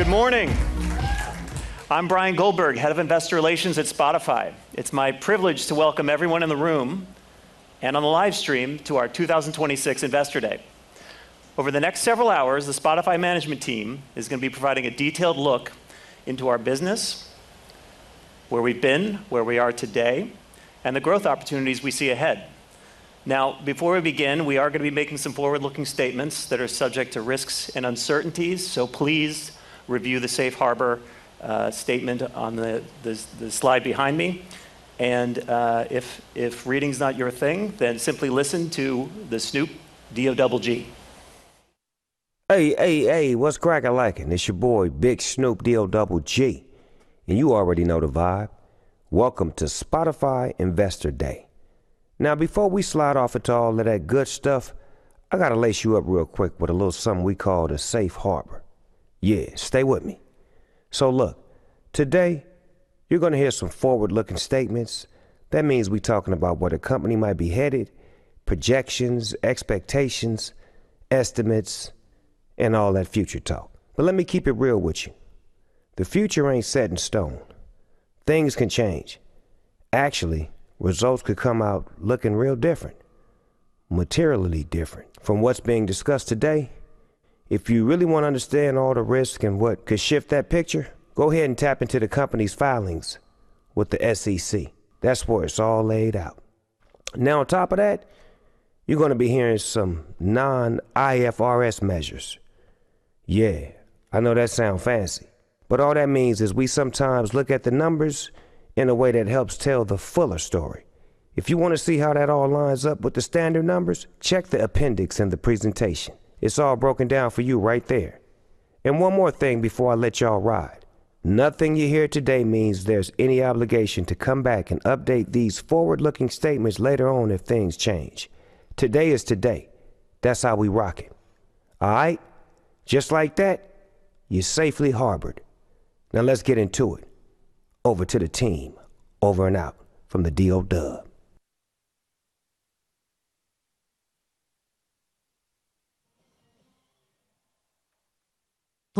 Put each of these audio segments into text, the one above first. Good morning. I'm Bryan Goldberg, head of investor relations at Spotify. It's my privilege to welcome everyone in the room and on the live stream to our 2026 Investor Day. Over the next several hours, the Spotify management team is going to be providing a detailed look into our business, where we've been, where we are today, and the growth opportunities we see ahead. Before we begin, we are going to be making some forward-looking statements that are subject to risks and uncertainties. Please review the safe harbor statement on the slide behind me. If reading's not your thing, then simply listen to the Snoop Dogg. Hey, hey. What's cracka lackin'? It's your boy, Big Snoop Dogg, and you already know the vibe. Welcome to Spotify Investor Day. Before we slide off into all of that good stuff, I got to lace you up real quick with a little something we call the safe harbor. Yeah, stay with me. Look, today you're going to hear some forward-looking statements. That means we talking about where the company might be headed, projections, expectations, estimates, and all that future talk. Let me keep it real with you. The future ain't set in stone. Things can change. Actually, results could come out looking real different, materially different from what's being discussed today. If you really want to understand all the risk and what could shift that picture, go ahead and tap into the company's filings with the SEC. That's where it's all laid out. On top of that, you're going to be hearing some non-IFRS measures. I know that sound fancy, all that means is we sometimes look at the numbers in a way that helps tell the fuller story. If you want to see how that all lines up with the standard numbers, check the appendix in the presentation. It's all broken down for you right there. One more thing before I let you all ride. Nothing you hear today means there's any obligation to come back and update these forward-looking statements later on if things change. Today is today. That's how we rock it. All right? Just like that, you're safely harbored. Let's get into it. Over to the team. Over and out from the D-O-double G.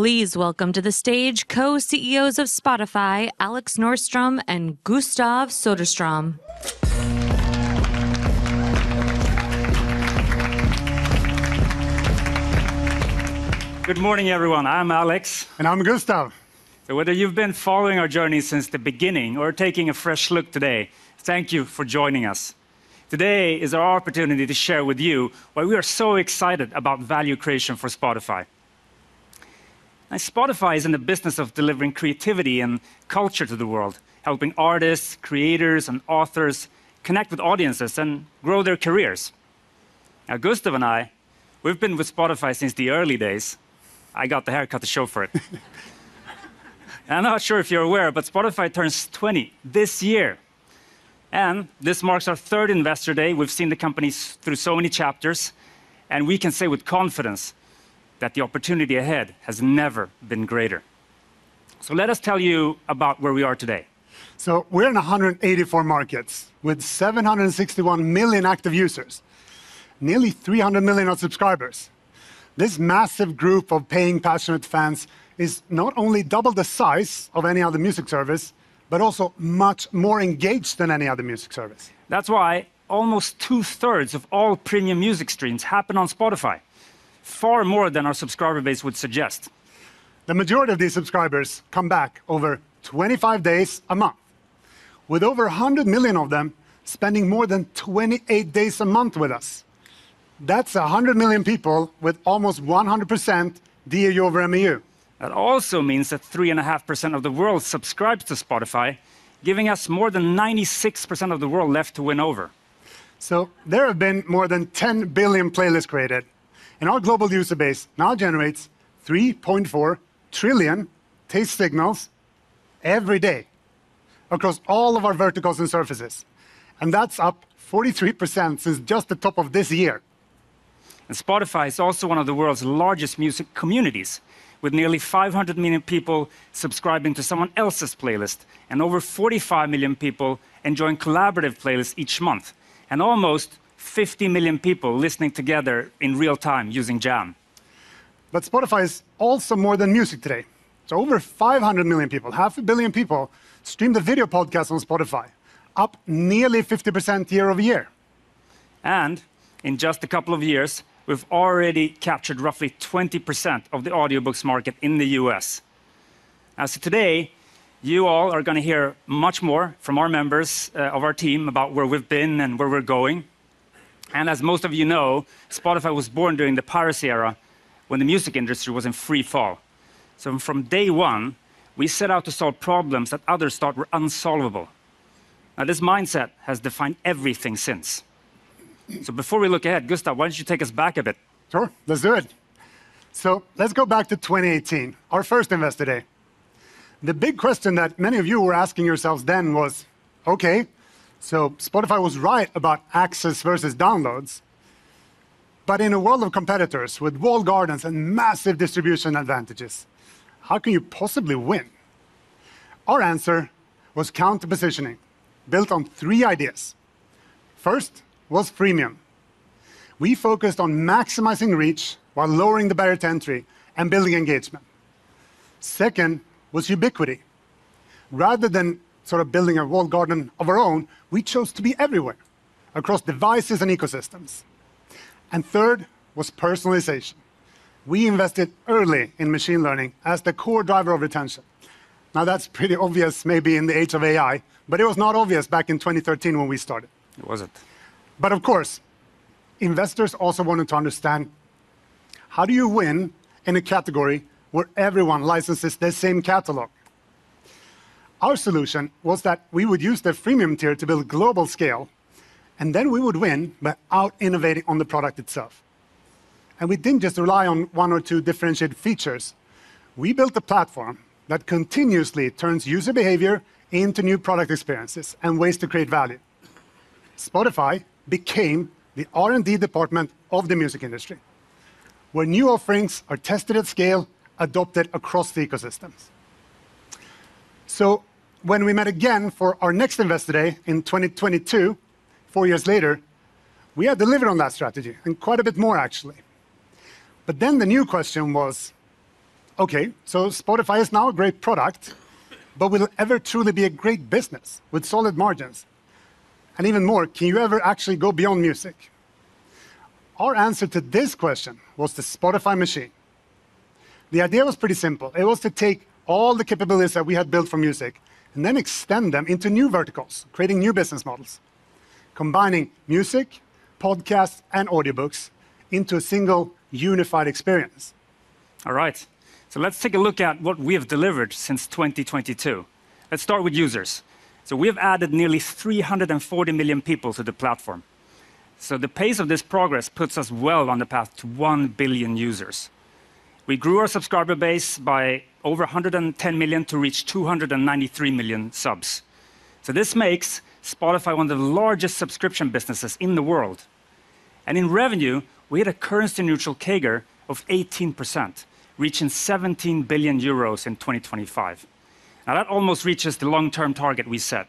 Please welcome to the stage Co-CEOs of Spotify, Alex Norström and Gustav Söderström. Good morning, everyone. I'm Alex. I'm Gustav. Whether you've been following our journey since the beginning or taking a fresh look today, thank you for joining us. Today is our opportunity to share with you why we are so excited about value creation for Spotify. Spotify is in the business of delivering creativity and culture to the world, helping artists, creators, and authors connect with audiences and grow their careers. Gustav and I, we've been with Spotify since the early days. I got the haircut to show for it. I'm not sure if you're aware, but Spotify turns 20 this year, and this marks our third Investor Day. We've seen the company through so many chapters, and we can say with confidence that the opportunity ahead has never been greater. Let us tell you about where we are today. We're in 184 markets with 761 million active users, nearly 300 million are subscribers. This massive group of paying passionate fans is not only double the size of any other music service, but also much more engaged than any other music service. That's why almost two-thirds of all premium music streams happen on Spotify. Far more than our subscriber base would suggest. The majority of these subscribers come back over 25 days a month, with over 100 million of them spending more than 28 days a month with us. That's 100 million people with almost 100% DAU over MAU. That also means that 3.5% of the world subscribes to Spotify, giving us more than 96% of the world left to win over. There have been more than 10 billion playlists created, and our global user base now generates 3.4 trillion taste signals every day across all of our verticals and surfaces, and that's up 43% since just the top of this year. Spotify is also one of the world's largest music communities, with nearly 500 million people subscribing to someone else's playlist and over 45 million people enjoying collaborative playlists each month, and almost 50 million people listening together in real-time using Jam. Spotify is also more than music today. Over 500 million people, half a billion people, stream the video podcast on Spotify, up nearly 50% year-over-year. In just a couple of years, we've already captured roughly 20% of the audiobooks market in the U.S. As of today, you all are going to hear much more from our members of our team about where we've been and where we're going. As most of you know, Spotify was born during the piracy era, when the music industry was in free fall. From day 1, we set out to solve problems that others thought were unsolvable. This mindset has defined everything since. Before we look ahead, Gustav, why don't you take us back a bit? Let's do it. Let's go back to 2018, our first Investor Day. The big question that many of you were asking yourselves then was, "Okay, Spotify was right about access versus downloads, but in a world of competitors with walled gardens and massive distribution advantages, how can you possibly win?" Our answer was counter-positioning, built on three ideas. First was Premium. We focused on maximizing reach while lowering the barrier to entry and building engagement. Second was ubiquity. Rather than sort of building a walled garden of our own, we chose to be everywhere, across devices and ecosystems. Third was personalization. We invested early in machine learning as the core driver of retention. That's pretty obvious, maybe, in the age of AI, but it was not obvious back in 2013 when we started. It wasn't. Of course, investors also wanted to understand how do you win in a category where everyone licenses the same catalog? Our solution was that we would use the freemium tier to build global scale, then we would win by out-innovating on the product itself. We didn't just rely on one or two differentiated features. We built a platform that continuously turns user behavior into new product experiences and ways to create value. Spotify became the R&D department of the music industry, where new offerings are tested at scale, adopted across the ecosystems. When we met again for our next Investor Day in 2022, four years later, we had delivered on that strategy and quite a bit more, actually. The new question was, okay, Spotify is now a great product, but will it ever truly be a great business with solid margins? Even more, can you ever actually go beyond music? Our answer to this question was the Spotify machine. The idea was pretty simple. It was to take all the capabilities that we had built for music and then extend them into new verticals, creating new business models, combining music, podcasts, and audiobooks into a single unified experience. All right. Let's take a look at what we have delivered since 2022. Let's start with users. We've added nearly 340 million people to the platform. The pace of this progress puts us well on the path to 1 billion users. We grew our subscriber base by over 110 million to reach 293 million subs. This makes Spotify one of the largest subscription businesses in the world. In revenue, we had a currency-neutral CAGR of 18%, reaching 17 billion euros in 2025. That almost reaches the long-term target we set.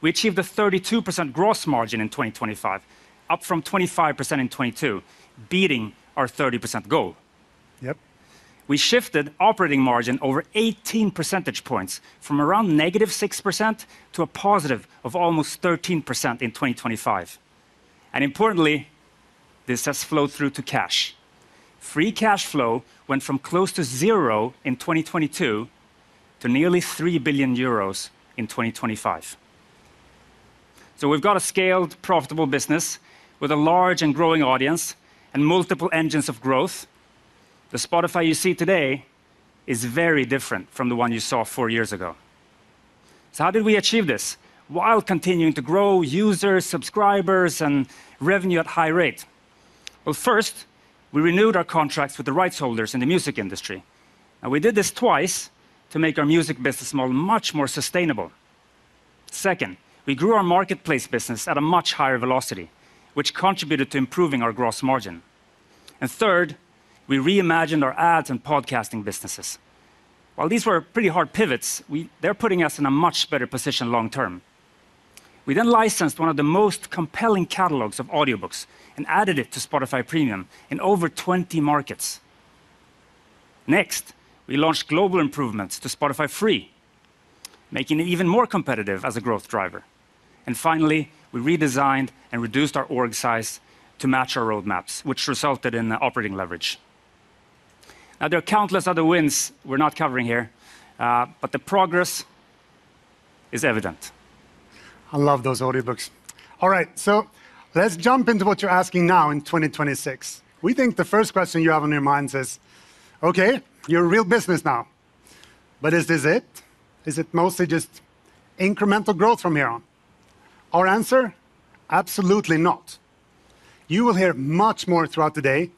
We achieved a 32% gross margin in 2025, up from 25% in 2022, beating our 30% goal. We shifted operating margin over 18 percentage points from around negative 6% to a positive of almost 13% in 2025. Importantly, this has flowed through to cash. Free cash flow went from close to zero in 2022 to nearly 3 billion euros in 2025. We've got a scaled, profitable business with a large and growing audience and multiple engines of growth. The Spotify you see today is very different from the one you saw four years ago. How did we achieve this while continuing to grow users, subscribers, and revenue at high rate? Well, first, we renewed our contracts with the rights holders in the music industry. We did this twice to make our music business model much more sustainable. Second, we grew our marketplace business at a much higher velocity, which contributed to improving our gross margin. Third, we reimagined our ads and podcasting businesses. While these were pretty hard pivots, they're putting us in a much better position long-term. We licensed one of the most compelling catalogs of audiobooks and added it to Spotify Premium in over 20 markets. Next, we launched global improvements to Spotify Free, making it even more competitive as a growth driver. Finally, we redesigned and reduced our org size to match our roadmaps, which resulted in operating leverage. There are countless other wins we're not covering here. The progress is evident. I love those audiobooks. All right, let's jump into what you're asking now in 2026. We think the first question you have on your minds is, okay, you're a real business now. Is this it? Is it mostly just incremental growth from here on? Our answer, absolutely not. You will hear much more throughout the day,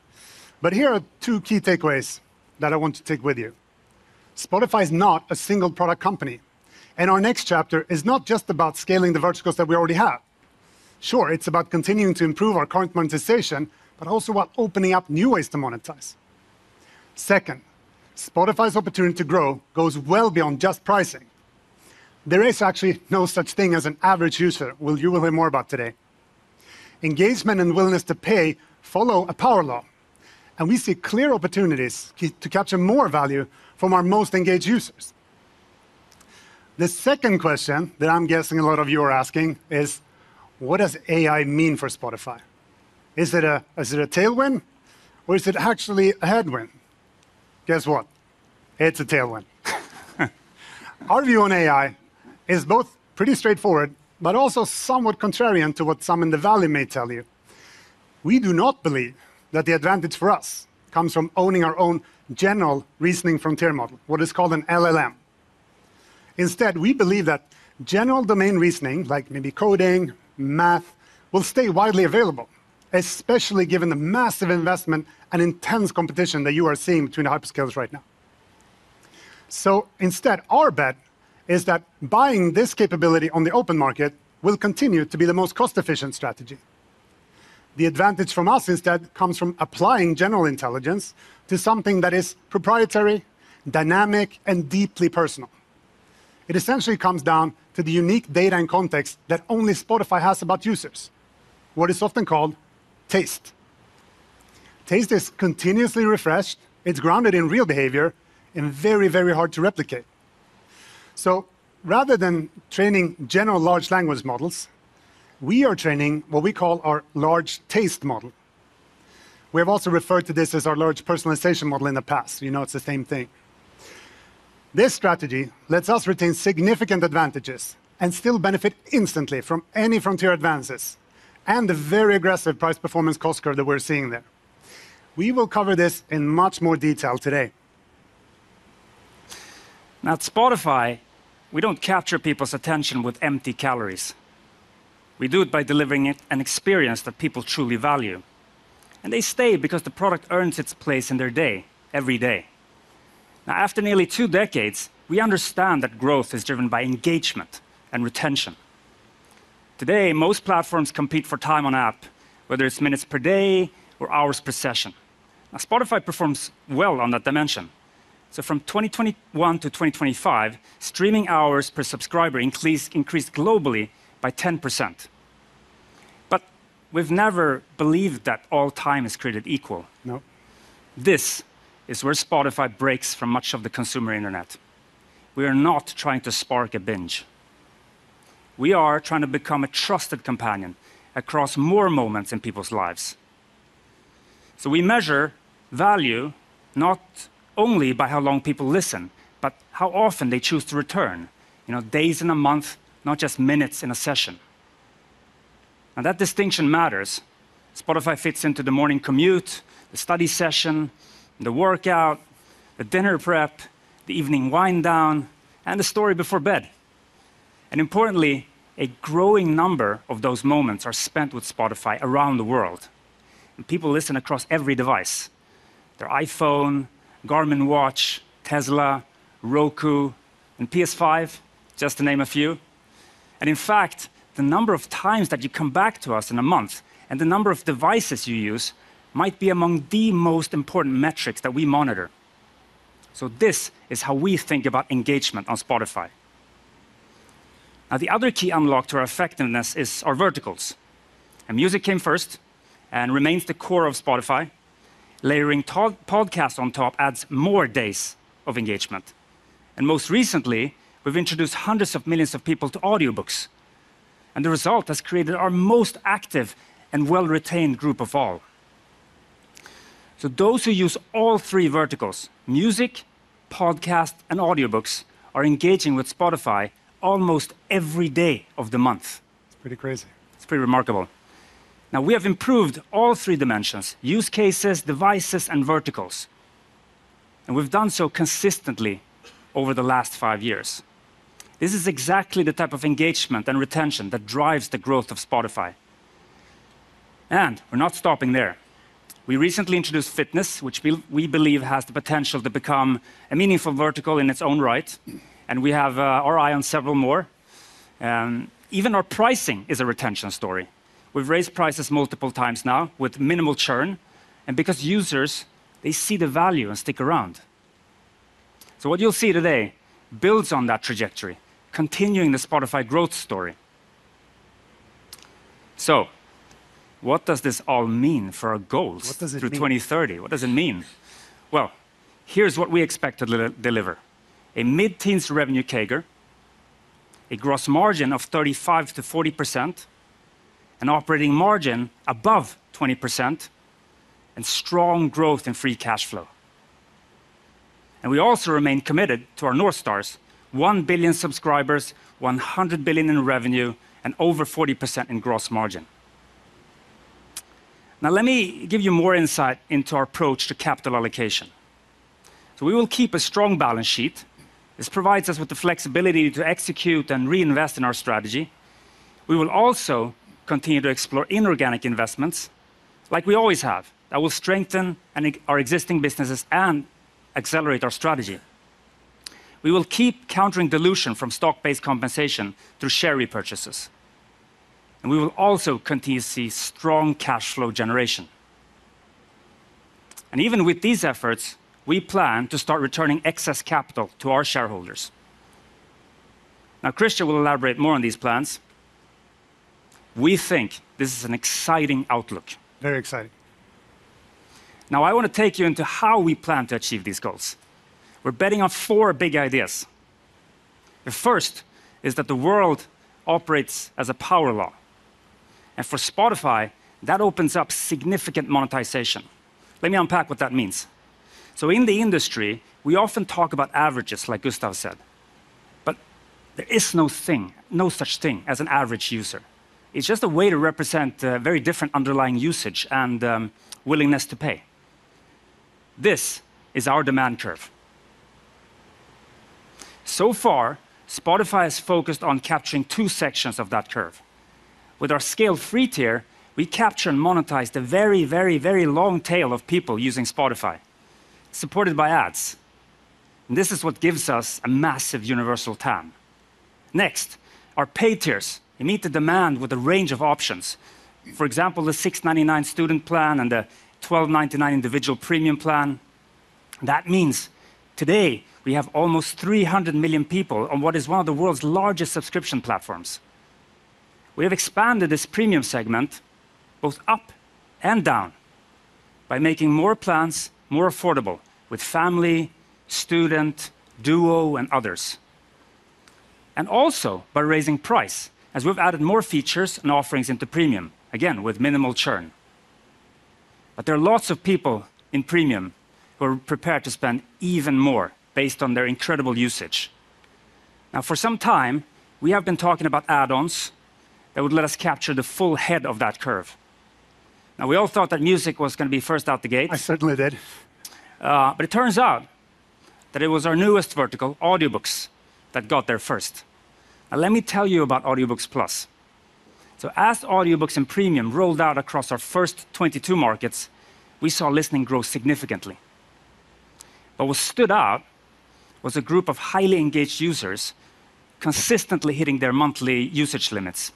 but here are two key takeaways that I want to take with you. Spotify is not a single-product company, and our next chapter is not just about scaling the verticals that we already have. Sure, it's about continuing to improve our current monetization, but also about opening up new ways to monetize. Second, Spotify's opportunity to grow goes well beyond just pricing. There is actually no such thing as an average user, which you will hear more about today. Engagement and willingness to pay follow a power law, and we see clear opportunities to capture more value from our most engaged users. The second question that I'm guessing a lot of you are asking is, what does AI mean for Spotify? Is it a tailwind or is it actually a headwind? Guess what? It's a tailwind. Our view on AI is both pretty straightforward, but also somewhat contrarian to what some in the Valley may tell you. We do not believe that the advantage for us comes from owning our own general reasoning frontier model, what is called an LLM. Instead, we believe that general domain reasoning, like maybe coding, math, will stay widely available, especially given the massive investment and intense competition that you are seeing between the hyperscalers right now. Instead, our bet is that buying this capability on the open market will continue to be the most cost-efficient strategy. The advantage from us is that it comes from applying general intelligence to something that is proprietary, dynamic, and deeply personal. It essentially comes down to the unique data and context that only Spotify has about users. What is often called taste. Taste is continuously refreshed, it's grounded in real behavior, and very hard to replicate. Rather than training general large language models, we are training what we call our Large Taste Model. We have also referred to this as our large personalization model in the past. You know it's the same thing. This strategy lets us retain significant advantages and still benefit instantly from any frontier advances, and the very aggressive price-performance-cost curve that we're seeing there. We will cover this in much more detail today. At Spotify, we don't capture people's attention with empty calories. We do it by delivering an experience that people truly value, and they stay because the product earns its place in their day, every day. After nearly two decades, we understand that growth is driven by engagement and retention. Today, most platforms compete for time on app, whether it's minutes per day or hours per session. Spotify performs well on that dimension. From 2021 to 2025, streaming hours per subscriber increased globally by 10%. We've never believed that all time is created equal. This is where Spotify breaks from much of the consumer internet. We are not trying to spark a binge. We are trying to become a trusted companion across more moments in people's lives. We measure value not only by how long people listen, but how often they choose to return. Days in a month, not just minutes in a session. That distinction matters. Spotify fits into the morning commute, the study session, the workout, the dinner prep, the evening wind down, and the story before bed. Importantly, a growing number of those moments are spent with Spotify around the world, and people listen across every device. Their iPhone, Garmin watch, Tesla, Roku, and PS5, just to name a few. In fact, the number of times that you come back to us in a month and the number of devices you use might be among the most important metrics that we monitor. This is how we think about engagement on Spotify. Now, the other key unlock to our effectiveness is our verticals. Music came first and remains the core of Spotify. Layering podcasts on top adds more days of engagement. Most recently, we've introduced hundreds of millions of people to audiobooks, and the result has created our most active and well-retained group of all. Those who use all three verticals, music, podcast, and audiobooks, are engaging with Spotify almost every day of the month. It's pretty crazy. It's pretty remarkable. Now we have improved all three dimensions, use cases, devices and verticals. We've done so consistently over the last five years. This is exactly the type of engagement and retention that drives the growth of Spotify. We're not stopping there. We recently introduced fitness, which we believe has the potential to become a meaningful vertical in its own right. We have our eye on several more. Even our pricing is a retention story. We've raised prices multiple times now with minimal churn. Because users, they see the value and stick around. What you'll see today builds on that trajectory, continuing the Spotify growth story. What does this all mean for our goals through 2030? What does it mean? What does it mean? Well, here's what we expect to deliver. A mid-teens revenue CAGR, a gross margin of 35%-40%, an operating margin above 20%, and strong growth in free cash flow. We also remain committed to our North Stars, 1 billion subscribers, $100 billion in revenue, and over 40% in gross margin. Let me give you more insight into our approach to capital allocation. We will keep a strong balance sheet. This provides us with the flexibility to execute and reinvest in our strategy. We will also continue to explore inorganic investments, like we always have, that will strengthen our existing businesses and accelerate our strategy. We will keep countering dilution from stock-based compensation through share repurchases. We will also continue to see strong cash flow generation. Even with these efforts, we plan to start returning excess capital to our shareholders. Christian will elaborate more on these plans. We think this is an exciting outlook. Very exciting. Now I want to take you into how we plan to achieve these goals. We're betting on four big ideas. The first is that the world operates as a power law. For Spotify, that opens up significant monetization. Let me unpack what that means. In the industry, we often talk about averages, like Gustav said. There is no such thing as an average user. It's just a way to represent very different underlying usage and willingness to pay. This is our demand curve. So far, Spotify has focused on capturing two sections of that curve. With our scale-free tier, we capture and monetize the very long tail of people using Spotify, supported by ads. And this is what gives us a massive universal TAM. Next, our pay tiers. You meet the demand with a range of options. For example, the 6.99 Student plan and the 12.99 individual Premium plan. That means today we have almost 300 million people on what is one of the world's largest subscription platforms. We have expanded this Premium segment both up and down by making more plans more affordable with Family, Student, Duo, and others. Also by raising price, as we've added more features and offerings into Premium, again, with minimal churn. There are lots of people in Premium who are prepared to spend even more based on their incredible usage. Now, for some time, we have been talking about add-ons that would let us capture the full head of that curve. Now, we all thought that music was going to be first out the gate. I certainly did. It turns out that it was our newest vertical, Audiobooks, that got there first. Let me tell you about Audiobooks+. As Audiobooks and Premium rolled out across our first 22 markets, we saw listening grow significantly. What stood out was a group of highly engaged users consistently hitting their monthly usage limits.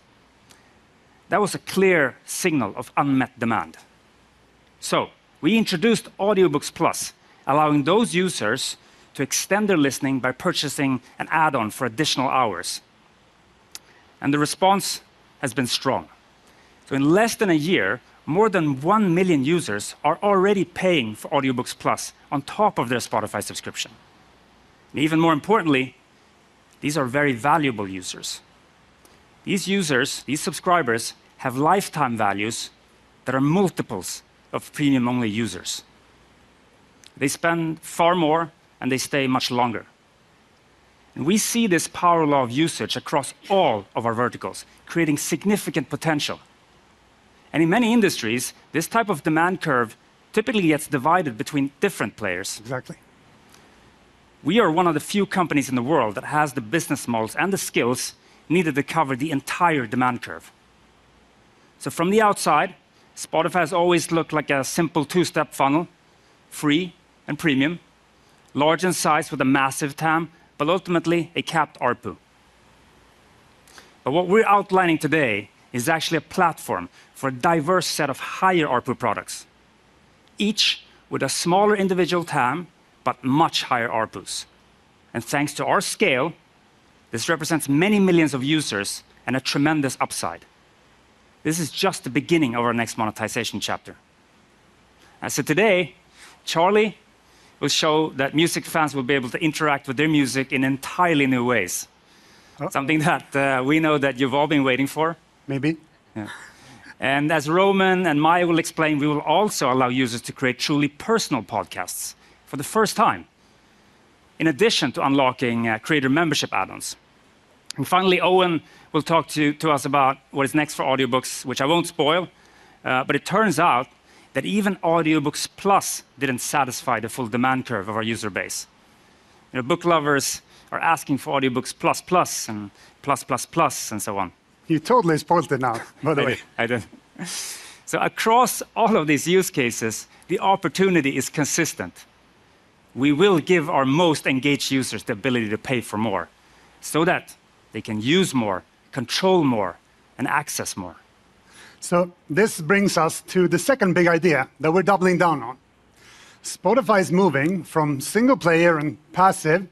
That was a clear signal of unmet demand. We introduced Audiobooks+, allowing those users to extend their listening by purchasing an add-on for additional hours. The response has been strong. In less than a year, more than 1 million users are already paying for Audiobooks+ on top of their Spotify subscription. Even more importantly, these are very valuable users. These users, these subscribers, have lifetime values that are multiples of Premium-only users. They spend far more, and they stay much longer. We see this power law of usage across all of our verticals, creating significant potential. In many industries, this type of demand curve typically gets divided between different players. Exactly. We are one of the few companies in the world that has the business models and the skills needed to cover the entire demand curve. From the outside, Spotify has always looked like a simple 2-step funnel, Free and Premium, large in size with a massive TAM, but ultimately a capped ARPU. What we're outlining today is actually a platform for a diverse set of higher ARPU products, each with a smaller individual TAM, but much higher ARPUs. Thanks to our scale, this represents many millions of users and a tremendous upside. This is just the beginning of our next monetization chapter. Today, Charlie will show that music fans will be able to interact with their music in entirely new ways. Something that we know that you've all been waiting for. Maybe. Yeah. As Roman and Maya will explain, we will also allow users to create truly personal podcasts for the first time, in addition to unlocking creator membership add-ons. Finally, Owen will talk to us about what is next for Audiobooks, which I won't spoil, but it turns out that even Audiobooks+ didn't satisfy the full demand curve of our user base. Book lovers are asking for Audiobooks++ and +++ and so on. You totally spoiled it now, by the way. I did. Across all of these use cases, the opportunity is consistent. We will give our most engaged users the ability to pay for more so that they can use more, control more, and access more. This brings us to the second big idea that we're doubling down on. Spotify is moving from single player and passive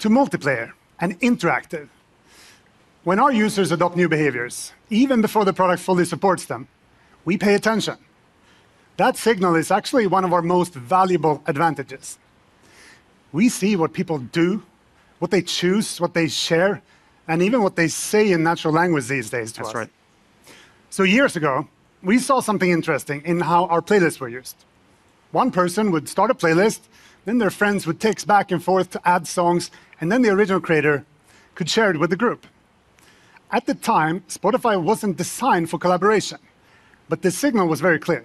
to multiplayer and interactive. When our users adopt new behaviors, even before the product fully supports them, we pay attention. That signal is actually one of our most valuable advantages. We see what people do, what they choose, what they share, and even what they say in natural language these days to us. That's right. Years ago, we saw something interesting in how our playlists were used. One person would start a playlist, then their friends would text back and forth to add songs, and then the original creator could share it with the group. At the time, Spotify wasn't designed for collaboration, but the signal was very clear.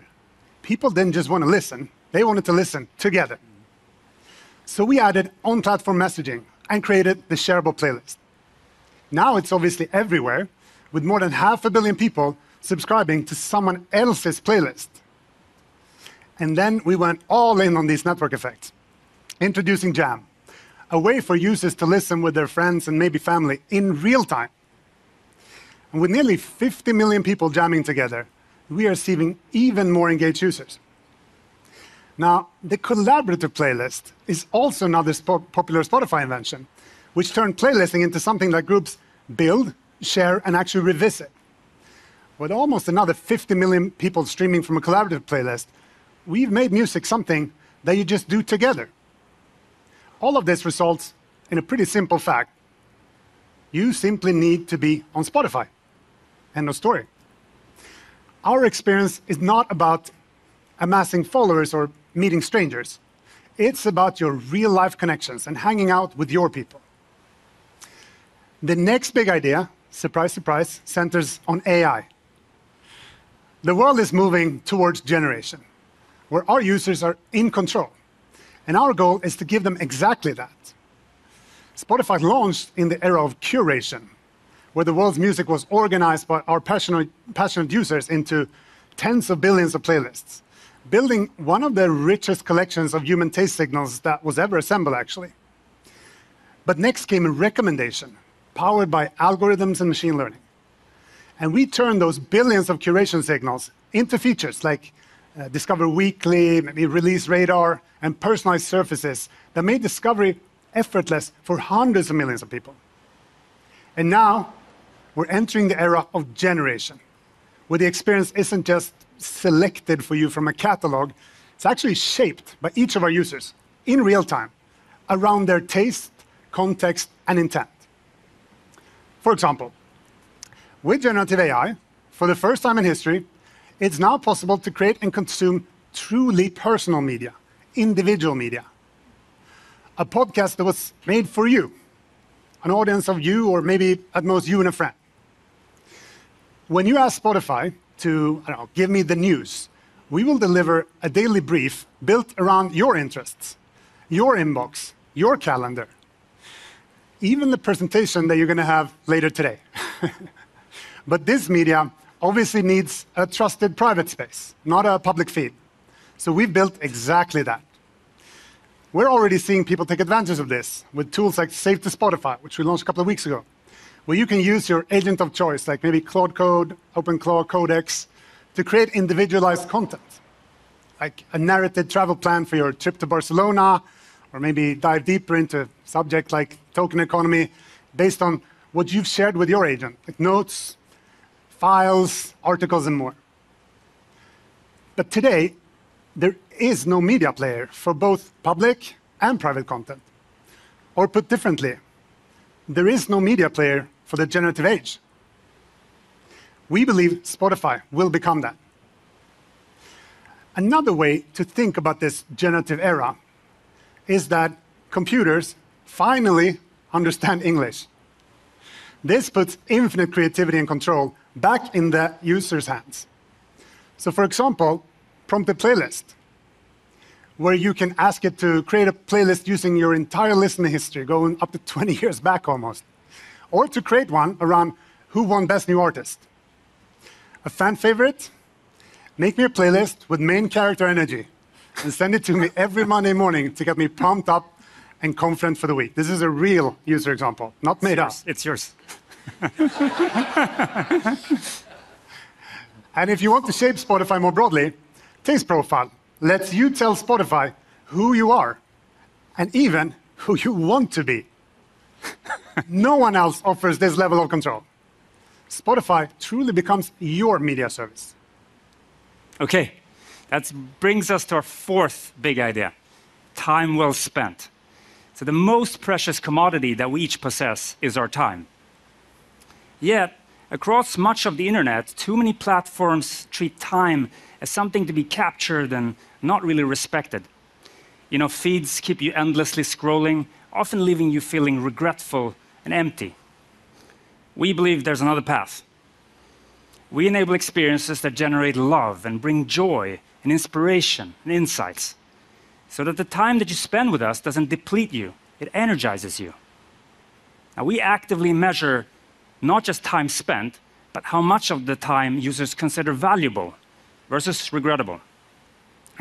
People didn't just want to listen, they wanted to listen together. We added on-platform messaging and created the shareable playlist. Now it's obviously everywhere, with more than half a billion people subscribing to someone else's playlist. Then we went all in on these network effects, introducing Jam, a way for users to listen with their friends and maybe family in real time. With nearly 50 million people jamming together, we are seeing even more engaged users. Now, the collaborative playlist is also another popular Spotify invention, which turned playlisting into something that groups build, share, and actually revisit. With almost another 50 million people streaming from a collaborative playlist, we've made music something that you just do together. All of this results in a pretty simple fact. You simply need to be on Spotify, end of story. Our experience is not about amassing followers or meeting strangers. It's about your real life connections and hanging out with your people. The next big idea, surprise surprise, centers on AI. The world is moving towards generation, where our users are in control. Our goal is to give them exactly that. Spotify launched in the era of curation, where the world's music was organized by our passionate users into tens of billions of playlists. Building one of the richest collections of human taste signals that was ever assembled, actually. Next came a recommendation, powered by algorithms and machine learning. We turned those billions of curation signals into features like Discover Weekly, maybe Release Radar, and personalized surfaces that made discovery effortless for hundreds of millions of people. Now, we're entering the era of generation, where the experience isn't just selected for you from a catalog, it's actually shaped by each of our users in real-time around their taste, context, and intent. For example, with generative AI, for the first time in history, it's now possible to create and consume truly personal media, individual media. A podcast that was made for you, an audience of you, or maybe at most, you and a friend. When you ask Spotify to, I don't know, give me the news, we will deliver a daily brief built around your interests, your inbox, your calendar, even the presentation that you're going to have later today. This media obviously needs a trusted private space, not a public feed. We've built exactly that. We're already seeing people take advantage of this with tools like Save to Spotify, which we launched a couple of weeks ago, where you can use your agent of choice, like maybe Claude Code, OpenClaude, Codex, to create individualized content. Like a narrated travel plan for your trip to Barcelona, or maybe dive deeper into a subject like token economy, based on what you've shared with your agent, like notes, files, articles, and more. Today, there is no media player for both public and private content, or put differently, there is no media player for the generative age. We believe Spotify will become that. Another way to think about this generative era is that computers finally understand English. This puts infinite creativity and control back in the user's hands. So for example, Prompt a Playlist, where you can ask it to create a Playlist using your entire listening history, going up to 20 years back almost, or to create one around who won Best New Artist. A fan favorite, "Make me a playlist with main character energy and send it to me every Monday morning to get me pumped up and confident for the week." This is a real user example, not made up. It's yours. It's yours. If you want to shape Spotify more broadly, Taste Profile lets you tell Spotify who you are and even who you want to be. No one else offers this level of control. Spotify truly becomes your media service. That brings us to our fourth big idea, time well spent. The most precious commodity that we each possess is our time. Yet, across much of the internet, too many platforms treat time as something to be captured and not really respected. Feeds keep you endlessly scrolling, often leaving you feeling regretful and empty. We believe there's another path. We enable experiences that generate love and bring joy and inspiration and insights, so that the time that you spend with us doesn't deplete you, it energizes you. We actively measure not just time spent, but how much of the time users consider valuable versus regrettable.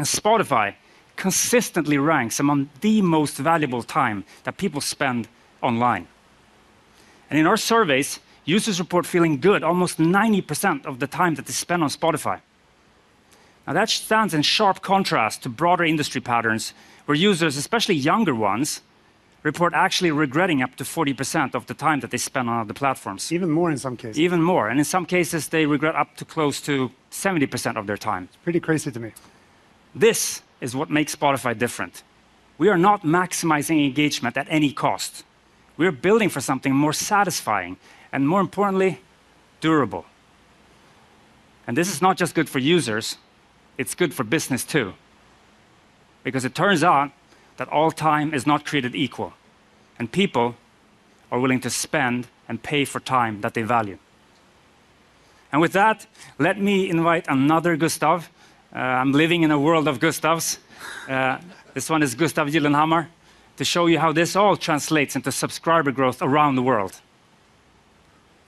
Spotify consistently ranks among the most valuable time that people spend online. In our surveys, users report feeling good almost 90% of the time that they spend on Spotify. That stands in sharp contrast to broader industry patterns, where users, especially younger ones, report actually regretting up to 40% of the time that they spend on other platforms. Even more, in some cases. Even more. In some cases, they regret up to close to 70% of their time. It's pretty crazy to me. This is what makes Spotify different. We are not maximizing engagement at any cost. We're building for something more satisfying, and more importantly, durable. This is not just good for users, it's good for business too. It turns out that all time is not created equal, and people are willing to spend and pay for time that they value. With that, let me invite another Gustav. I'm living in a world of Gustavs. This one is Gustav Gyllenhammar, to show you how this all translates into subscriber growth around the world.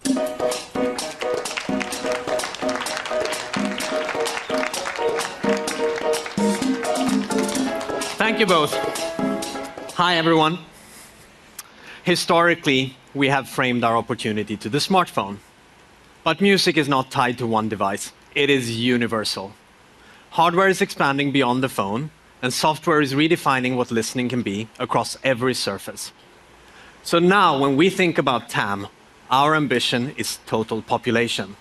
Thank you both. Hi everyone. Historically, we have framed our opportunity to the smartphone. Music is not tied to one device. It is universal. Hardware is expanding beyond the phone, and software is redefining what listening can be across every surface. Now, when we think about TAM, our ambition is total population,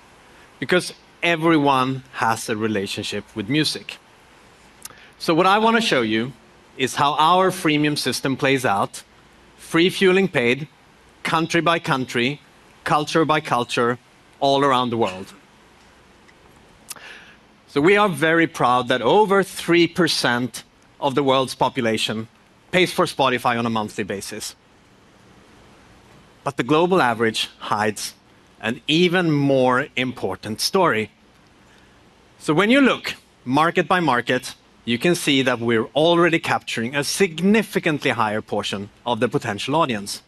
because everyone has a relationship with music. What I want to show you is how our freemium system plays out, free fueling paid, country by country, culture by culture, all around the world. We are very proud that over 3% of the world's population pays for Spotify on a monthly basis. The global average hides an even more important story. When you look market by market, you can see that we're already capturing a significantly higher portion of the potential audience.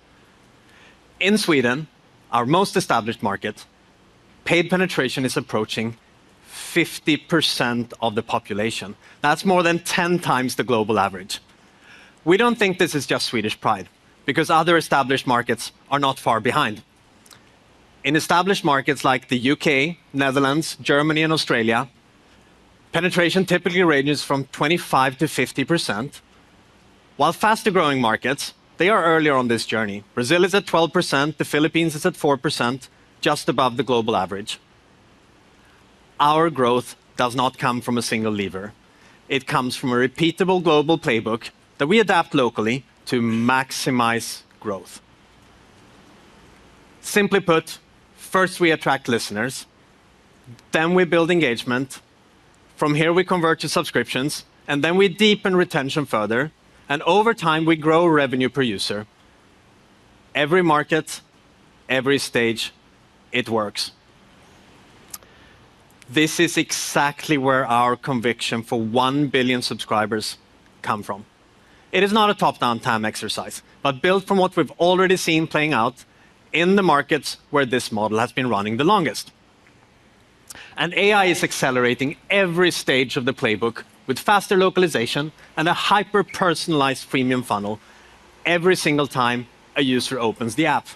In Sweden, our most established market, paid penetration is approaching 50% of the population. That's more than 10 times the global average. We don't think this is just Swedish pride, because other established markets are not far behind. In established markets like the U.K., Netherlands, Germany, and Australia, penetration typically ranges from 25%-50%, while faster-growing markets, they are earlier on this journey. Brazil is at 12%, the Philippines is at 4%, just above the global average. Our growth does not come from a single lever. It comes from a repeatable global playbook that we adapt locally to maximize growth. Simply put, first we attract listeners, then we build engagement. From here, we convert to subscriptions, then we deepen retention further, and over time, we grow revenue per user. Every market, every stage, it works. This is exactly where our conviction for 1 billion subscribers come from. It is not a top-down time exercise, but built from what we've already seen playing out in the markets where this model has been running the longest. AI is accelerating every stage of the playbook with faster localization and a hyper-personalized premium funnel every single time a user opens the app.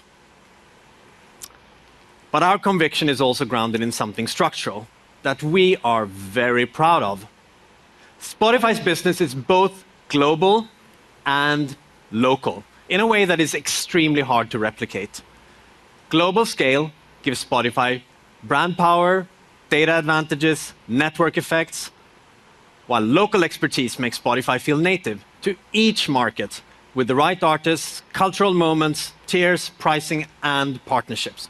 Our conviction is also grounded in something structural that we are very proud of. Spotify's business is both global and local in a way that is extremely hard to replicate. Global scale gives Spotify brand power, data advantages, network effects, while local expertise makes Spotify feel native to each market with the right artists, cultural moments, tiers, pricing, and partnerships.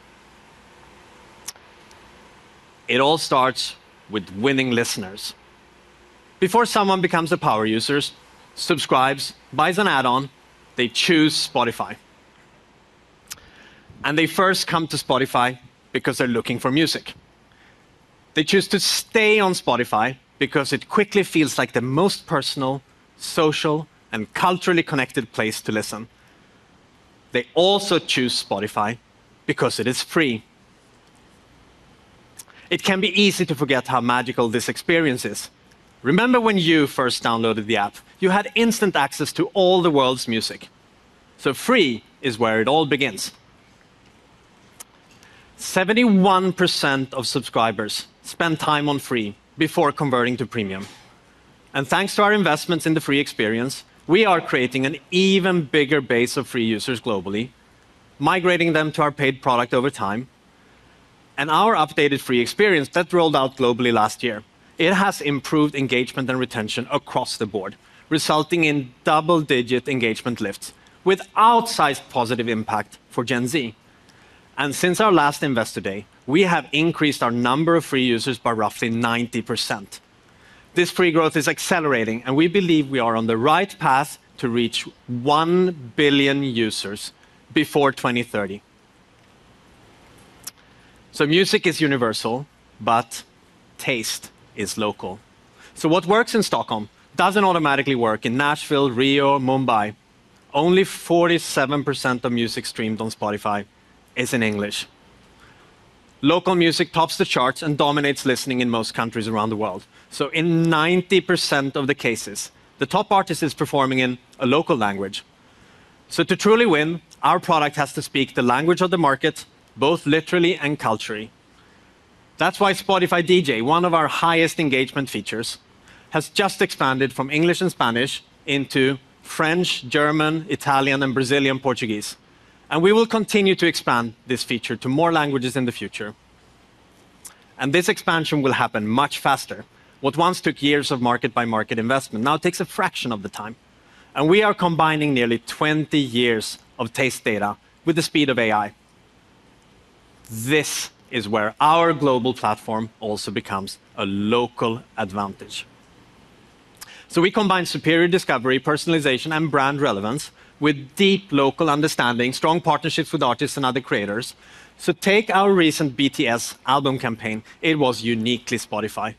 It all starts with winning listeners. Before someone becomes a power-user, subscribes, buys an add-on, they choose Spotify. They first come to Spotify because they're looking for music. They choose to stay on Spotify because it quickly feels like the most personal, social, and culturally connected place to listen. They also choose Spotify because it is free. It can be easy to forget how magical this experience is. Remember when you first downloaded the app, you had instant access to all the world's music. Free is where it all begins. 71% of subscribers spend time on free before converting to Premium. Thanks to our investments in the free experience, we are creating an even bigger base of free users globally, migrating them to our paid product over time. Our updated free experience that rolled out globally last year, it has improved engagement and retention across the board, resulting in double-digit engagement lifts with outsized positive impact for Gen Z. Since our last Investor Day, we have increased our number of free users by roughly 90%. This free growth is accelerating, and we believe we are on the right path to reach 1 billion users before 2030. Music is universal, but taste is local. What works in Stockholm doesn't automatically work in Nashville, Rio, Mumbai. Only 47% of music streamed on Spotify is in English. Local music tops the charts and dominates listening in most countries around the world. In 90% of the cases, the top artist is performing in a local language. To truly win, our product has to speak the language of the market, both literally and culturally. That's why Spotify DJ, one of our highest engagement features, has just expanded from English and Spanish into French, German, Italian, and Brazilian Portuguese. We will continue to expand this feature to more languages in the future. This expansion will happen much faster. What once took years of market-by-market investment now takes a fraction of the time. We are combining nearly 20 years of taste data with the speed of AI. This is where our global platform also becomes a local advantage. We combine superior discovery, personalization, and brand relevance with deep local understanding, strong partnerships with artists and other creators. Take our recent BTS album campaign. It was uniquely Spotify.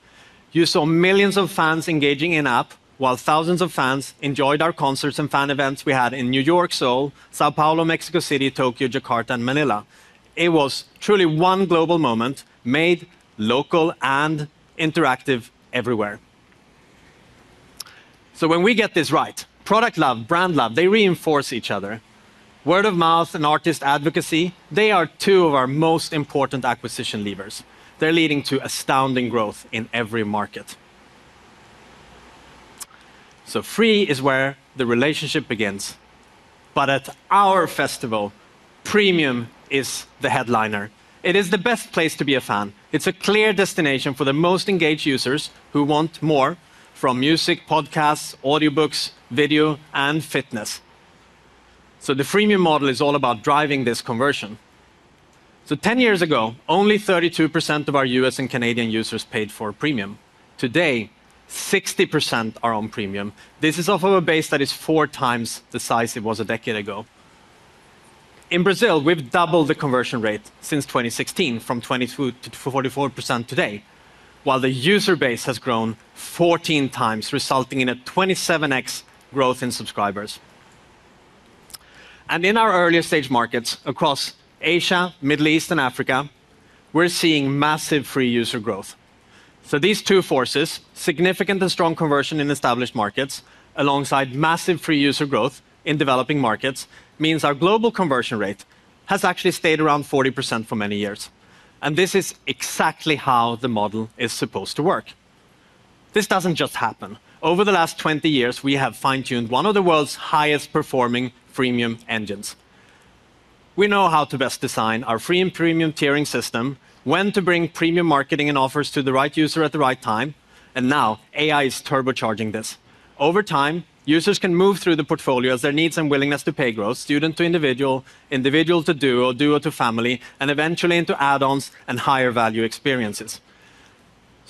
You saw millions of fans engaging in-app while thousands of fans enjoyed our concerts and fan events we had in New York, Seoul, São Paulo, Mexico City, Tokyo, Jakarta, and Manila. It was truly one global moment made local and interactive everywhere. When we get this right, product love, brand love, they reinforce each other. Word of mouth and artist advocacy, they are two of our most important acquisition levers. They're leading to astounding growth in every market. Free is where the relationship begins. At our festival, premium is the headliner. It is the best place to be a fan. It's a clear destination for the most engaged users who want more from music, podcasts, audiobooks, video, and fitness. The freemium model is all about driving this conversion. 10 years ago, only 32% of our U.S. and Canadian users paid for premium. Today, 60% are on premium. This is off of a base that is four times the size it was a decade ago. In Brazil, we've doubled the conversion rate since 2016 from 22% to 44% today, while the user base has grown 14 times, resulting in a 27x growth in subscribers. In our earlier stage markets across Asia, Middle East, and Africa, we're seeing massive free user growth. These two forces, significant and strong conversion in established markets alongside massive free user growth in developing markets, means our global conversion rate has actually stayed around 40% for many years. This is exactly how the model is supposed to work. This doesn't just happen. Over the last 20 years, we have fine-tuned one of the world's highest-performing freemium engines. We know how to best design our free and premium tiering system, when to bring premium marketing and offers to the right user at the right time, and now AI is turbocharging this. Over time, users can move through the portfolio as their needs and willingness to pay grow, student to individual to duo to family, and eventually into add-ons and higher value experiences.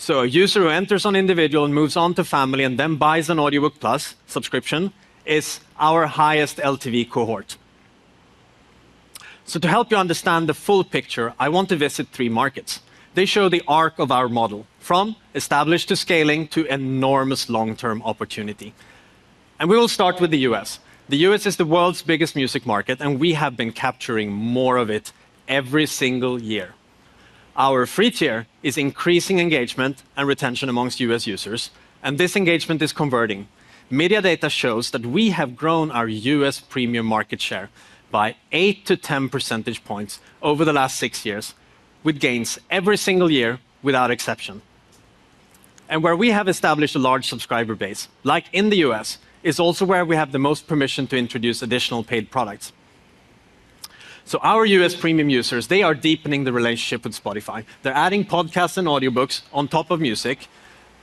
A user who enters on individual and moves on to family and then buys an Audiobooks+ subscription is our highest LTV cohort. To help you understand the full picture, I want to visit three markets. They show the arc of our model from established, to scaling, to enormous long-term opportunity. We will start with the U.S. The U.S. is the world's biggest music market, and we have been capturing more of it every single year. Our free tier is increasing engagement and retention amongst U.S. users, and this engagement is converting. MIDiA data shows that we have grown our U.S. premium market share by 8-10 percentage points over the last six years with gains every single year without exception. Where we have established a large subscriber base, like in the U.S., is also where we have the most permission to introduce additional paid products. Our U.S. Premium users, they are deepening the relationship with Spotify. They're adding podcasts and audiobooks on top of music,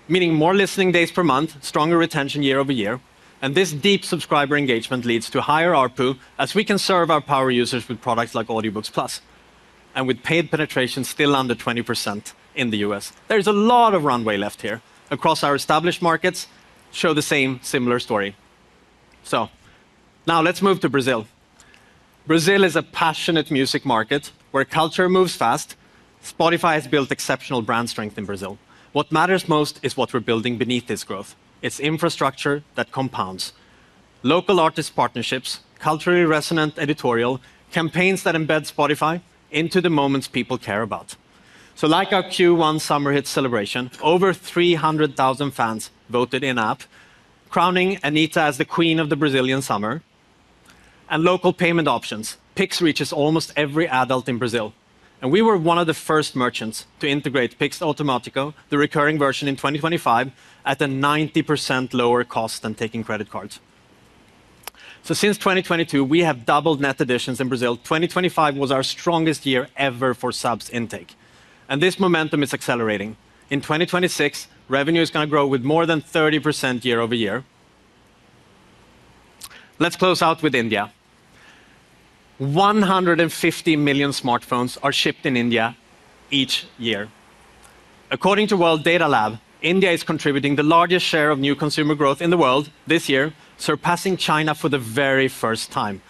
meaning more listening days per month, stronger retention year-over-year, and this deep subscriber engagement leads to higher ARPU as we can serve our power users with products like Audiobooks+. With paid penetration still under 20% in the U.S., there's a lot of runway left here. Across our established markets show the same similar story. Now let's move to Brazil. Brazil is a passionate music market where culture moves fast. Spotify has built exceptional brand strength in Brazil. What matters most is what we're building beneath this growth. It's infrastructure that compounds. Local artist partnerships, culturally resonant editorial, campaigns that embed Spotify into the moments people care about. Like our Q1 summer hit celebration, over 300,000 fans voted in-app, crowning Anitta as the queen of the Brazilian summer, and local payment options. Pix reaches almost every adult in Brazil, we were one of the first merchants to integrate Pix Automático, the recurring version in 2025, at a 90% lower cost than taking credit cards. Since 2022, we have doubled net additions in Brazil. 2025 was our strongest year ever for subs intake, and this momentum is accelerating. In 2026, revenue is going to grow with more than 30% year-over-year. Let's close out with India. 150 million smartphones are shipped in India each year. According to World Data Lab, India is contributing the largest share of new consumer growth in the world this year, surpassing China for the very first time.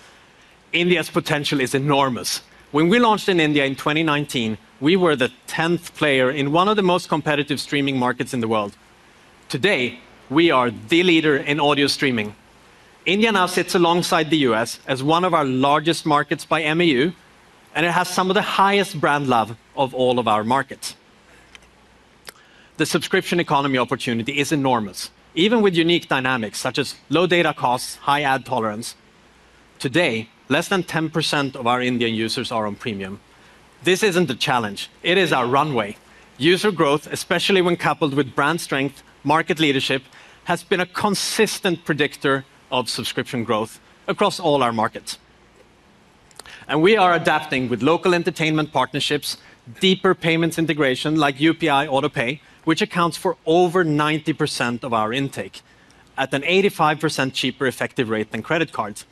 India's potential is enormous. When we launched in India in 2019, we were the 10th player in one of the most competitive streaming markets in the world. Today, we are the leader in audio streaming. India now sits alongside the U.S. as one of our largest markets by MAU, and it has some of the highest brand love of all of our markets. The subscription economy opportunity is enormous. Even with unique dynamics such as low data costs, high ad tolerance, today, less than 10% of our Indian users are on Premium. This isn't a challenge. It is our runway. User growth, especially when coupled with brand strength, market leadership, has been a consistent predictor of subscription growth across all our markets. We are adapting with local entertainment partnerships, deeper payments integration like UPI autopay, which accounts for over 90% of our intake at an 85% cheaper effective rate than credit cards.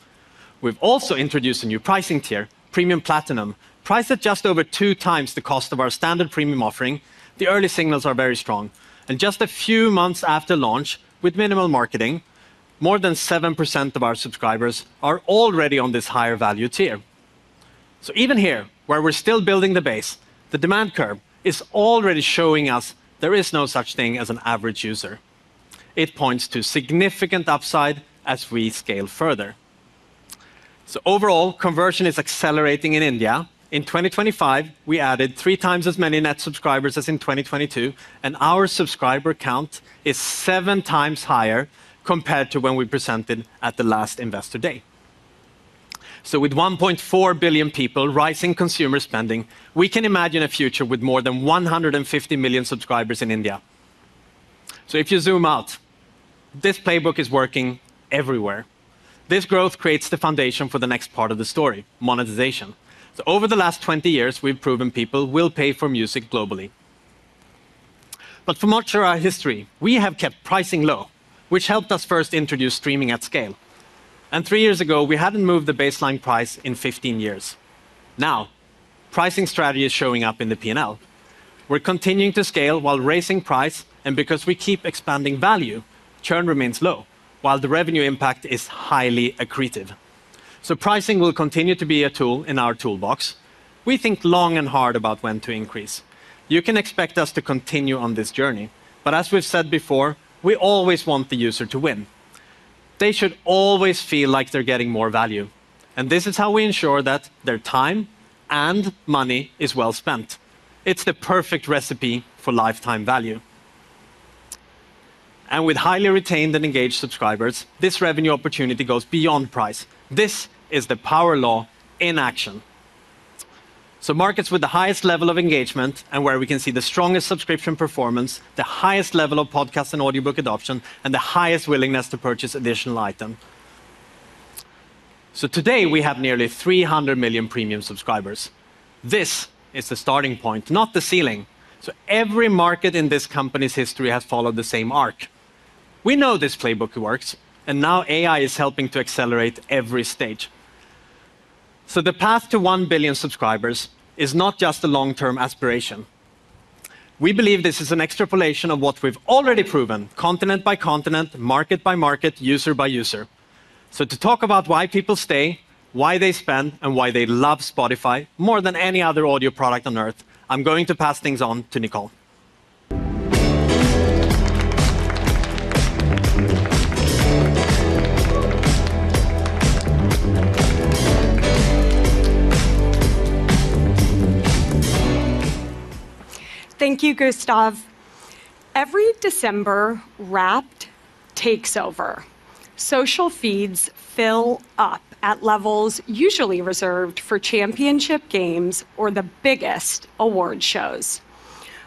We've also introduced a new pricing tier, Premium Platinum, priced at just over 2x the cost of our standard premium offering. The early signals are very strong. In just a few months after launch, with minimal marketing, more than 7% of our subscribers are already on this higher value tier. Even here, where we're still building the base, the demand curve is already showing us there is no such thing as an average user. It points to significant upside as we scale further. Overall, conversion is accelerating in India. In 2025, we added three times as many net subscribers as in 2022, and our subscriber count is seven times higher compared to when we presented at the last Investor Day. With 1.4 billion people, rising consumer spending, we can imagine a future with more than 150 million subscribers in India. If you zoom out, this playbook is working everywhere. This growth creates the foundation for the next part of the story, monetization. Over the last 20 years, we've proven people will pay for music globally. For much of our history, we have kept pricing low, which helped us first introduce streaming at scale. Three years ago, we hadn't moved the baseline price in 15 years. Now, pricing strategy is showing up in the P&L. We're continuing to scale while raising price, because we keep expanding value, churn remains low, while the revenue impact is highly accretive. Pricing will continue to be a tool in our toolbox. We think long and hard about when to increase. You can expect us to continue on this journey. As we've said before, we always want the user to win. They should always feel like they're getting more value. This is how we ensure that their time and money is well spent. It's the perfect recipe for lifetime value. With highly retained and engaged subscribers, this revenue opportunity goes beyond price. This is the power law in action. Markets with the highest level of engagement and where we can see the strongest subscription performance, the highest level of podcast and audiobook adoption, and the highest willingness to purchase additional item. Today, we have nearly 300 million Premium subscribers. This is the starting point, not the ceiling. Every market in this company's history has followed the same arc. We know this playbook works, and now AI is helping to accelerate every stage. The path to 1 billion subscribers is not just a long-term aspiration. We believe this is an extrapolation of what we've already proven, continent by continent, market by market, user by user. To talk about why people stay, why they spend, and why they love Spotify more than any other audio product on Earth, I'm going to pass things on to Nicole. Thank you, Gustav. Every December, Wrapped takes over. Social feeds fill up at levels usually reserved for championship games or the biggest award shows.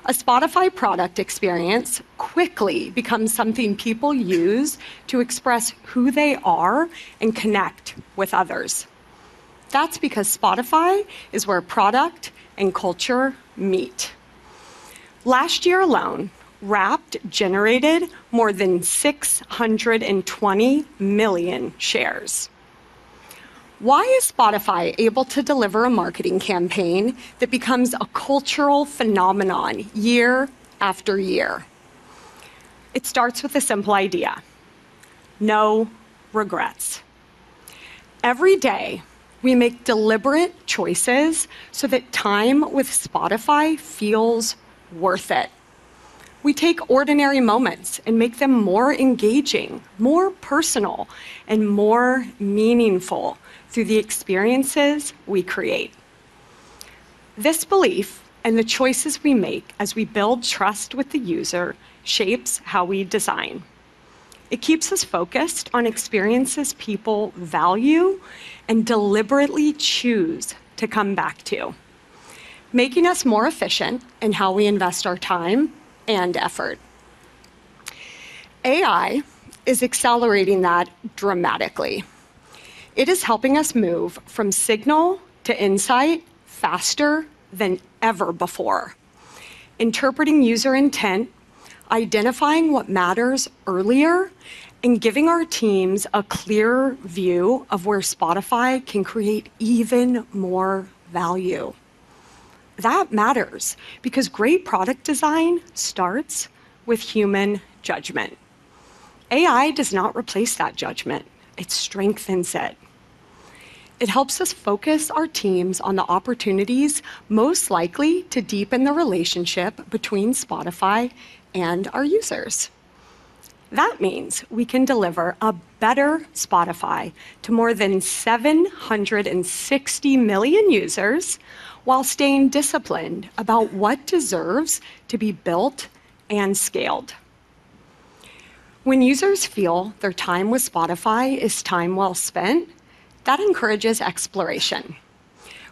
A Spotify product experience quickly becomes something people use to express who they are and connect with others. That's because Spotify is where product and culture meet. Last year alone, Wrapped generated more than 620 million shares. Why is Spotify able to deliver a marketing campaign that becomes a cultural phenomenon year after year? It starts with a simple idea, no regrets. Every day, we make deliberate choices so that time with Spotify feels worth it. We take ordinary moments and make them more engaging, more personal, and more meaningful through the experiences we create. This belief and the choices we make as we build trust with the user shapes how we design. It keeps us focused on experiences people value and deliberately choose to come back to, making us more efficient in how we invest our time and effort. AI is accelerating that dramatically. It is helping us move from signal to insight faster than ever before, interpreting user intent, identifying what matters earlier, and giving our teams a clearer view of where Spotify can create even more value. That matters because great product design starts with human judgment. AI does not replace that judgment, it strengthens it. It helps us focus our teams on the opportunities most likely to deepen the relationship between Spotify and our users. That means we can deliver a better Spotify to more than 760 million users while staying disciplined about what deserves to be built and scaled. When users feel their time with Spotify is time well spent, that encourages exploration.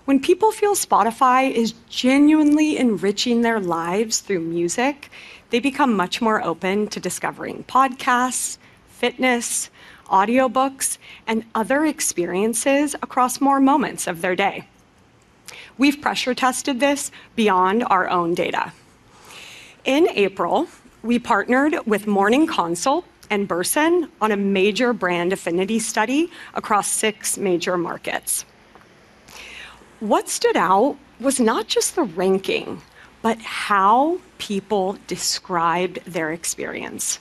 When people feel Spotify is genuinely enriching their lives through music, they become much more open to discovering podcasts, fitness, audiobooks, and other experiences across more moments of their day. In April, we partnered with Morning Consult and Burson on a major brand affinity study across six major markets. What stood out was not just the ranking, but how people described their experience.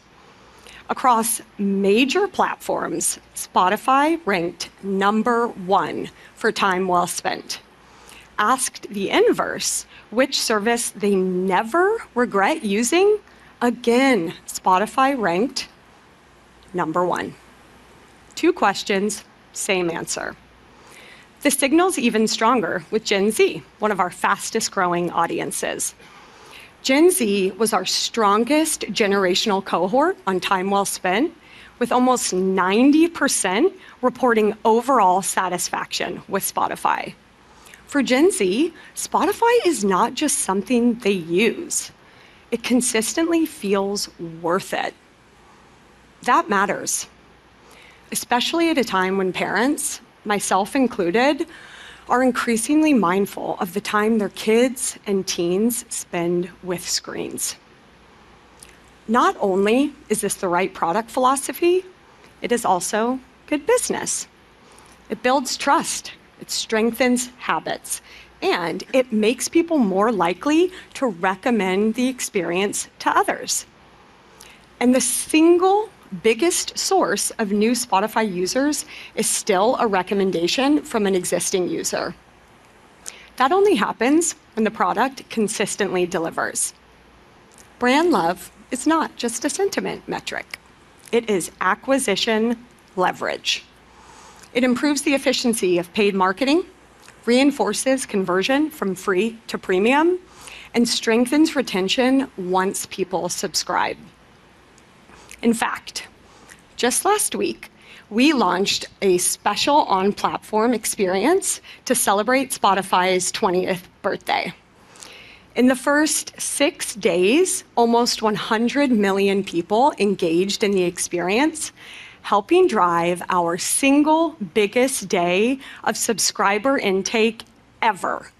Across major platforms, Spotify ranked number one for time well spent. Asked the inverse, which service they never regret using? Again, Spotify ranked number 1. Two questions, same answer. The signal's even stronger with Gen Z, one of our fastest-growing audiences. Gen Z was our strongest generational cohort on time well spent, with almost 90% reporting overall satisfaction with Spotify. For Gen Z, Spotify is not just something they use. It consistently feels worth it. That matters, especially at a time when parents, myself included, are increasingly mindful of the time their kids and teens spend with screens. Not only is this the right product philosophy, it is also good business. It builds trust, it strengthens habits, and it makes people more likely to recommend the experience to others. The single biggest source of new Spotify users is still a recommendation from an existing user. That only happens when the product consistently delivers. Brand love is not just a sentiment metric. It is acquisition leverage. It improves the efficiency of paid marketing, reinforces conversion from Spotify Free to Spotify Premium, and strengthens retention once people subscribe. In fact, just last week, we launched a special on-platform experience to celebrate Spotify's 20th birthday. In the first six days, almost 100 million people engaged in the experience, helping drive our single biggest day of subscriber intake ever.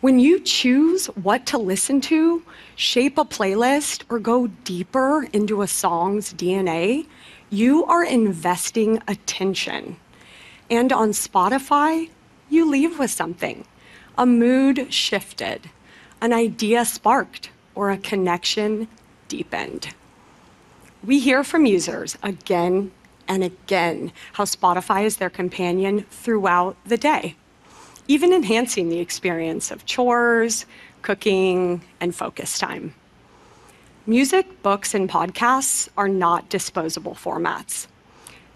When you choose what to listen to, shape a playlist, or go deeper into a song's DNA, you are investing attention. On Spotify, you leave with something, a mood shifted, an idea sparked, or a connection deepened. We hear from users again and again how Spotify is their companion throughout the day, even enhancing the experience of chores, cooking, and focus time. Music, books, and podcasts are not disposable formats.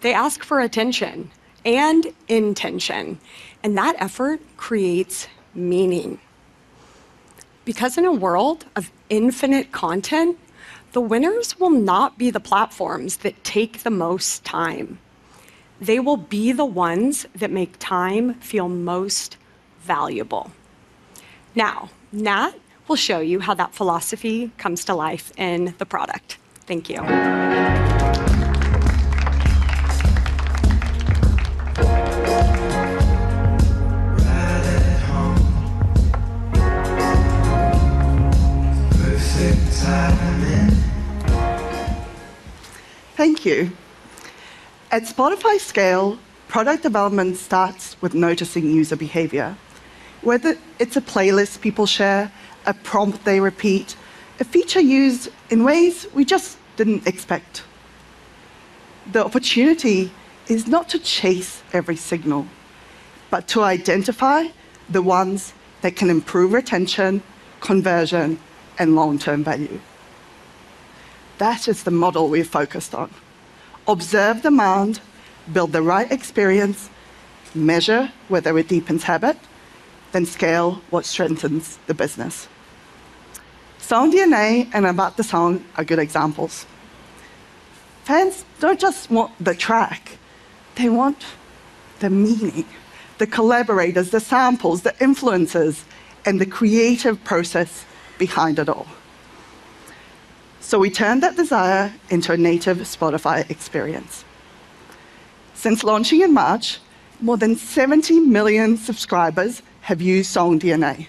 They ask for attention and intention, and that effort creates meaning. Because in a world of infinite content, the winners will not be the platforms that take the most time. They will be the ones that make time feel most valuable. Now, Nat will show you how that philosophy comes to life in the product. Thank you. Thank you. At Spotify's scale, product development starts with noticing user behavior, whether it's a playlist people share, a prompt they repeat, a feature used in ways we just didn't expect. The opportunity is not to chase every signal, but to identify the ones that can improve retention, conversion, and long-term value. That is the model we're focused on. Observe demand, build the right experience, measure whether it deepens habit, then scale what strengthens the business. SongDNA and About the Song are good examples. Fans don't just want the track, they want the meaning, the collaborators, the samples, the influences, and the creative process behind it all. We turned that desire into a native Spotify experience. Since launching in March, more than 70 million subscribers have used SongDNA,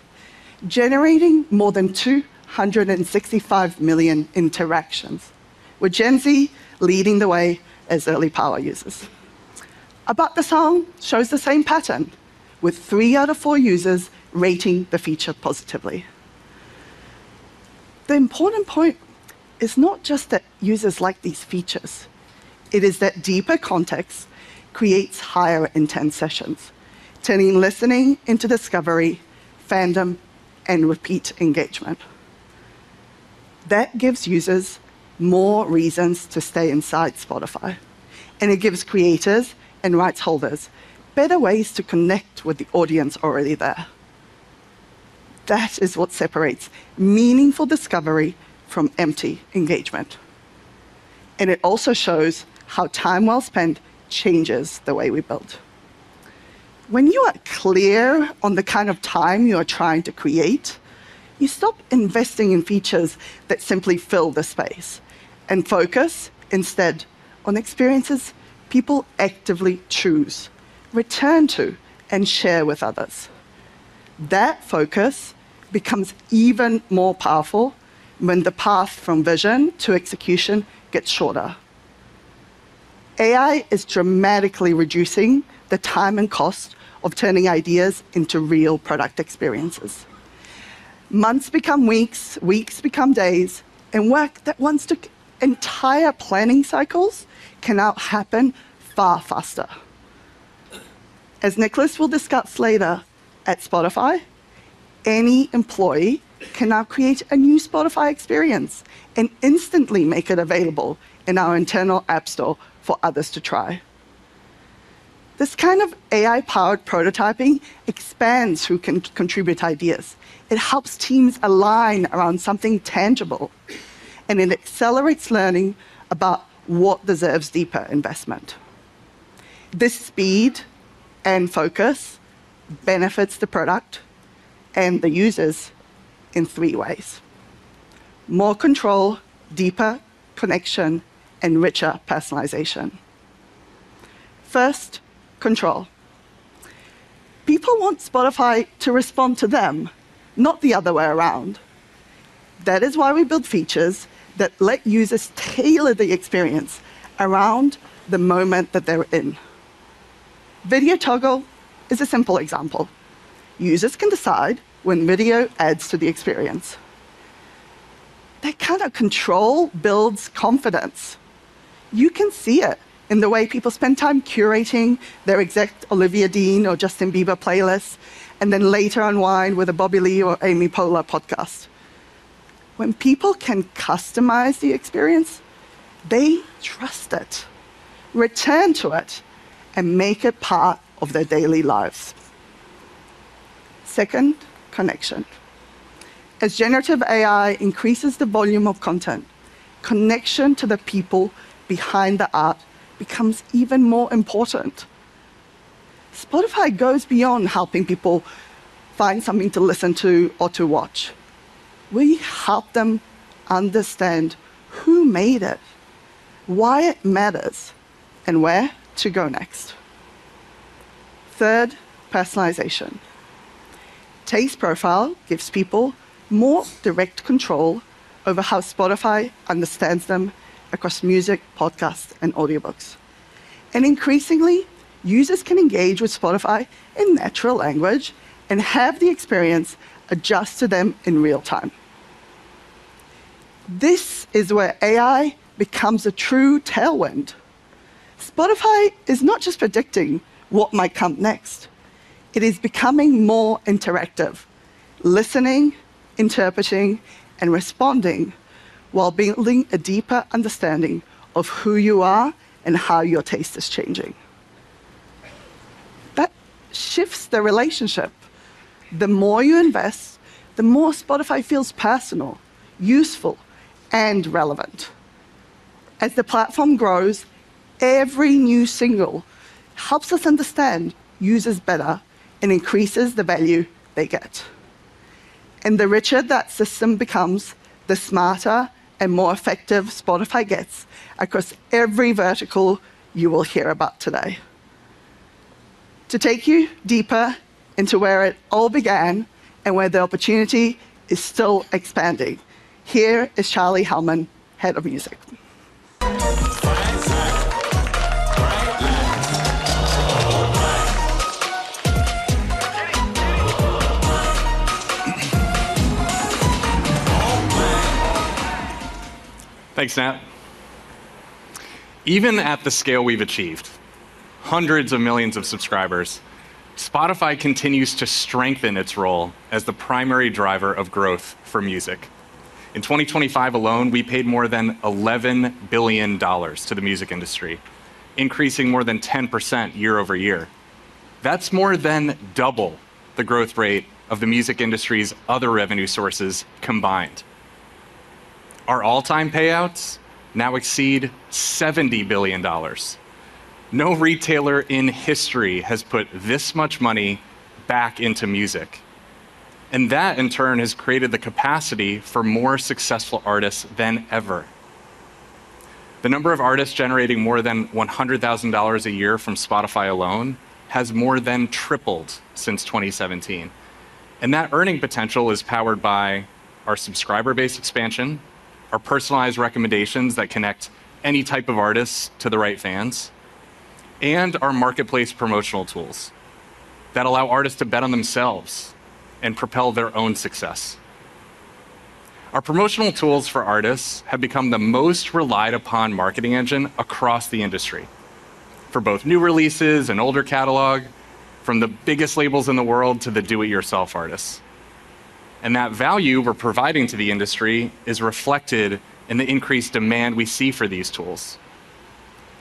generating more than 265 million interactions, with Gen Z leading the way as early power users. About the Song shows the same pattern, with three out of four users rating the feature positively. The important point is not just that users like these features. It is that deeper context creates higher intent sessions, turning listening into discovery, fandom, and repeat engagement. That gives users more reasons to stay inside Spotify, and it gives creators and rights holders better ways to connect with the audience already there. That is what separates meaningful discovery from empty engagement, and it also shows how time well-spent changes the way we build. When you are clear on the kind of time you are trying to create, you stop investing in features that simply fill the space, and focus instead on experiences people actively choose, return to, and share with others. That focus becomes even more powerful when the path from vision to execution gets shorter. AI is dramatically reducing the time and cost of turning ideas into real product experiences. Months become weeks become days, and work that once took entire planning cycles can now happen far faster. As Nicholas will discuss later, at Spotify, any employee can now create a new Spotify experience and instantly make it available in our internal app store for others to try. This kind of AI-powered prototyping expands who can contribute ideas. It helps teams align around something tangible, and it accelerates learning about what deserves deeper investment. This speed and focus benefits the product and the users in three ways: more control, deeper connection, and richer personalization. First, control. People want Spotify to respond to them, not the other way around. That is why we build features that let users tailor the experience around the moment that they're in. Video toggle is a simple example. Users can decide when video adds to the experience. That kind of control builds confidence. You can see it in the way people spend time curating their exact Olivia Dean or Justin Bieber playlists, and then later unwind with a Bobby Lee or Amy Poehler podcast. When people can customize the experience, they trust it, return to it, and make it part of their daily lives. Second, connection. As generative AI increases the volume of content, connection to the people behind the art becomes even more important. Spotify goes beyond helping people find something to listen to or to watch. We help them understand who made it, why it matters, and where to go next. Third, personalization. Taste Profile gives people more direct control over how Spotify understands them across music, podcasts, and audiobooks. Increasingly, users can engage with Spotify in natural language and have the experience adjust to them in real time. This is where AI becomes a true tailwind. Spotify is not just predicting what might come next. It is becoming more interactive, listening, interpreting, and responding while building a deeper understanding of who you are and how your taste is changing. That shifts the relationship. The more you invest, the more Spotify feels personal, useful, and relevant. As the platform grows, every new single helps us understand users better and increases the value they get. The richer that system becomes, the smarter and more effective Spotify gets across every vertical you will hear about today. To take you deeper into where it all began and where the opportunity is still expanding, here is Charlie Hellman, Head of Music. Thanks, Nat. Even at the scale we've achieved, hundreds of millions of subscribers, Spotify continues to strengthen its role as the primary driver of growth for music. In 2025 alone, we paid more than $11 billion to the music industry, increasing more than 10% year-over-year. That's more than double the growth rate of the music industry's other revenue sources combined. Our all-time payouts now exceed $70 billion. No retailer in history has put this much money back into music, that, in turn, has created the capacity for more successful artists than ever. The number of artists generating more than $100,000 a year from Spotify alone has more than tripled since 2017. That earning potential is powered by our subscriber base expansion, our personalized recommendations that connect any type of artists to the right fans, and our marketplace promotional tools that allow artists to bet on themselves and propel their own success. Our promotional tools for artists have become the most relied-upon marketing engine across the industry for both new releases and older catalog, from the biggest labels in the world to the do-it-yourself artists. That value we're providing to the industry is reflected in the increased demand we see for these tools.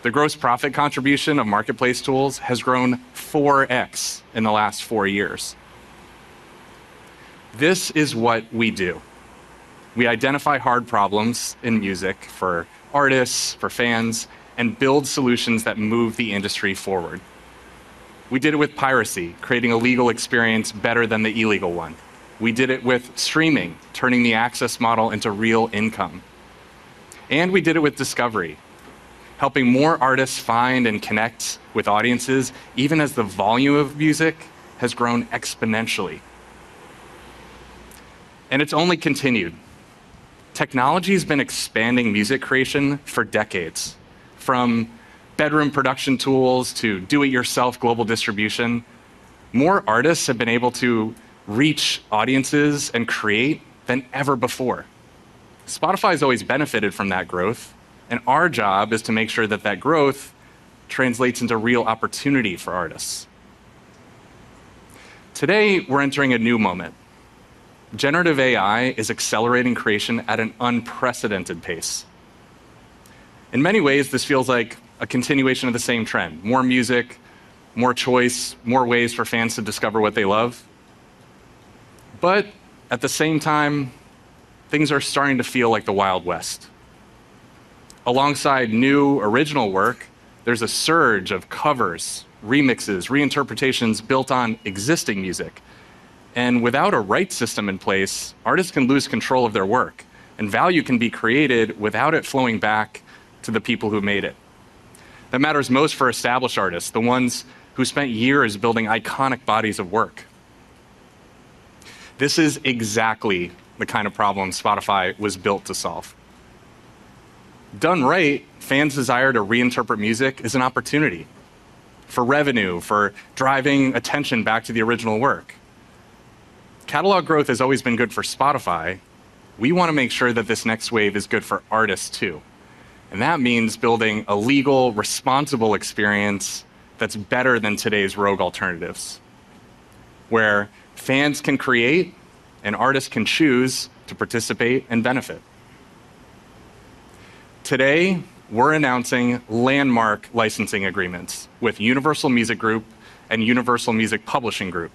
The gross profit contribution of marketplace tools has grown 4X in the last four years. This is what we do. We identify hard problems in music for artists, for fans, and build solutions that move the industry forward. We did it with piracy, creating a legal experience better than the illegal one. We did it with streaming, turning the access model into real income. We did it with discovery, helping more artists find and connect with audiences, even as the volume of music has grown exponentially. It's only continued. Technology's been expanding music creation for decades, from bedroom production tools to do-it-yourself global distribution. More artists have been able to reach audiences and create than ever before. Spotify's always benefited from that growth, and our job is to make sure that that growth translates into real opportunity for artists. Today, we're entering a new moment. Generative AI is accelerating creation at an unprecedented pace. In many ways, this feels like a continuation of the same trend. More music, more choice, more ways for fans to discover what they love. At the same time, things are starting to feel like the Wild West. Alongside new original work, there's a surge of covers, remixes, reinterpretations built on existing music. Without a rights system in place, artists can lose control of their work, and value can be created without it flowing back to the people who made it. That matters most for established artists, the ones who spent years building iconic bodies of work. This is exactly the kind of problem Spotify was built to solve. Done right, fans' desire to reinterpret music is an opportunity for revenue, for driving attention back to the original work. Catalog growth has always been good for Spotify. We want to make sure that this next wave is good for artists, too. That means building a legal, responsible experience that's better than today's rogue alternatives, where fans can create, and artists can choose to participate and benefit. Today, we're announcing landmark licensing agreements with Universal Music Group and Universal Music Publishing Group.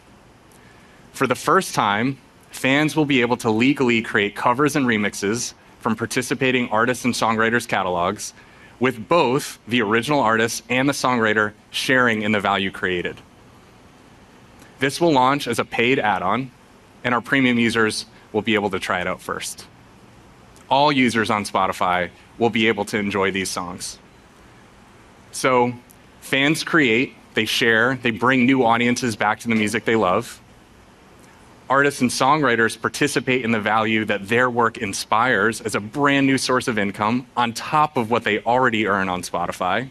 For the first time, fans will be able to legally create covers and remixes from participating artists' and songwriters' catalogs with both the original artist and the songwriter sharing in the value created. This will launch as a paid add-on, and our Premium users will be able to try it out first. All users on Spotify will be able to enjoy these songs. Fans create, they share, they bring new audiences back to the music they love. Artists and songwriters participate in the value that their work inspires as a brand-new source of income on top of what they already earn on Spotify.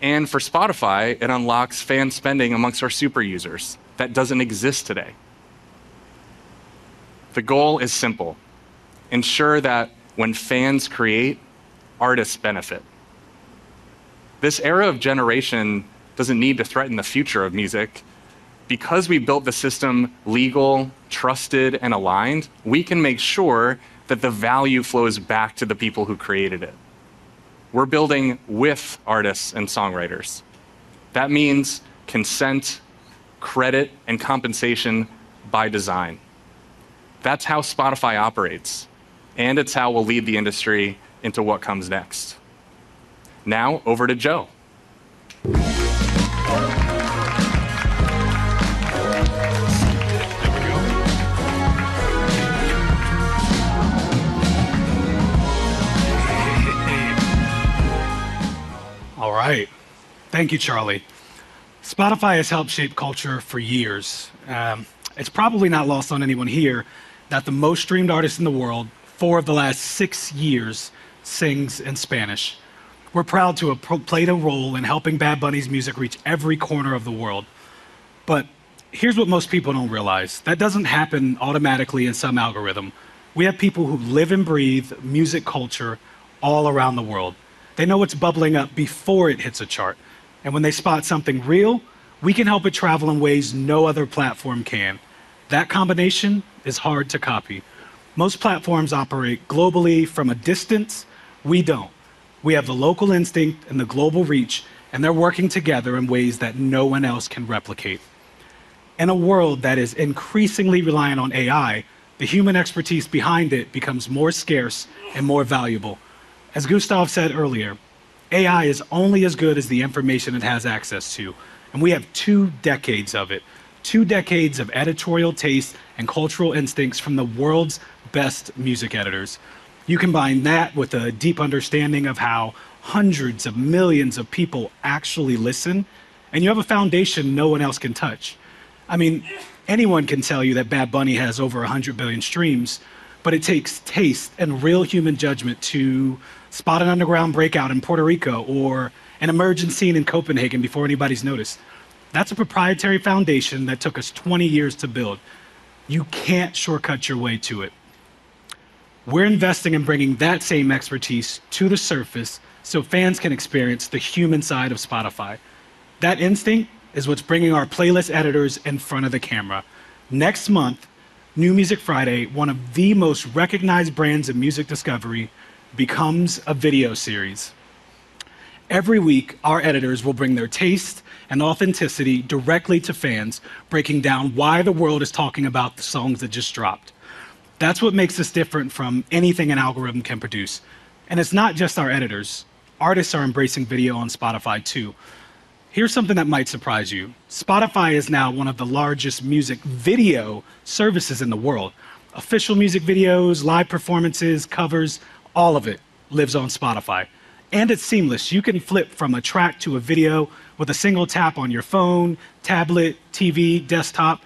For Spotify, it unlocks fan spending amongst our super users that doesn't exist today. The goal is simple: ensure that when fans create, artists benefit. This era of generation doesn't need to threaten the future of music. Because we built the system legal, trusted, and aligned, we can make sure that the value flows back to the people who created it. We're building with artists and songwriters. That means consent, credit, and compensation by design. That's how Spotify operates, and it's how we'll lead the industry into what comes next. Now, over to Joe. There we go. All right. Thank you, Charlie. Spotify has helped shape culture for years. It's probably not lost on anyone here that the most streamed artist in the world for the last six years sings in Spanish. We're proud to have played a role in helping Bad Bunny's music reach every corner of the world. Here's what most people don't realize. That doesn't happen automatically in some algorithm. We have people who live and breathe music culture all around the world. They know what's bubbling up before it hits a chart. When they spot something real, we can help it travel in ways no other platform can. That combination is hard to copy. Most platforms operate globally from a distance. We don't. We have the local instinct and the global reach, and they're working together in ways that no one else can replicate. In a world that is increasingly reliant on AI, the human expertise behind it becomes more scarce and more valuable. As Gustav said earlier, AI is only as good as the information it has access to, and we have two decades of it, two decades of editorial taste and cultural instincts from the world's best music editors. You combine that with a deep understanding of how hundreds of millions of people actually listen, and you have a foundation no one else can touch. I mean, anyone can tell you that Bad Bunny has over 100 billion streams, but it takes taste and real human judgment to spot an underground breakout in Puerto Rico or an emerging scene in Copenhagen before anybody's noticed. That's a proprietary foundation that took us 20 years to build. You can't shortcut your way to it. We're investing in bringing that same expertise to the surface so fans can experience the human side of Spotify. That instinct is what's bringing our playlist editors in front of the camera. Next month, New Music Friday, one of the most recognized brands in music discovery, becomes a video series. Every week, our editors will bring their taste and authenticity directly to fans, breaking down why the world is talking about the songs that just dropped. That's what makes us different from anything an algorithm can produce. It's not just our editors. Artists are embracing video on Spotify, too. Here's something that might surprise you. Spotify is now one of the largest music video services in the world. Official music videos, live performances, covers, all of it lives on Spotify. It's seamless. You can flip from a track to a video with a single tap on your phone, tablet, TV, desktop.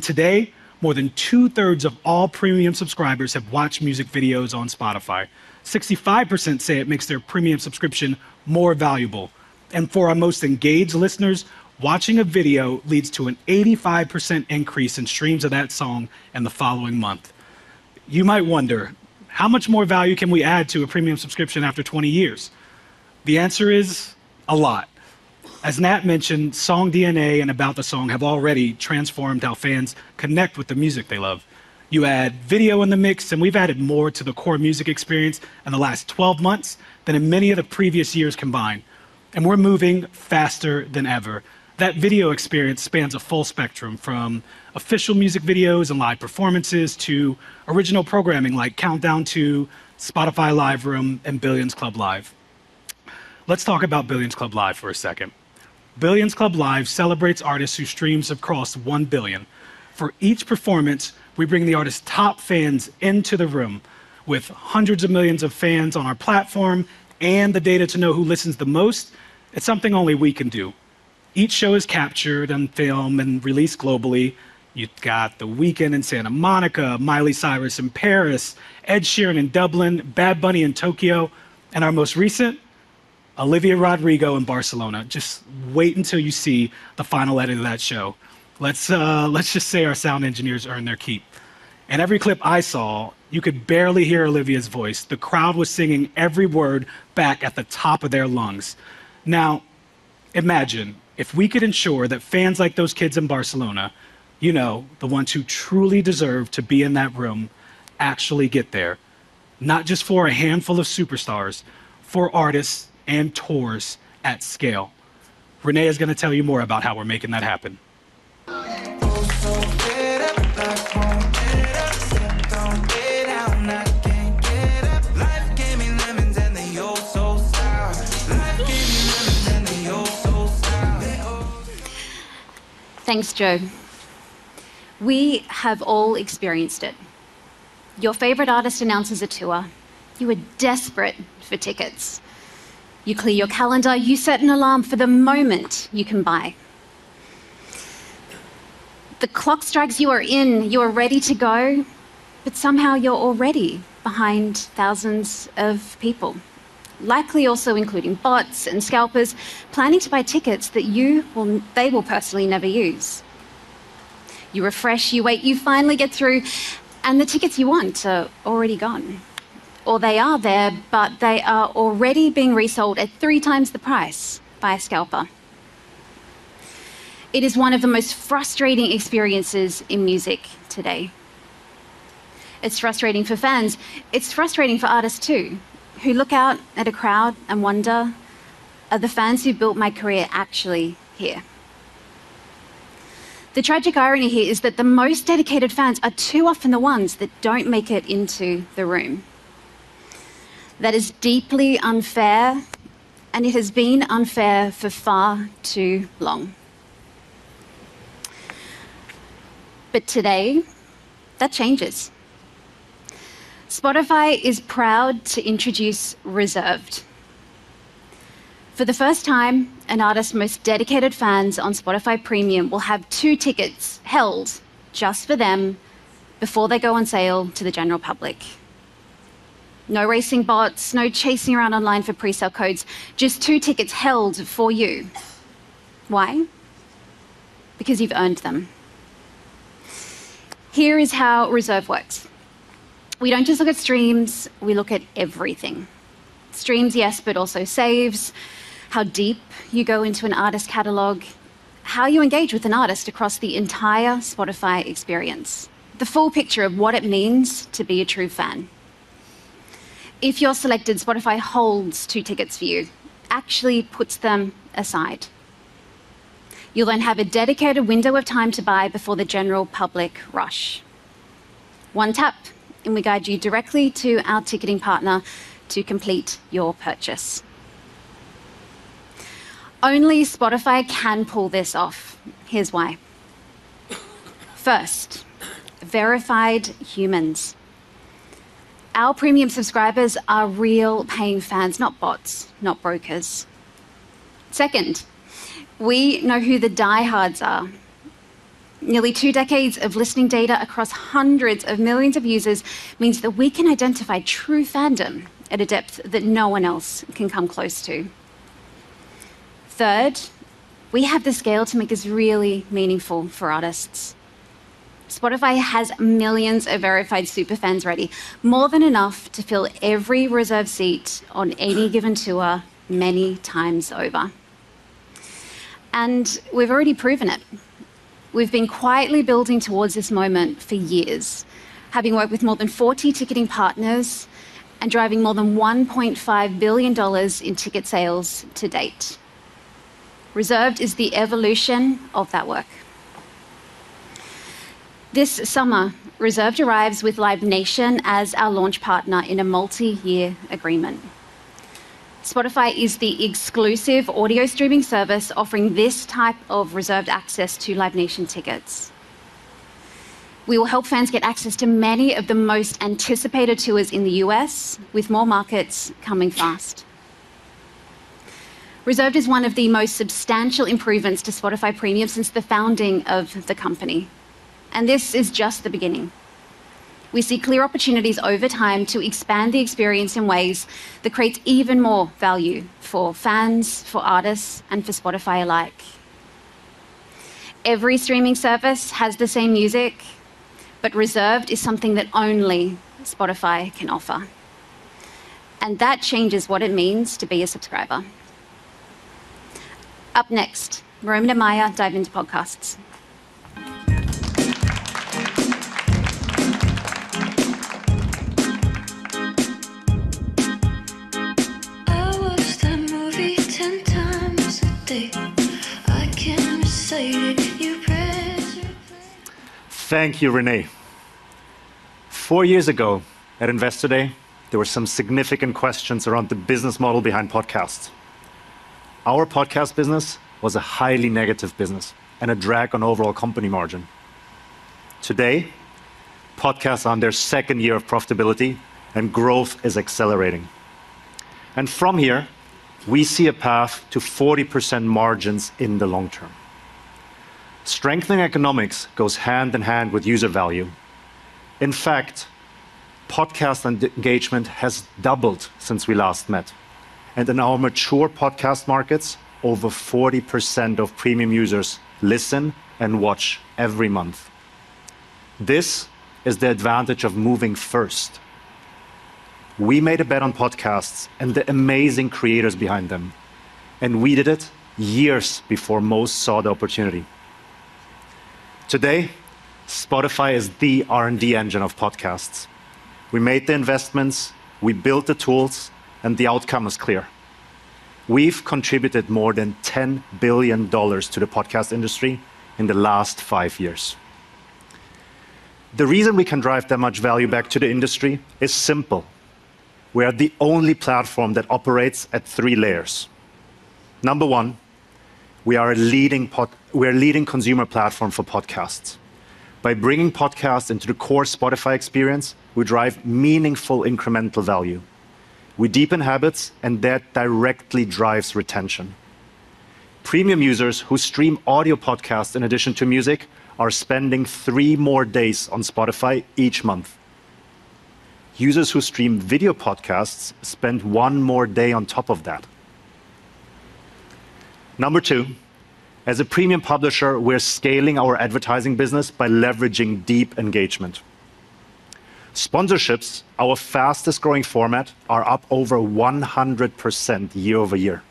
Today, more than two-thirds of all premium subscribers have watched music videos on Spotify. 65% say it makes their premium subscription more valuable. For our most engaged listeners, watching a video leads to an 85% increase in streams of that song in the following month. You might wonder, how much more value can we add to a premium subscription after 20 years? The answer is a lot. As Nat mentioned, SongDNA and About the Song have already transformed how fans connect with the music they love. You add video in the mix, and we've added more to the core music experience in the last 12 months than in many of the previous years combined. We're moving faster than ever. That video experience spans a full spectrum, from official music videos and live performances to original programming like Countdown To, Spotify Live Room, and Billions Club Live. Let's talk about Billions Club Live for a second. Billions Club Live celebrates artists whose streams have crossed 1 billion. For each performance, we bring the artist's top fans into the room with hundreds of millions of fans on our platform and the data to know who listens the most. It's something only we can do. Each show is captured on film and released globally. You've got The Weeknd in Santa Monica, Miley Cyrus in Paris, Ed Sheeran in Dublin, Bad Bunny in Tokyo, and our most recent, Olivia Rodrigo in Barcelona. Just wait until you see the final edit of that show. Let's just say our sound engineers earned their keep. In every clip I saw, you could barely hear Olivia's voice. The crowd was singing every word back at the top of their lungs. Now imagine if we could ensure that fans like those kids in Barcelona, the ones who truly deserve to be in that room, actually get there, not just for a handful of superstars, for artists and tours at scale. Rene is going to tell you more about how we're making that happen. Thanks, Joe. We have all experienced it. Your favorite artist announces a tour. You are desperate for tickets. You clear your calendar. You set an alarm for the moment you can buy. The clock strikes. You are in, you are ready to go, somehow you're already behind thousands of people, likely also including bots and scalpers planning to buy tickets that they will personally never use. You refresh, you wait, you finally get through, the tickets you want are already gone. They are there, they are already being resold at three times the price by a scalper. It is one of the most frustrating experiences in music today. It's frustrating for fans. It's frustrating for artists, too, who look out at a crowd and wonder, "Are the fans who built my career actually here?" The tragic irony here is that the most dedicated fans are too often the ones that don't make it into the room. That is deeply unfair. It has been unfair for far too long. Today, that changes. Spotify is proud to introduce Reserved. For the first time, an artist's most dedicated fans on Spotify Premium will have two tickets held just for them before they go on sale to the general public. No racing bots, no chasing around online for pre-sale codes, just two tickets held for you. Why? Because you've earned them. Here is how Reserved works. We don't just look at streams. We look at everything. Streams, yes, but also saves, how deep you go into an artist catalog, how you engage with an artist across the entire Spotify experience. The full picture of what it means to be a true fan. If you're selected, Spotify holds two tickets for you. Actually puts them aside. You'll then have a dedicated window of time to buy before the general public rush. One tap and we guide you directly to our ticketing partner to complete your purchase. Only Spotify can pull this off. Here's why. First, verified humans. Our premium subscribers are real paying fans. Not bots, not brokers. Second, we know who the diehards are. Nearly two decades of listening data across hundreds of millions of users means that we can identify true fandom at a depth that no one else can come close to. Third, we have the scale to make this really meaningful for artists. Spotify has millions of verified super fans ready, more than enough to fill every reserve seat on any given tour many times over. We've already proven it. We've been quietly building towards this moment for years. Having worked with more than 40 ticketing partners and driving more than EUR 1.5 billion in ticket sales to date. Reserved is the evolution of that work. This summer, Reserved arrives with Live Nation as our launch partner in a multi-year agreement. Spotify is the exclusive audio streaming service offering this type of Reserved access to Live Nation tickets. We will help fans get access to many of the most anticipated tours in the U.S., with more markets coming fast. Reserved is one of the most substantial improvements to Spotify Premium since the founding of the company. This is just the beginning. We see clear opportunities over time to expand the experience in ways that creates even more value for fans, for artists, and for Spotify alike. Every streaming service has the same music, but Reserved is something that only Spotify can offer, and that changes what it means to be a subscriber. Up next, Roman and Maya dive into podcasts. Thank you, Rene. Four years ago at Investor Day, there were some significant questions around the business model behind podcasts. Our podcast business was a highly negative business and a drag on overall company margin. Today, podcasts are on their second year of profitability, and growth is accelerating. From here, we see a path to 40% margins in the long term. Strengthening economics goes hand in hand with user value. In fact, podcast engagement has doubled since we last met. In our mature podcast markets, over 40% of Premium users listen and watch every month. This is the advantage of moving first. We made a bet on podcasts and the amazing creators behind them, and we did it years before most saw the opportunity. Today, Spotify is the R&D engine of podcasts. We made the investments, we built the tools, and the outcome is clear. We've contributed more than EUR 10 billion to the podcast industry in the last five years. The reason we can drive that much value back to the industry is simple. We are the only platform that operates at three layers. Number one, we are a leading consumer platform for podcasts. By bringing podcasts into the core Spotify experience, we drive meaningful incremental value. We deepen habits, and that directly drives retention. Premium users who stream audio podcasts in addition to music are spending three more days on Spotify each month. Users who stream video podcasts spend one more day on top of that. Number two, as a premium publisher, we're scaling our advertising business by leveraging deep engagement. Sponsorships, our fastest-growing format, are up over 100% year-over-year.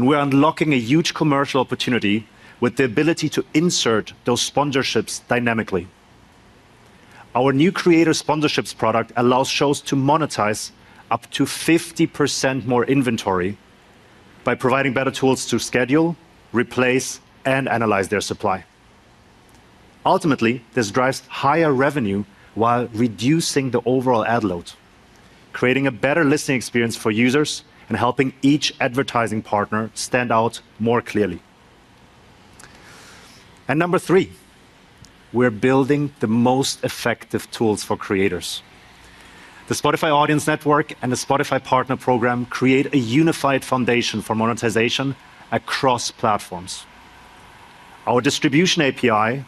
We're unlocking a huge commercial opportunity with the ability to insert those sponsorships dynamically. Our new creator sponsorships product allows shows to monetize up to 50% more inventory by providing better tools to schedule, replace, and analyze their supply. Ultimately, this drives higher revenue while reducing the overall ad load, creating a better listening experience for users, and helping each advertising partner stand out more clearly. Number 3, we're building the most effective tools for creators. The Spotify Audience Network and the Spotify Partner Program create a unified foundation for monetization across platforms. Our Distribution API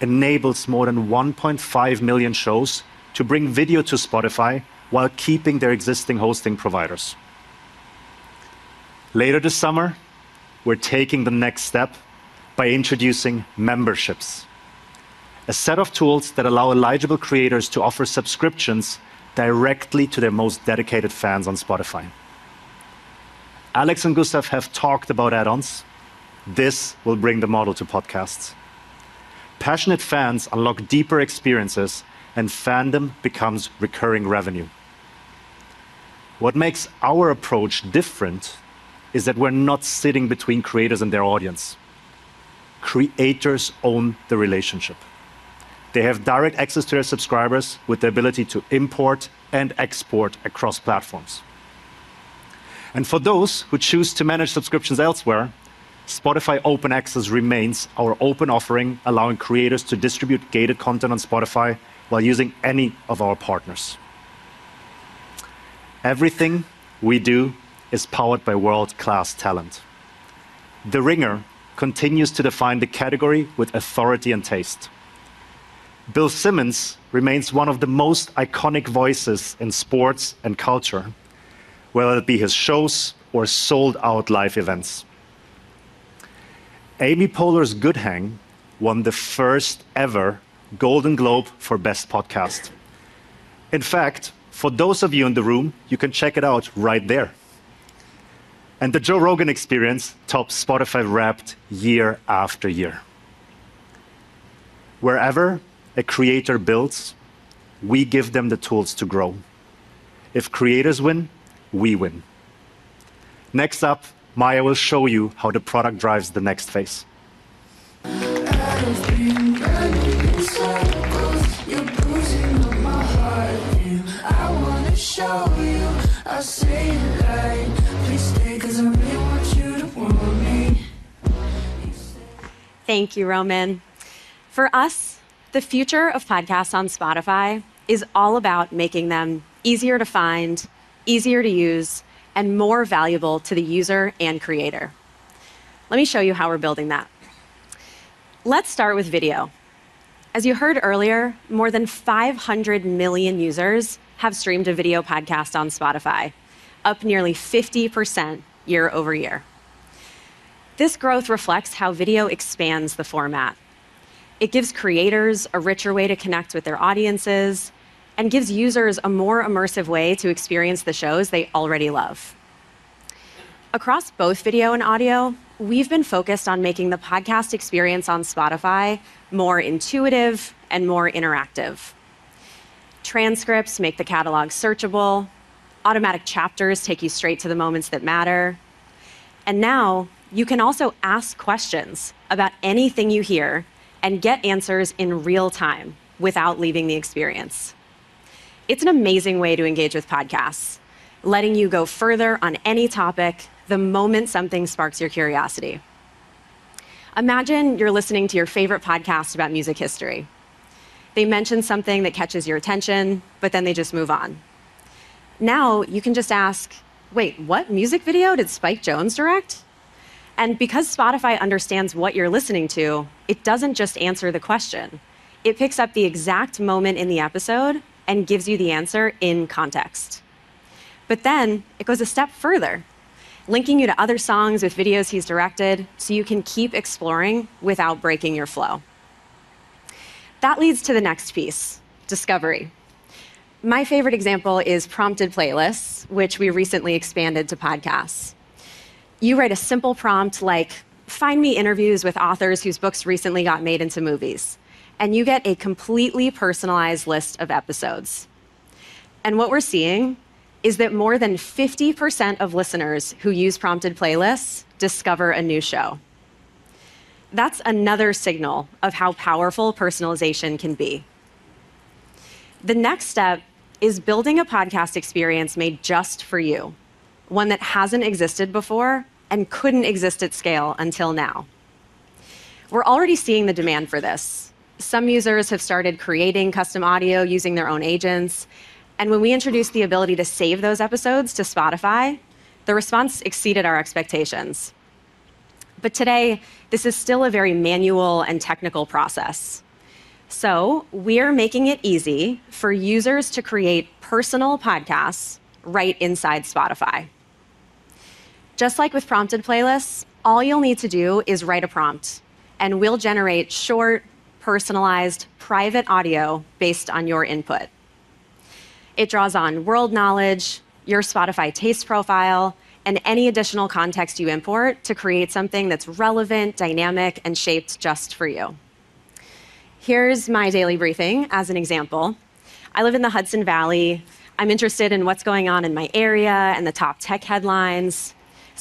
enables more than 1.5 million shows to bring video to Spotify while keeping their existing hosting providers. Later this summer, we're taking the next step by introducing memberships, a set of tools that allow eligible creators to offer subscriptions directly to their most dedicated fans on Spotify. Alex and Gustav have talked about add-ons. This will bring the model to podcasts. Passionate fans unlock deeper experiences, and fandom becomes recurring revenue. What makes our approach different is that we're not sitting between creators and their audience. Creators own the relationship. They have direct access to their subscribers with the ability to import and export across platforms. For those who choose to manage subscriptions elsewhere, Spotify Open Access remains our open offering, allowing creators to distribute gated content on Spotify while using any of our partners. Everything we do is powered by world-class talent. "The Ringer" continues to define the category with authority and taste. Bill Simmons remains one of the most iconic voices in sports and culture, whether it be his shows or sold-out live events. Amy Poehler's "Good Hang" won the first-ever Golden Globe for Best Podcast. In fact, for those of you in the room, you can check it out right there. The Joe Rogan Experience" tops Spotify Wrapped year after year. Wherever a creator builds, we give them the tools to grow. If creators win, we win. Next up, Maya will show you how the product drives the next phase. Thank you, Roman. For us, the future of podcasts on Spotify is all about making them easier to find, easier to use, and more valuable to the user and creator. Let me show you how we're building that. Let's start with video. As you heard earlier, more than 500 million users have streamed a video podcast on Spotify, up nearly 50% year-over-year. This growth reflects how video expands the format. It gives creators a richer way to connect with their audiences and gives users a more immersive way to experience the shows they already love. Across both video and audio, we've been focused on making the podcast experience on Spotify more intuitive and more interactive. Transcripts make the catalog searchable. Automatic chapters take you straight to the moments that matter. Now you can also ask questions about anything you hear and get answers in real time without leaving the experience. It's an amazing way to engage with podcasts, letting you go further on any topic the moment something sparks your curiosity. Imagine you're listening to your favorite podcast about music history. They mention something that catches your attention, but then they just move on. Now, you can just ask, "Wait, what music video did Spike Jonze direct?" Because Spotify understands what you're listening to, it doesn't just answer the question. It picks up the exact moment in the episode and gives you the answer in context. Then it goes a step further, linking you to other songs with videos he's directed so you can keep exploring without breaking your flow. That leads to the next piece, discovery. My favorite example is Prompted Playlist, which we recently expanded to podcasts. You write a simple prompt like, "Find me interviews with authors whose books recently got made into movies," and you get a completely personalized list of episodes. What we're seeing is that more than 50% of listeners who use Prompted Playlist discover a new show. That's another signal of how powerful personalization can be. The next step is building a podcast experience made just for you, one that hasn't existed before and couldn't exist at scale until now. We're already seeing the demand for this. Some users have started creating custom audio using their own agents, and when we introduced the ability to save those episodes to Spotify, the response exceeded our expectations. Today, this is still a very manual and technical process. We're making it easy for users to create personal podcasts right inside Spotify. Just like with Prompted Playlist, all you'll need to do is write a prompt, and we'll generate short, personalized, private audio based on your input. It draws on world knowledge, your Spotify Taste Profile, and any additional context you import to create something that's relevant, dynamic, and shaped just for you. Here's my daily briefing as an example. I live in the Hudson Valley. I'm interested in what's going on in my area and the top tech headlines.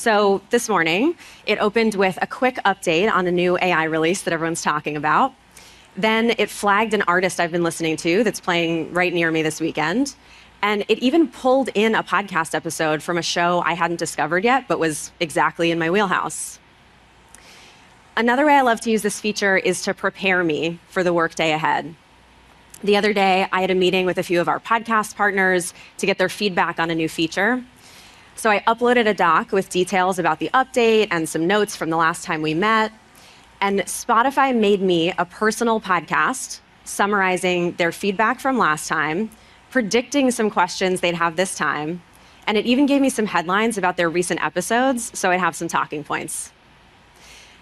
This morning, it opened with a quick update on the new AI release that everyone's talking about. It flagged an artist I've been listening to that's playing right near me this weekend. It even pulled in a podcast episode from a show I hadn't discovered yet but was exactly in my wheelhouse. Another way I love to use this feature is to prepare me for the workday ahead. The other day, I had a meeting with a few of our podcast partners to get their feedback on a new feature. I uploaded a doc with details about the update and some notes from the last time we met, and Spotify made me a personal podcast summarizing their feedback from last time, predicting some questions they'd have this time, and it even gave me some headlines about their recent episodes, so I'd have some talking points.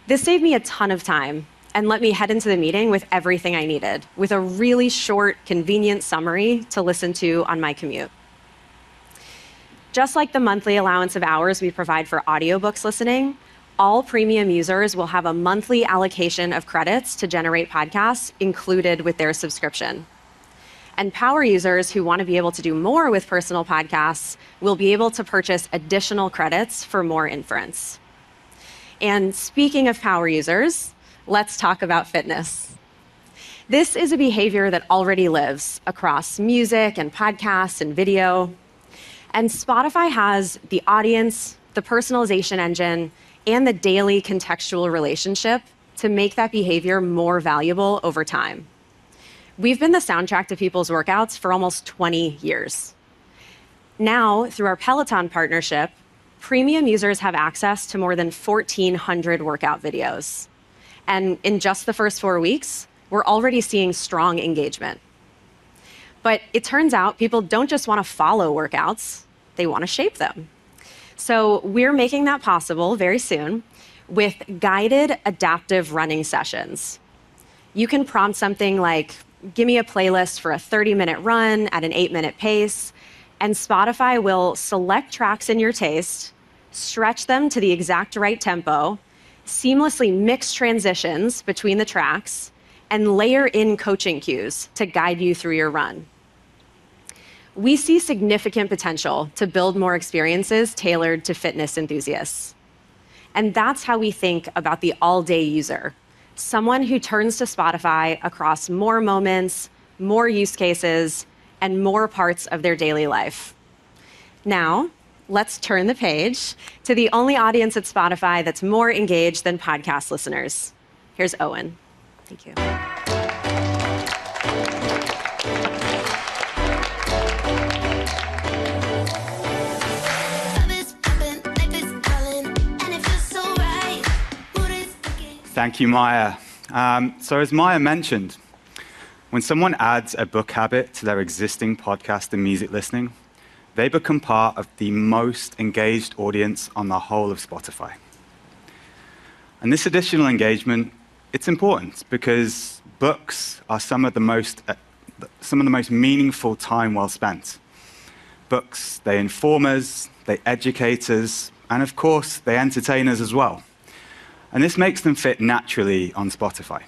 This saved me a ton of time and let me head into the meeting with everything I needed with a really short, convenient summary to listen to on my commute. Just like the monthly allowance of hours we provide for audiobooks listening, all Premium users will have a monthly allocation of credits to generate podcasts included with their subscription. Power users who want to be able to do more with personal podcasts will be able to purchase additional credits for more inference. Speaking of power users, let's talk about fitness. This is a behavior that already lives across music and podcasts and video. Spotify has the audience, the personalization engine, and the daily contextual relationship to make that behavior more valuable over time. We've been the soundtrack to people's workouts for almost 20 years. Now, through our Peloton partnership, Premium users have access to more than 1,400 workout videos. In just the first four weeks, we're already seeing strong engagement. It turns out people don't just want to follow workouts, they want to shape them. We're making that possible very soon with guided adaptive running sessions. You can prompt something like, "Give me a playlist for a 30-minute run at an eight-minute pace," and Spotify will select tracks in your taste, stretch them to the exact right tempo, seamlessly mix transitions between the tracks, and layer in coaching cues to guide you through your run. We see significant potential to build more experiences tailored to fitness enthusiasts, and that's how we think about the all-day user. Someone who turns to Spotify across more moments, more use cases, and more parts of their daily life. Let's turn the page to the one audience at Spotify that's more engaged than podcast listeners. Here's Owen. Thank you. Thank you, Maya. As Maya mentioned, when someone adds a book habit to their existing podcast and music listening, they become part of the most engaged audience on the whole of Spotify. This additional engagement, it is important because books are some of the most meaningful time well spent. Books, they inform us, they educate us, and of course, they entertain us as well. This makes them fit naturally on Spotify.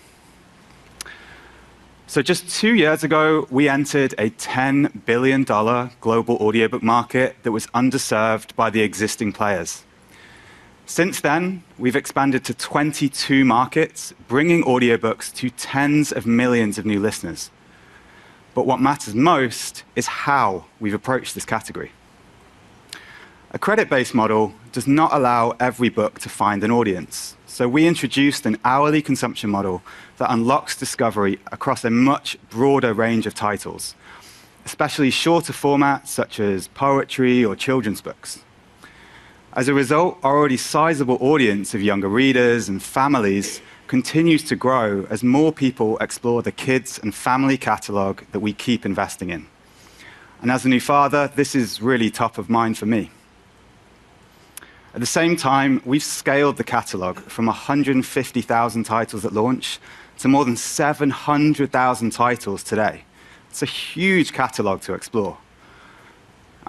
Just two years ago, we entered a EUR 10 billion global audiobook market that was underserved by the existing players. Since then, we have expanded to 22 markets, bringing audiobooks to tens of millions of new listeners. What matters most is how we have approached this category. A credit-based model does not allow every book to find an audience, so we introduced an hourly consumption model that unlocks discovery across a much broader range of titles, especially shorter formats such as poetry or children's books. As a result, our already sizable audience of younger readers and families continues to grow as more people explore the kids and family catalog that we keep investing in. As a new father, this is really top of mind for me. At the same time, we've scaled the catalog from 150,000 titles at launch to more than 700,000 titles today. It's a huge catalog to explore.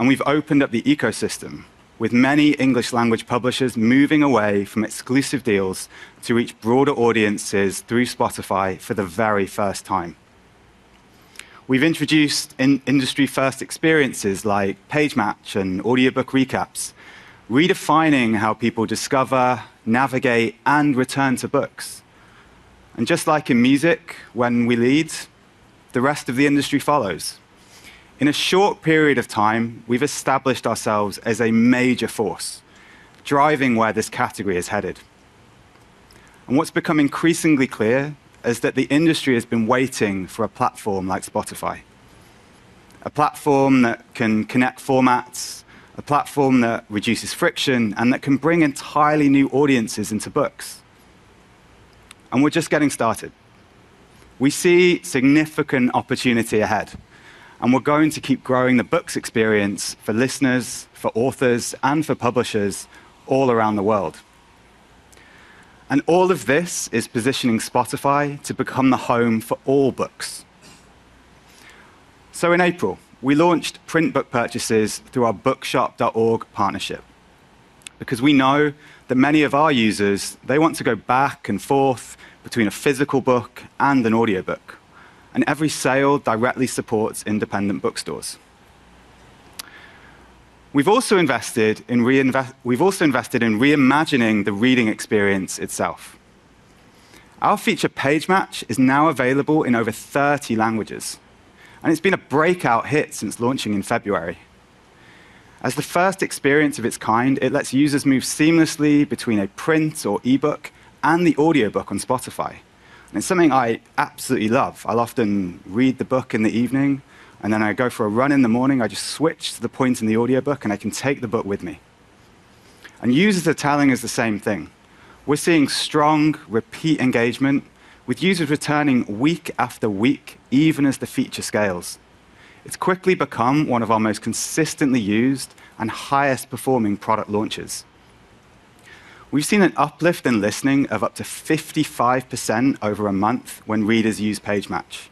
We've opened up the ecosystem with many English language publishers moving away from exclusive deals to reach broader audiences through Spotify for the very first time. We've introduced industry-first experiences like Page Match and audiobook recaps, redefining how people discover, navigate, and return to books. Just like in music, when we lead, the rest of the industry follows. In a short period of time, we've established ourselves as a major force, driving where this category is headed. What's become increasingly clear is that the industry has been waiting for a platform like Spotify, a platform that can connect formats, a platform that reduces friction, and that can bring entirely new audiences into books. We're just getting started. We see significant opportunity ahead, and we're going to keep growing the books experience for listeners, for authors, and for publishers all around the world. All of this is positioning Spotify to become the home for all books. In April, we launched print book purchases through our bookshop.org partnership because we know that many of our users, they want to go back and forth between a physical book and an audiobook. Every sale directly supports independent bookstores. We've also invested in reimagining the reading experience itself. Our feature Page Match is now available in over 30 languages, and it's been a breakout hit since launching in February. As the first experience of its kind, it lets users move seamlessly between a print or e-book and the audiobook on Spotify, and it's something I absolutely love. I'll often read the book in the evening, and then I go for a run in the morning. I just switch to the point in the audiobook, and I can take the book with me. Users are telling us the same thing. We're seeing strong repeat engagement with users returning week after week, even as the feature scales. It's quickly become one of our most consistently used and highest-performing product launches. We've seen an uplift in listening of up to 55% over a month when readers use Page Match,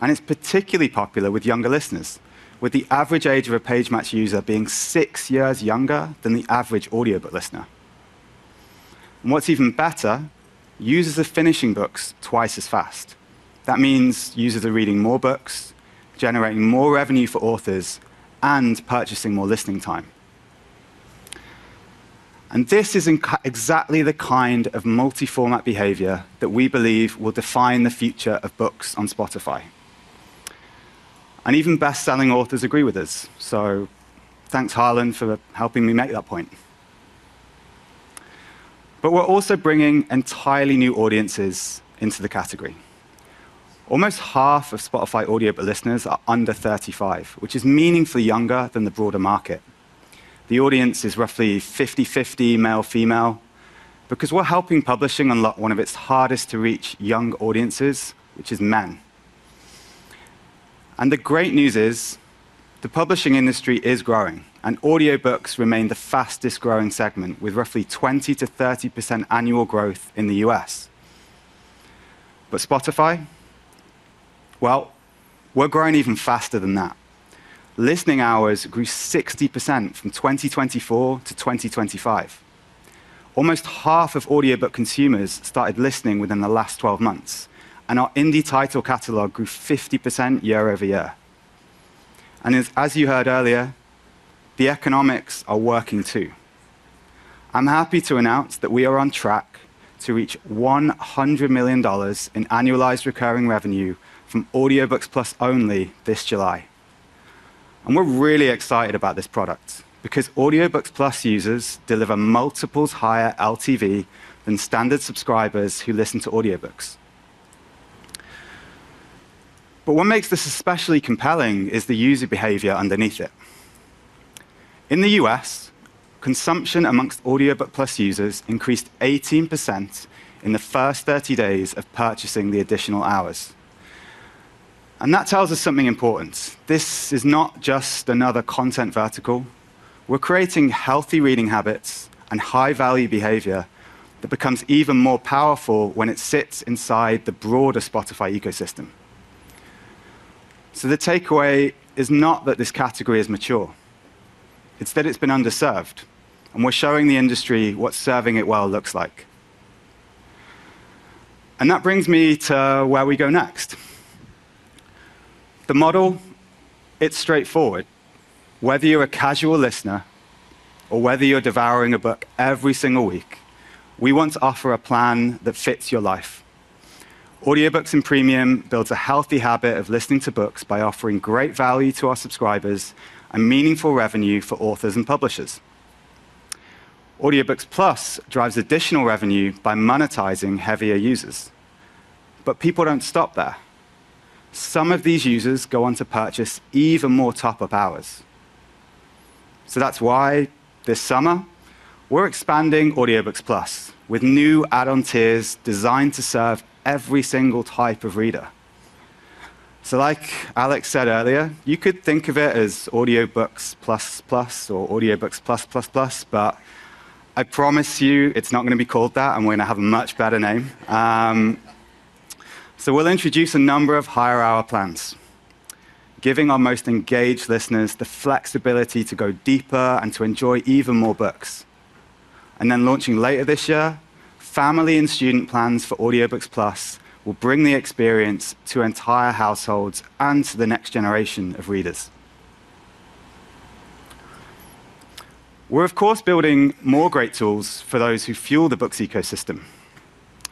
and it's particularly popular with younger listeners, with the average age of a Page Match user being six years younger than the average audiobook listener. What's even better, users are finishing books twice as fast. That means users are reading more books, generating more revenue for authors, and purchasing more listening time. This is exactly the kind of multi-format behavior that we believe will define the future of books on Spotify. Even best-selling authors agree with us, so thanks Harlan for helping me make that point. We're also bringing entirely new audiences into the category. Almost half of Spotify audiobook listeners are under 35, which is meaningfully younger than the broader market. The audience is roughly 50/50 male/female because we're helping publishing unlock one of its hardest-to-reach young audiences, which is men. The great news is the publishing industry is growing, and audiobooks remain the fastest-growing segment, with roughly 20%-30% annual growth in the U.S. Spotify, well, we're growing even faster than that. Listening hours grew 60% from 2024 to 2025. Almost half of audiobook consumers started listening within the last 12 months. Our indie title catalog grew 50% year-over-year. As you heard earlier, the economics are working, too. I'm happy to announce that we are on track to reach EUR 100 million in annualized recurring revenue from Audiobooks+ only this July. We're really excited about this product because Audiobooks+ users deliver multiples higher LTV than standard subscribers who listen to audiobooks. What makes this especially compelling is the user behavior underneath it. In the U.S., consumption amongst Audiobooks+ users increased 18% in the first 30 days of purchasing the additional hours. That tells us something important. This is not just another content vertical. We're creating healthy reading habits and high-value behavior that becomes even more powerful when it sits inside the broader Spotify ecosystem. The takeaway is not that this category is mature. It's that it's been underserved, and we're showing the industry what serving it well looks like. That brings me to where we go next. The model, it's straightforward. Whether you're a casual listener or whether you're devouring a book every single week, we want to offer a plan that fits your life. Audiobooks and Spotify Premium builds a healthy habit of listening to books by offering great value to our subscribers and meaningful revenue for authors and publishers. Audiobooks+ drives additional revenue by monetizing heavier users. People don't stop there. Some of these users go on to purchase even more top-up hours. That's why this summer, we're expanding Audiobooks+ with new add-on tiers designed to serve every single type of reader. Like Alex said earlier, you could think of it as Audiobooks++ or Audiobooks+++, I promise you it's not going to be called that, we're going to have a much better name. We'll introduce a number of higher-hour plans, giving our most engaged listeners the flexibility to go deeper and to enjoy even more books. Then launching later this year, family and student plans for Audiobooks+ will bring the experience to entire households and to the next generation of readers. We're of course, building more great tools for those who fuel the books ecosystem.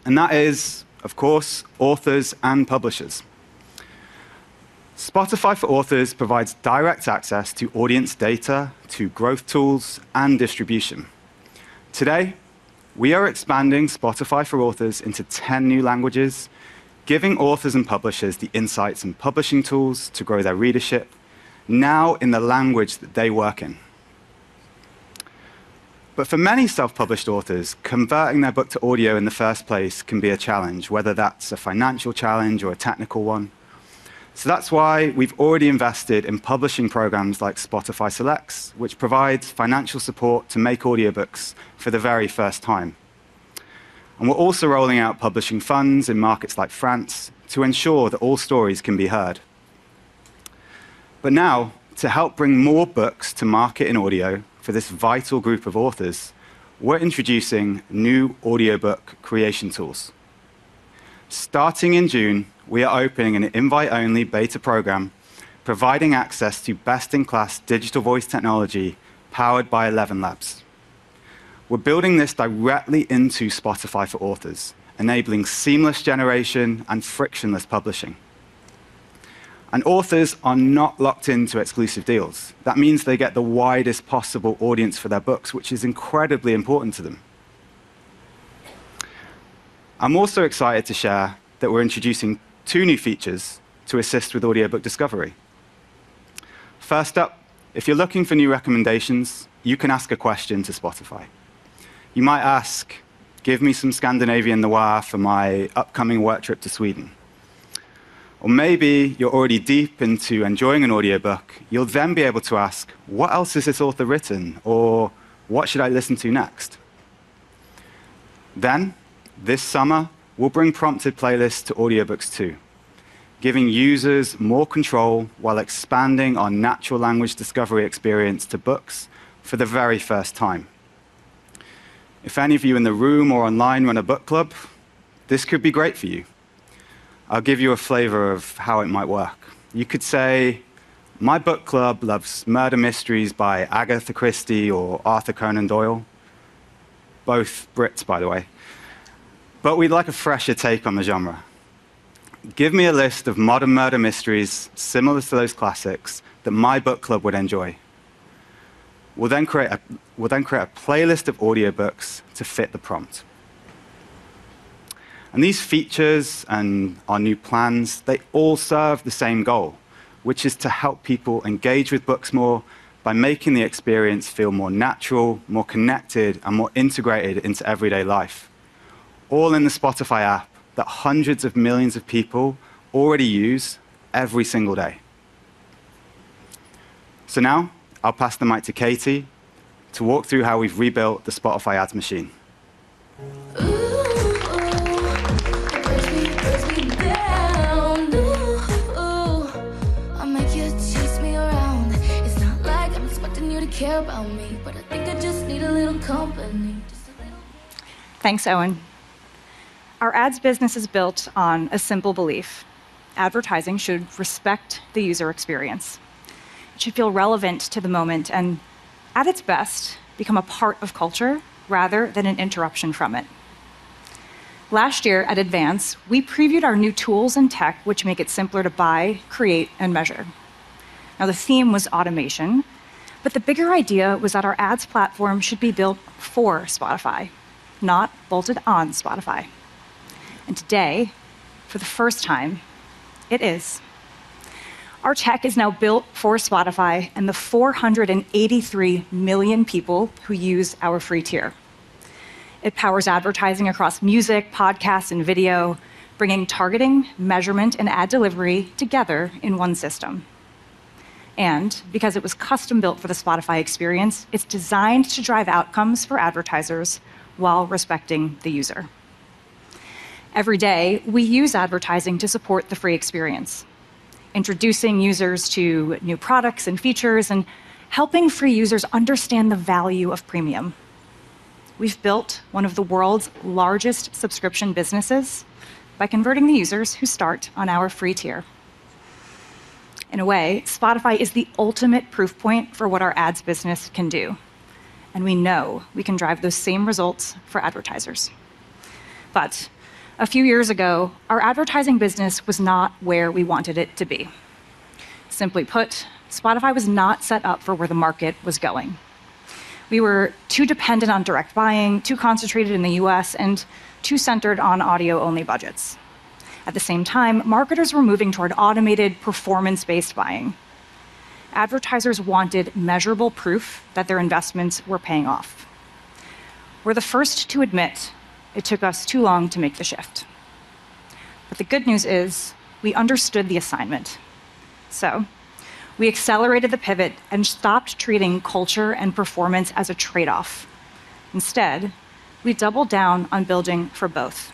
That is, of course, authors and publishers. Spotify for Authors provides direct access to audience data, to growth tools, and distribution. Today, we are expanding Spotify for Authors into 10 new languages, giving authors and publishers the insights and publishing tools to grow their readership now in the language that they work in. For many self-published authors, converting their book to audio in the first place can be a challenge, whether that's a financial challenge or a technical one. That's why we've already invested in publishing programs like Spotify Selects, which provides financial support to make audiobooks for the very first time. We're also rolling out publishing funds in markets like France to ensure that all stories can be heard. Now, to help bring more books to market in audio for this vital group of authors, we're introducing new audiobook creation tools. Starting in June, we are opening an invite-only beta program providing access to best-in-class digital voice technology powered by ElevenLabs. We're building this directly into Spotify for Authors, enabling seamless generation and frictionless publishing. Authors are not locked into exclusive deals. That means they get the widest possible audience for their books, which is incredibly important to them. I'm also excited to share that we're introducing two new features to assist with audiobook discovery. First up, if you're looking for new recommendations, you can ask a question to Spotify. You might ask, "Give me some Scandinavian noir for my upcoming work trip to Sweden." Maybe you're already deep into enjoying an audiobook, you'll then be able to ask, "What else has this author written?" "What should I listen to next?" This summer, we'll bring Prompted Playlists to audiobooks, too, giving users more control while expanding our natural language discovery experience to books for the very first time. If any of you in the room or online run a book club, this could be great for you. I'll give you a flavor of how it might work. You could say, "My book club loves murder mysteries by Agatha Christie or Arthur Conan Doyle," both Brits, by the way, "but we'd like a fresher take on the genre. Give me a list of modern murder mysteries similar to those classics that my book club would enjoy." We'll then create a playlist of audiobooks to fit the prompt. These features and our new plans, they all serve the same goal, which is to help people engage with books more by making the experience feel more natural, more connected, and more integrated into everyday life, all in the Spotify app that hundreds of millions of people already use every single day. Now I'll pass the mic to Katie to walk through how we've rebuilt the Spotify ads machine. Thanks, Owen. Our ads business is built on a simple belief: advertising should respect the user experience. It should feel relevant to the moment, and at its best, become a part of culture rather than an interruption from it. Last year at Advance, we previewed our new tools and tech, which make it simpler to buy, create, and measure. Now, the theme was automation, but the bigger idea was that our ads platform should be built for Spotify, not bolted on Spotify. Today, for the first time, it is. Our tech is now built for Spotify and the 483 million people who use our free tier. It powers advertising across music, podcasts, and video, bringing targeting, measurement, and ad delivery together in one system. Because it was custom-built for the Spotify experience, it's designed to drive outcomes for advertisers while respecting the user. Every day, we use advertising to support the free experience, introducing users to new products and features, and helping free users understand the value of Premium. We've built one of the world's largest subscription businesses by converting the users who start on our free tier. In a way, Spotify is the ultimate proof point for what our ads business can do, and we know we can drive those same results for advertisers. A few years ago, our advertising business was not where we wanted it to be. Simply put, Spotify was not set up for where the market was going. We were too dependent on direct buying, too concentrated in the U.S., and too centered on audio-only budgets. At the same time, marketers were moving toward automated performance-based buying. Advertisers wanted measurable proof that their investments were paying off. We're the first to admit it took us too long to make the shift. The good news is we understood the assignment. We accelerated the pivot and stopped treating culture and performance as a trade-off. Instead, we doubled down on building for both.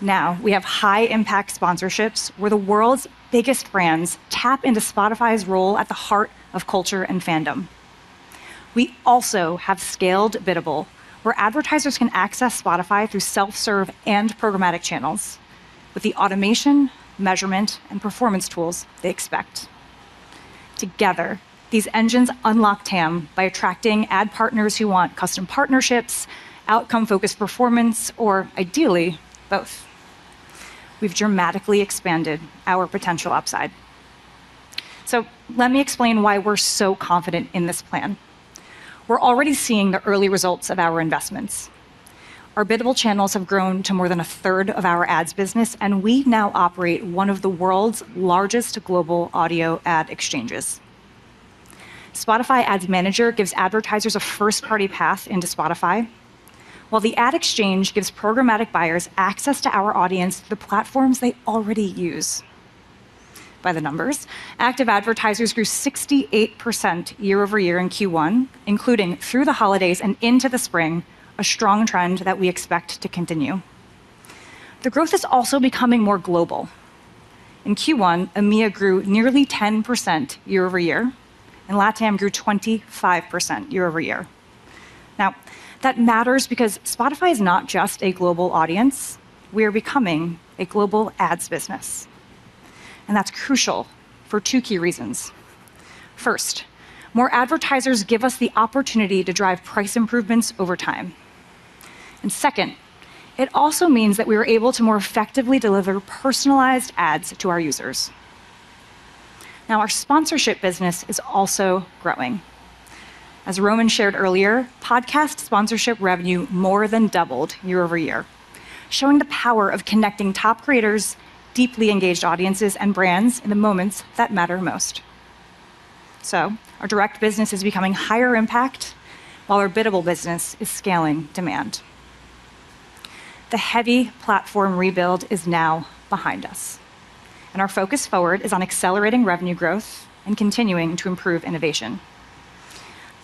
Now, we have high-impact sponsorships where the world's biggest brands tap into Spotify's role at the heart of culture and fandom. We also have scaled biddable, where advertisers can access Spotify through self-serve and programmatic channels with the automation, measurement, and performance tools they expect. Together, these engines unlock TAM by attracting ad partners who want custom partnerships, outcome-focused performance, or ideally, both. We've dramatically expanded our potential upside. Let me explain why we're so confident in this plan. We're already seeing the early results of our investments. Our biddable channels have grown to more than a third of our ads business. We now operate one of the world's largest global audio ad exchanges. Spotify Ads Manager gives advertisers a first-party path into Spotify, while the Ad Exchange gives programmatic buyers access to our audience through the platforms they already use. By the numbers, active advertisers grew 68% year-over-year in Q1, including through the holidays and into the spring, a strong trend that we expect to continue. The growth is also becoming more global. In Q1, EMEA grew nearly 10% year-over-year. LATAM grew 25% year-over-year. That matters because Spotify is not just a global audience. We are becoming a global ads business. That's crucial for two key reasons. First, more advertisers give us the opportunity to drive price improvements over time. Second, it also means that we are able to more effectively deliver personalized ads to our users. Now, our sponsorship business is also growing. As Roman shared earlier, podcast sponsorship revenue more than doubled year-over-year, showing the power of connecting top creators, deeply engaged audiences, and brands in the moments that matter most. Our direct business is becoming higher impact while our biddable business is scaling demand. The heavy platform rebuild is now behind us, and our focus forward is on accelerating revenue growth and continuing to improve innovation.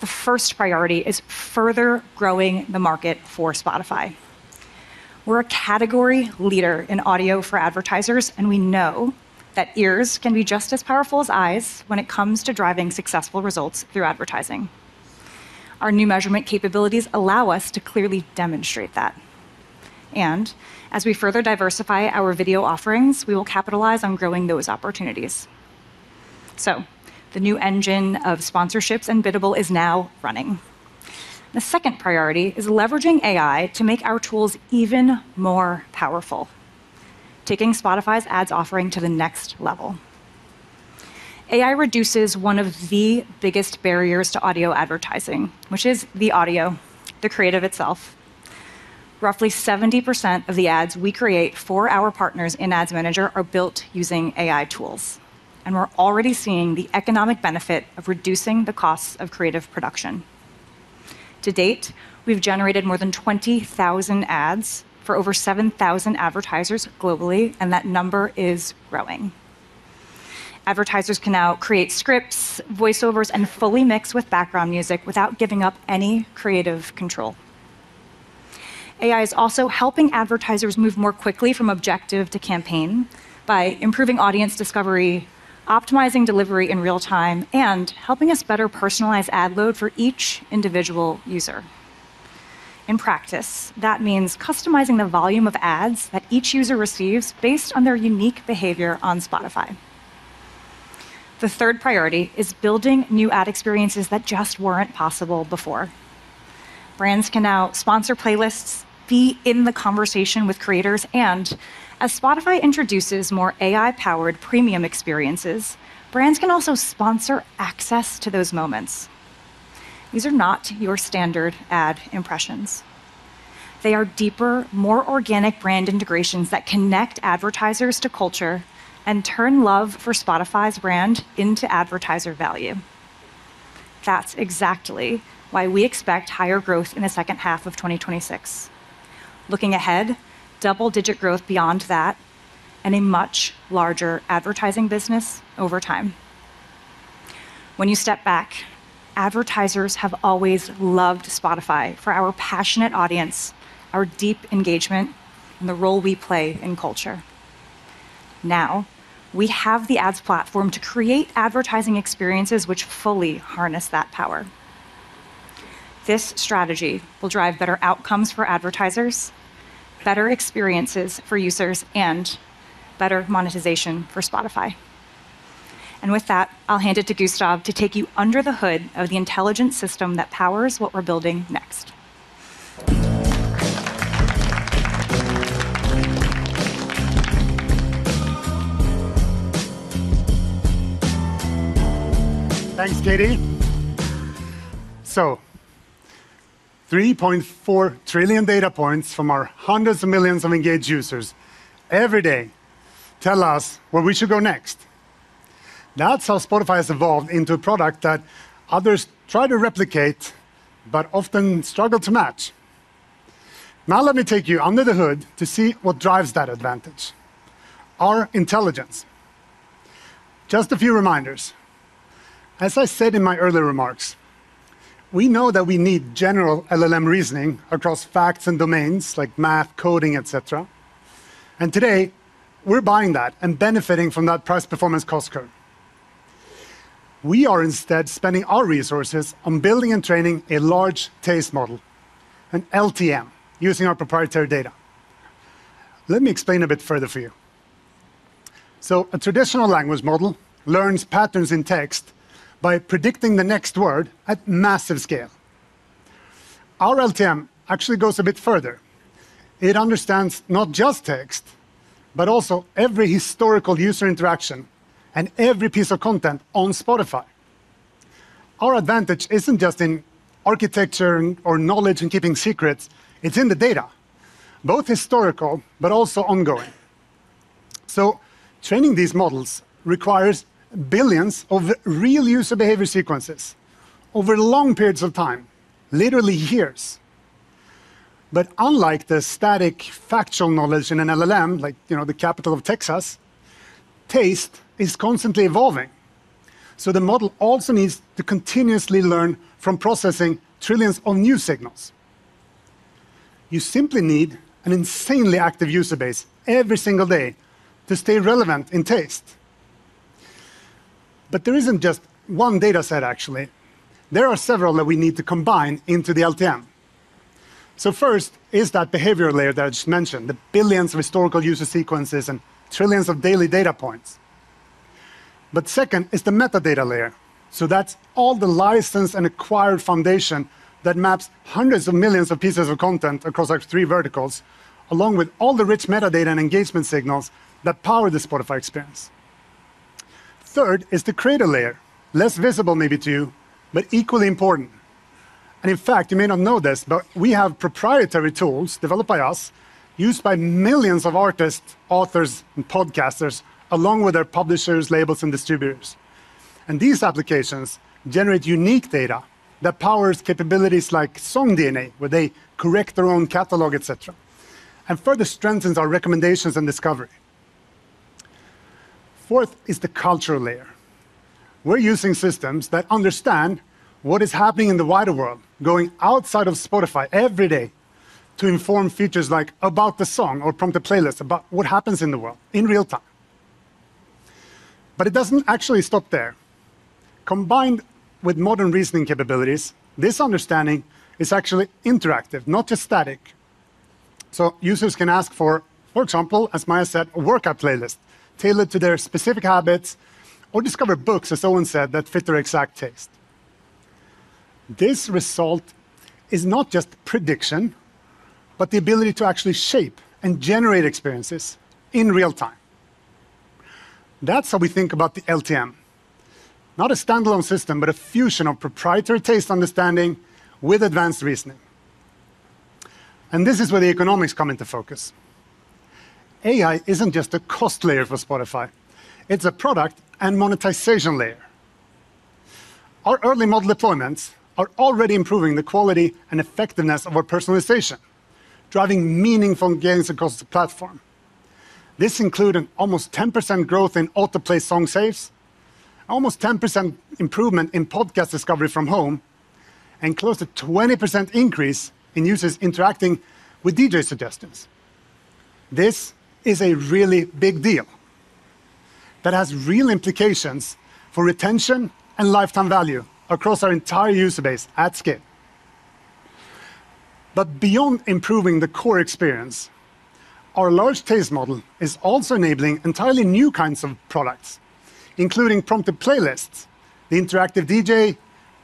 The first priority is further growing the market for Spotify. We're a category leader in audio for advertisers, and we know that ears can be just as powerful as eyes when it comes to driving successful results through advertising. Our new measurement capabilities allow us to clearly demonstrate that. As we further diversify our video offerings, we will capitalize on growing those opportunities. The new engine of sponsorships and biddable is now running. The second priority is leveraging AI to make our tools even more powerful, taking Spotify's Ads offering to the next level. AI reduces one of the biggest barriers to audio advertising, which is the audio, the creative itself. Roughly 70% of the ads we create for our partners in Spotify Ads Manager are built using AI tools, and we're already seeing the economic benefit of reducing the costs of creative production. To date, we've generated more than 20,000 ads for over 7,000 advertisers globally, and that number is growing. Advertisers can now create scripts, voiceovers, and fully mix with background music without giving up any creative control. AI is also helping advertisers move more quickly from objective to campaign by improving audience discovery, optimizing delivery in real time, and helping us better personalize ad load for each individual user. In practice, that means customizing the volume of ads that each user receives based on their unique behavior on Spotify. The third priority is building new ad experiences that just weren't possible before. Brands can now sponsor playlists, be in the conversation with creators, and as Spotify introduces more AI-powered premium experiences, brands can also sponsor access to those moments. These are not your standard ad impressions. They are deeper, more organic brand integrations that connect advertisers to culture and turn love for Spotify's brand into advertiser value. That's exactly why we expect higher growth in the second half of 2026. Looking ahead, double-digit growth beyond that, and a much larger advertising business over time. When you step back, advertisers have always loved Spotify for our passionate audience, our deep engagement, and the role we play in culture. Now, we have the ads platform to create advertising experiences which fully harness that power. This strategy will drive better outcomes for advertisers, better experiences for users, and better monetization for Spotify. With that, I'll hand it to Gustav to take you under the hood of the intelligence system that powers what we're building next. Thanks, Katie. 3.4 trillion data points from our hundreds of millions of engaged users every day tell us where we should go next. That's how Spotify has evolved into a product that others try to replicate but often struggle to match. Let me take you under the hood to see what drives that advantage, our intelligence. Just a few reminders. As I said in my earlier remarks, we know that we need general LLM reasoning across facts and domains like math, coding, et cetera. Today, we're buying that and benefiting from that price performance cost curve. We are instead spending our resources on building and training a Large Taste Model, an LTM, using our proprietary data. Let me explain a bit further for you. A traditional language model learns patterns in text by predicting the next word at massive scale. Our LTM actually goes a bit further. It understands not just text, but also every historical user interaction and every piece of content on Spotify. Our advantage isn't just in architecture or knowledge and keeping secrets. It's in the data, both historical but also ongoing. Training these models requires billions of real user behavior sequences over long periods of time, literally years. Unlike the static factual knowledge in an LLM, like the capital of Texas, taste is constantly evolving, so the model also needs to continuously learn from processing trillions of new signals. You simply need an insanely active user base every single day to stay relevant in taste. There isn't just one data set, actually. There are several that we need to combine into the LTM. First is that behavior layer that I just mentioned, the billions of historical user sequences and trillions of daily data points. Second is the metadata layer. That's all the licensed and acquired foundation that maps hundreds of millions of pieces of content across our three verticals, along with all the rich metadata and engagement signals that power the Spotify experience. Third is the creator layer. Less visible maybe to you, but equally important. In fact, you may not know this, but we have proprietary tools developed by us, used by millions of artists, authors, and podcasters along with their publishers, labels, and distributors. These applications generate unique data that powers capabilities like SongDNA, where they correct their own catalog, et cetera, and further strengthens our recommendations and discovery. Fourth is the cultural layer. We're using systems that understand what is happening in the wider world, going outside of Spotify every day to inform features like About the Song or Prompted Playlist about what happens in the world in real time. It doesn't actually stop there. Combined with modern reasoning capabilities, this understanding is actually interactive, not just static. Users can ask for example, as Maya said, a workout playlist tailored to their specific habits or discover books, as Owen said, that fit their exact taste. This result is not just prediction, but the ability to actually shape and generate experiences in real time. That's how we think about the LTM. Not a standalone system, but a fusion of proprietary taste understanding with advanced reasoning. This is where the economics come into focus. AI isn't just a cost layer for Spotify. It's a product and monetization layer. Our early model deployments are already improving the quality and effectiveness of our personalization, driving meaningful gains across the platform. This includes an almost 10% growth in auto-play song saves, almost 10% improvement in podcast discovery from home, and close to 20% increase in users interacting with DJ suggestions. This is a really big deal that has real implications for retention and lifetime value across our entire user base at scale. Beyond improving the core experience, our Large Taste Model is also enabling entirely new kinds of products, including Prompted Playlist, the interactive DJ,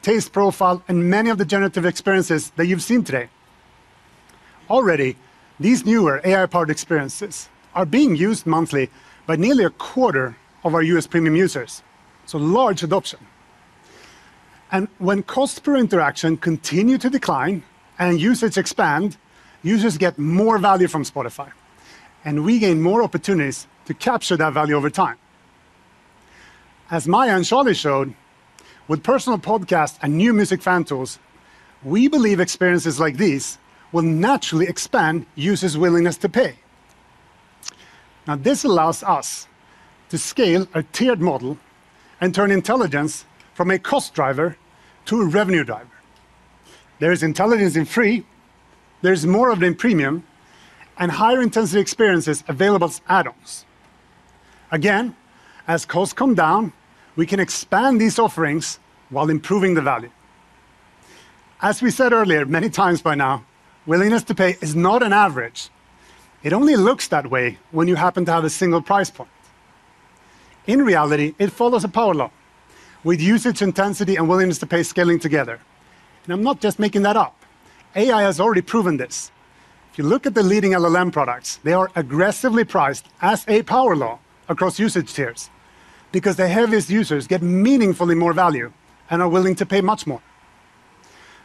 Taste Profile, and many of the generative experiences that you've seen today. Already, these newer AI-powered experiences are being used monthly by nearly a quarter of our U.S. Premium users. Large adoption. When cost per interaction continue to decline and usage expand, users get more value from Spotify. We gain more opportunities to capture that value over time. As Maya and Charlie showed, with personal podcasts and new music fan tools, we believe experiences like these will naturally expand users' willingness to pay. This allows us to scale a tiered model and turn intelligence from a cost driver to a revenue driver. There is intelligence in free, there's more of it in premium, and higher intensity experiences available as add-ons. As costs come down, we can expand these offerings while improving the value. As we said earlier, many times by now, willingness to pay is not an average. It only looks that way when you happen to have a single price point. In reality, it follows a power law with usage intensity and willingness to pay scaling together. I'm not just making that up. AI has already proven this. If you look at the leading LLM products, they are aggressively priced as a power law across usage tiers because their heaviest users get meaningfully more value and are willing to pay much more.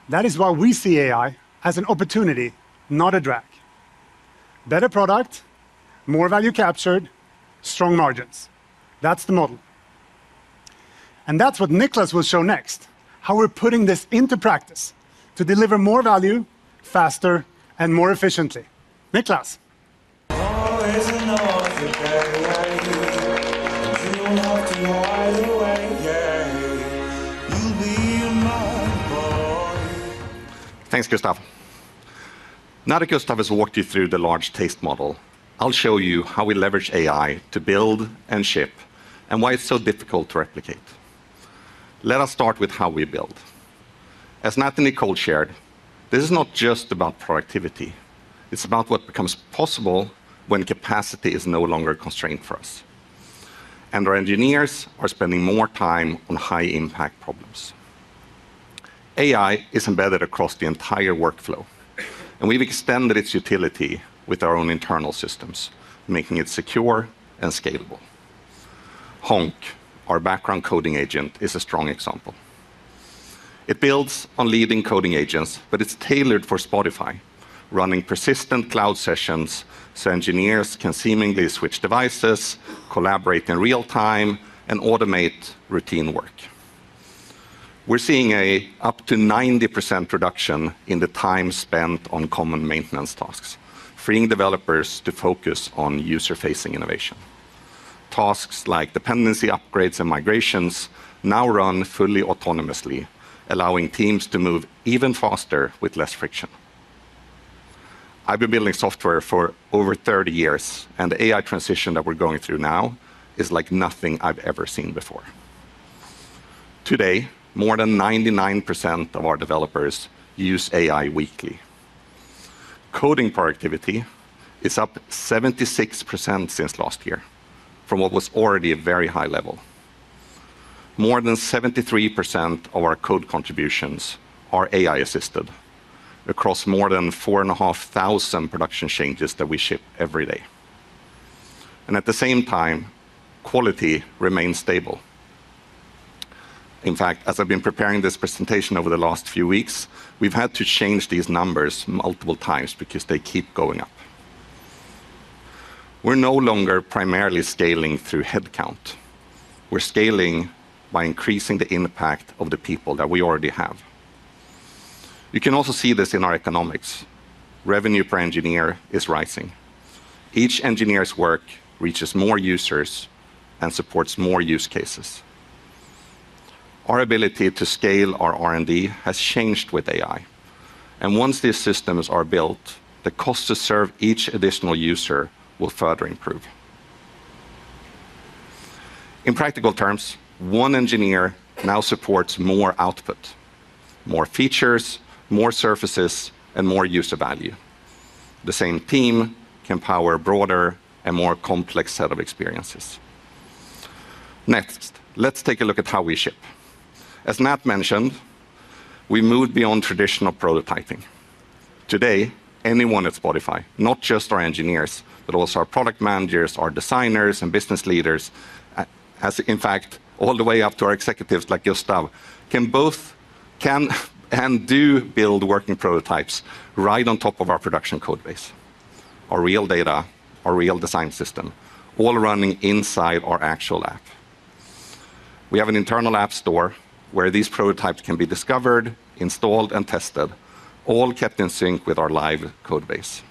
That is why we see AI as an opportunity, not a drag. Better product, more value captured, strong margins. That's the model. That's what Niklas will show next, how we're putting this into practice to deliver more value faster and more efficiently. Niklas. Thanks, Gustav. Now that Gustav has walked you through the Large Taste Model, I'll show you how we leverage AI to build and ship, and why it's so difficult to replicate. Let us start with how we build. As Nat and Nicole shared, this is not just about productivity. It's about what becomes possible when capacity is no longer a constraint for us. Our engineers are spending more time on high impact problems. AI is embedded across the entire workflow, and we've extended its utility with our own internal systems, making it secure and scalable. Honk, our background coding agent, is a strong example. It builds on leading coding agents, but it's tailored for Spotify, running persistent cloud sessions so engineers can seemingly switch devices, collaborate in real time, and automate routine work. We're seeing up to 90% reduction in the time spent on common maintenance tasks, freeing developers to focus on user-facing innovation. Tasks like dependency upgrades and migrations now run fully autonomously, allowing teams to move even faster with less friction. I've been building software for over 30 years, The AI transition that we're going through now is like nothing I've ever seen before. Today, more than 99% of our developers use AI weekly. Coding productivity is up 76% since last year, from what was already a very high level. More than 73% of our code contributions are AI assisted across more than 4,500 production changes that we ship every day. At the same time, quality remains stable. In fact, as I've been preparing this presentation over the last few weeks, we've had to change these numbers multiple times because they keep going up. We're no longer primarily scaling through headcount. We're scaling by increasing the impact of the people that we already have. You can also see this in our economics. Revenue per engineer is rising. Each engineer's work reaches more users and supports more use cases. Our ability to scale our R&D has changed with AI, and once these systems are built, the cost to serve each additional user will further improve. In practical terms, one engineer now supports more output, more features, more services, and more user value. The same team can power a broader and more complex set of experiences. Next, let's take a look at how we ship. As Nat mentioned, we moved beyond traditional prototyping. Today, anyone at Spotify, not just our engineers, but also our product managers, our designers, and business leaders, has in fact all the way up to our executives like Gustav, can and do build working prototypes right on top of our production code base. Our real data, our real design system, all running inside our actual app. We have an internal app store where these prototypes can be discovered, installed, and tested, all kept in sync with our live code base.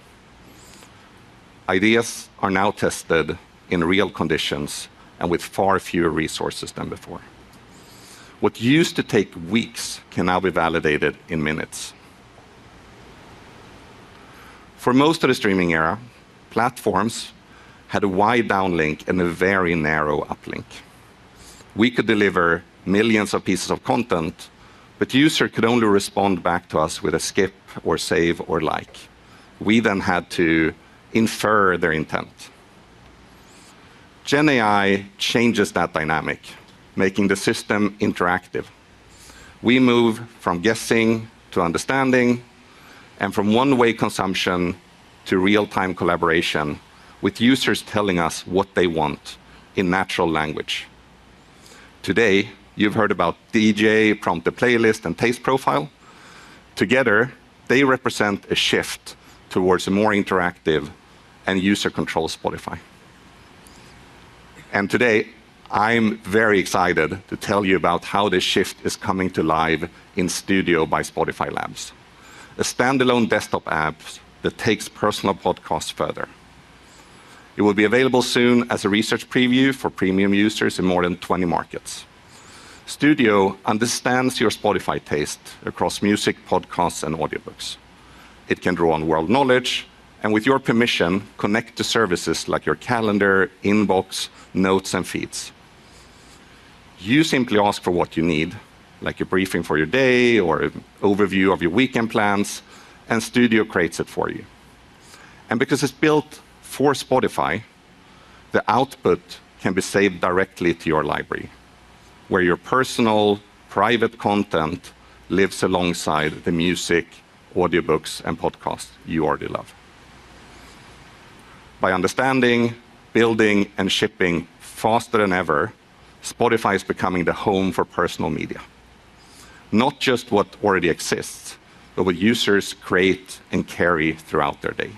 Ideas are now tested in real conditions and with far fewer resources than before. What used to take weeks can now be validated in minutes. For most of the streaming era, platforms had a wide downlink and a very narrow uplink. We could deliver millions of pieces of content, user could only respond back to us with a skip or save or like. We then had to infer their intent. Gen AI changes that dynamic, making the system interactive. We move from guessing to understanding and from one-way consumption to real-time collaboration, with users telling us what they want in natural language. Today, you've heard about DJ, Prompted Playlist, and Taste Profile. Together, they represent a shift towards a more interactive and user-controlled Spotify. Today, I'm very excited to tell you about how this shift is coming to life in Studio by Spotify Labs, a standalone desktop app that takes personal podcasts further. It will be available soon as a research preview for premium users in more than 20 markets. Studio understands your Spotify taste across music, podcasts, and audiobooks. It can draw on world knowledge, and with your permission, connect to services like your calendar, inbox, notes, and feeds. You simply ask for what you need, like a briefing for your day or an overview of your weekend plans, and Studio creates it for you. Because it's built for Spotify, the output can be saved directly to your library, where your personal private content lives alongside the music, audiobooks, and podcasts you already love. By understanding, building, and shipping faster than ever, Spotify is becoming the home for personal media. Not just what already exists, but what users create and carry throughout their day.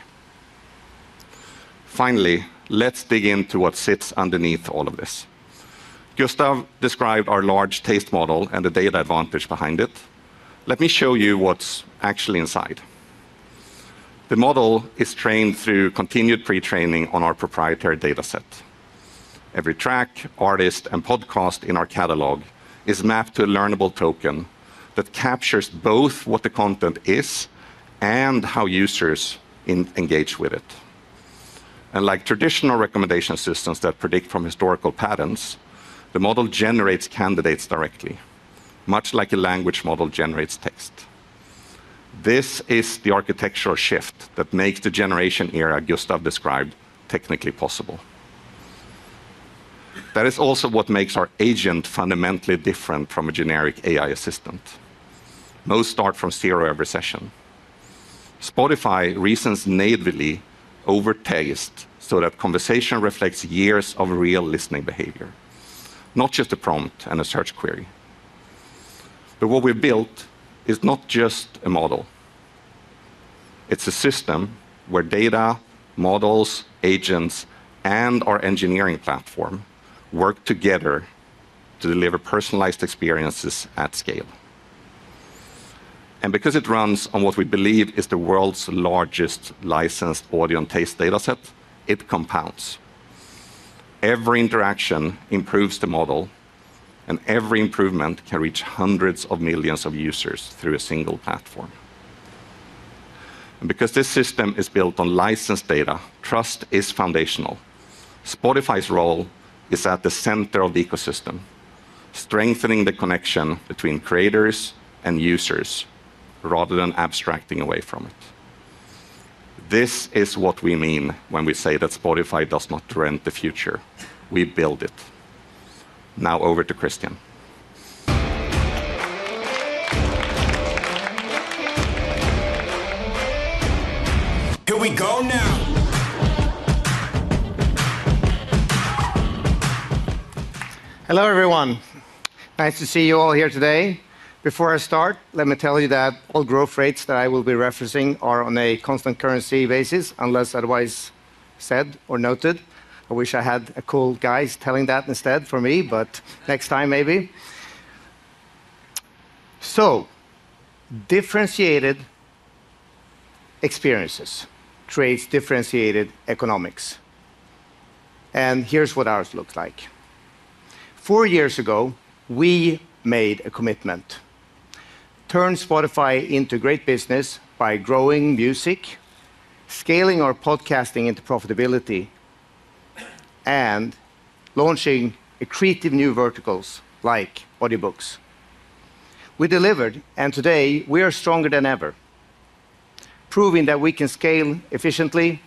Finally, let's dig into what sits underneath all of this. Gustav described our Large Taste Model and the data advantage behind it. Let me show you what's actually inside. The model is trained through continued pre-training on our proprietary data set. Every track, artist, and podcast in our catalog is mapped to a learnable token that captures both what the content is and how users engage with it. Like traditional recommendation systems that predict from historical patterns, the model generates candidates directly, much like a language model generates text. This is the architectural shift that makes the generation era Gustav described technically possible. That is also what makes our agent fundamentally different from a generic AI assistant. Most start from zero every session. Spotify reasons natively over taste so that conversation reflects years of real listening behavior, not just a prompt and a search query. What we've built is not just a model. It's a system where data, models, agents, and our engineering platform work together to deliver personalized experiences at scale. Because it runs on what we believe is the world's largest licensed audio and taste data set, it compounds. Every interaction improves the model, and every improvement can reach hundreds of millions of users through a single platform. Because this system is built on licensed data, trust is foundational. Spotify's role is at the center of the ecosystem, strengthening the connection between creators and users, rather than abstracting away from it. This is what we mean when we say that Spotify does not rent the future. We build it. Now over to Christian. Hello, everyone. Nice to see you all here today. Before I start, let me tell you that all growth rates that I will be referencing are on a constant currency basis, unless otherwise said or noted. I wish I had cool guys telling that instead for me, but next time maybe. Differentiated experiences creates differentiated economics. Here's what ours looks like. Four years ago, we made a commitment: turn Spotify into great business by growing music, scaling our podcasting into profitability, and launching accretive new verticals like audiobooks. We delivered, and today we are stronger than ever, proving that we can scale efficiently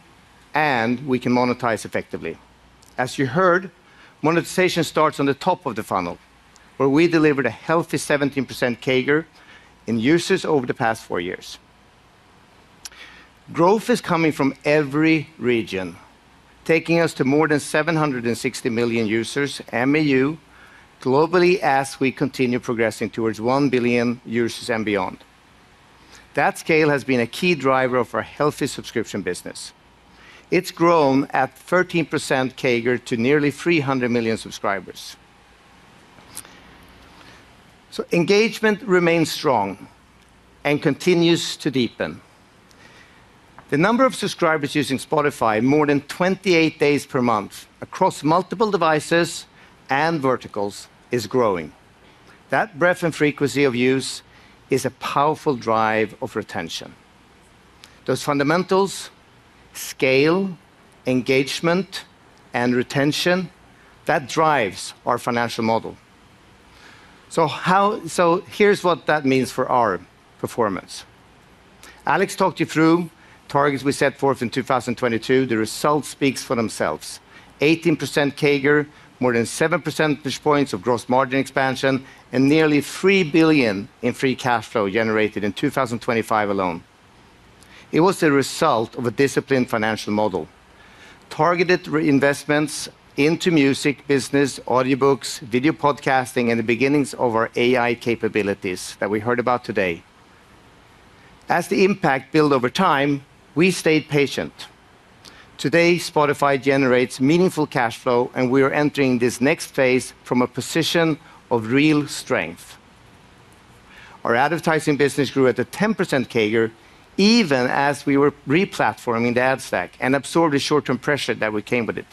and we can monetize effectively. As you heard, monetization starts on the top of the funnel, where we delivered a healthy 17% CAGR in users over the past four years. Growth is coming from every region, taking us to more than 760 million users, MAU, globally as we continue progressing towards 1 billion users and beyond. That scale has been a key driver of our healthy subscription business. It's grown at 13% CAGR to nearly 300 million subscribers. Engagement remains strong and continues to deepen. The number of subscribers using Spotify more than 28 days per month across multiple devices and verticals is growing. That breadth and frequency of use is a powerful drive of retention. Those fundamentals, scale, engagement, and retention, that drives our financial model. Here's what that means for our performance. Alex talked you through targets we set forth in 2022. The results speak for themselves. 18% CAGR, more than 7 percentage points of gross margin expansion, and nearly 3 billion in free cash flow generated in 2025 alone. It was the result of a disciplined financial model. Targeted investments into music business, audiobooks, video podcasting, and the beginnings of our AI capabilities that we heard about today. As the impact built over time, we stayed patient. Today, Spotify generates meaningful cash flow, and we are entering this next phase from a position of real strength. Our advertising business grew at a 10% CAGR, even as we were re-platforming the ad stack and absorbed the short-term pressure that came with it.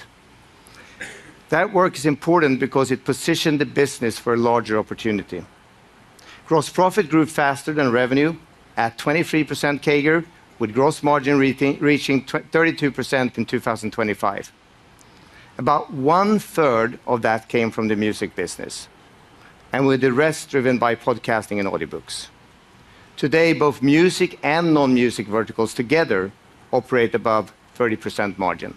That work is important because it positioned the business for a larger opportunity. Gross profit grew faster than revenue at 23% CAGR, with gross margin reaching 32% in 2025. About one-third of that came from the music business, and with the rest driven by podcasting and audiobooks. Today, both music and non-music verticals together operate above 30% margin.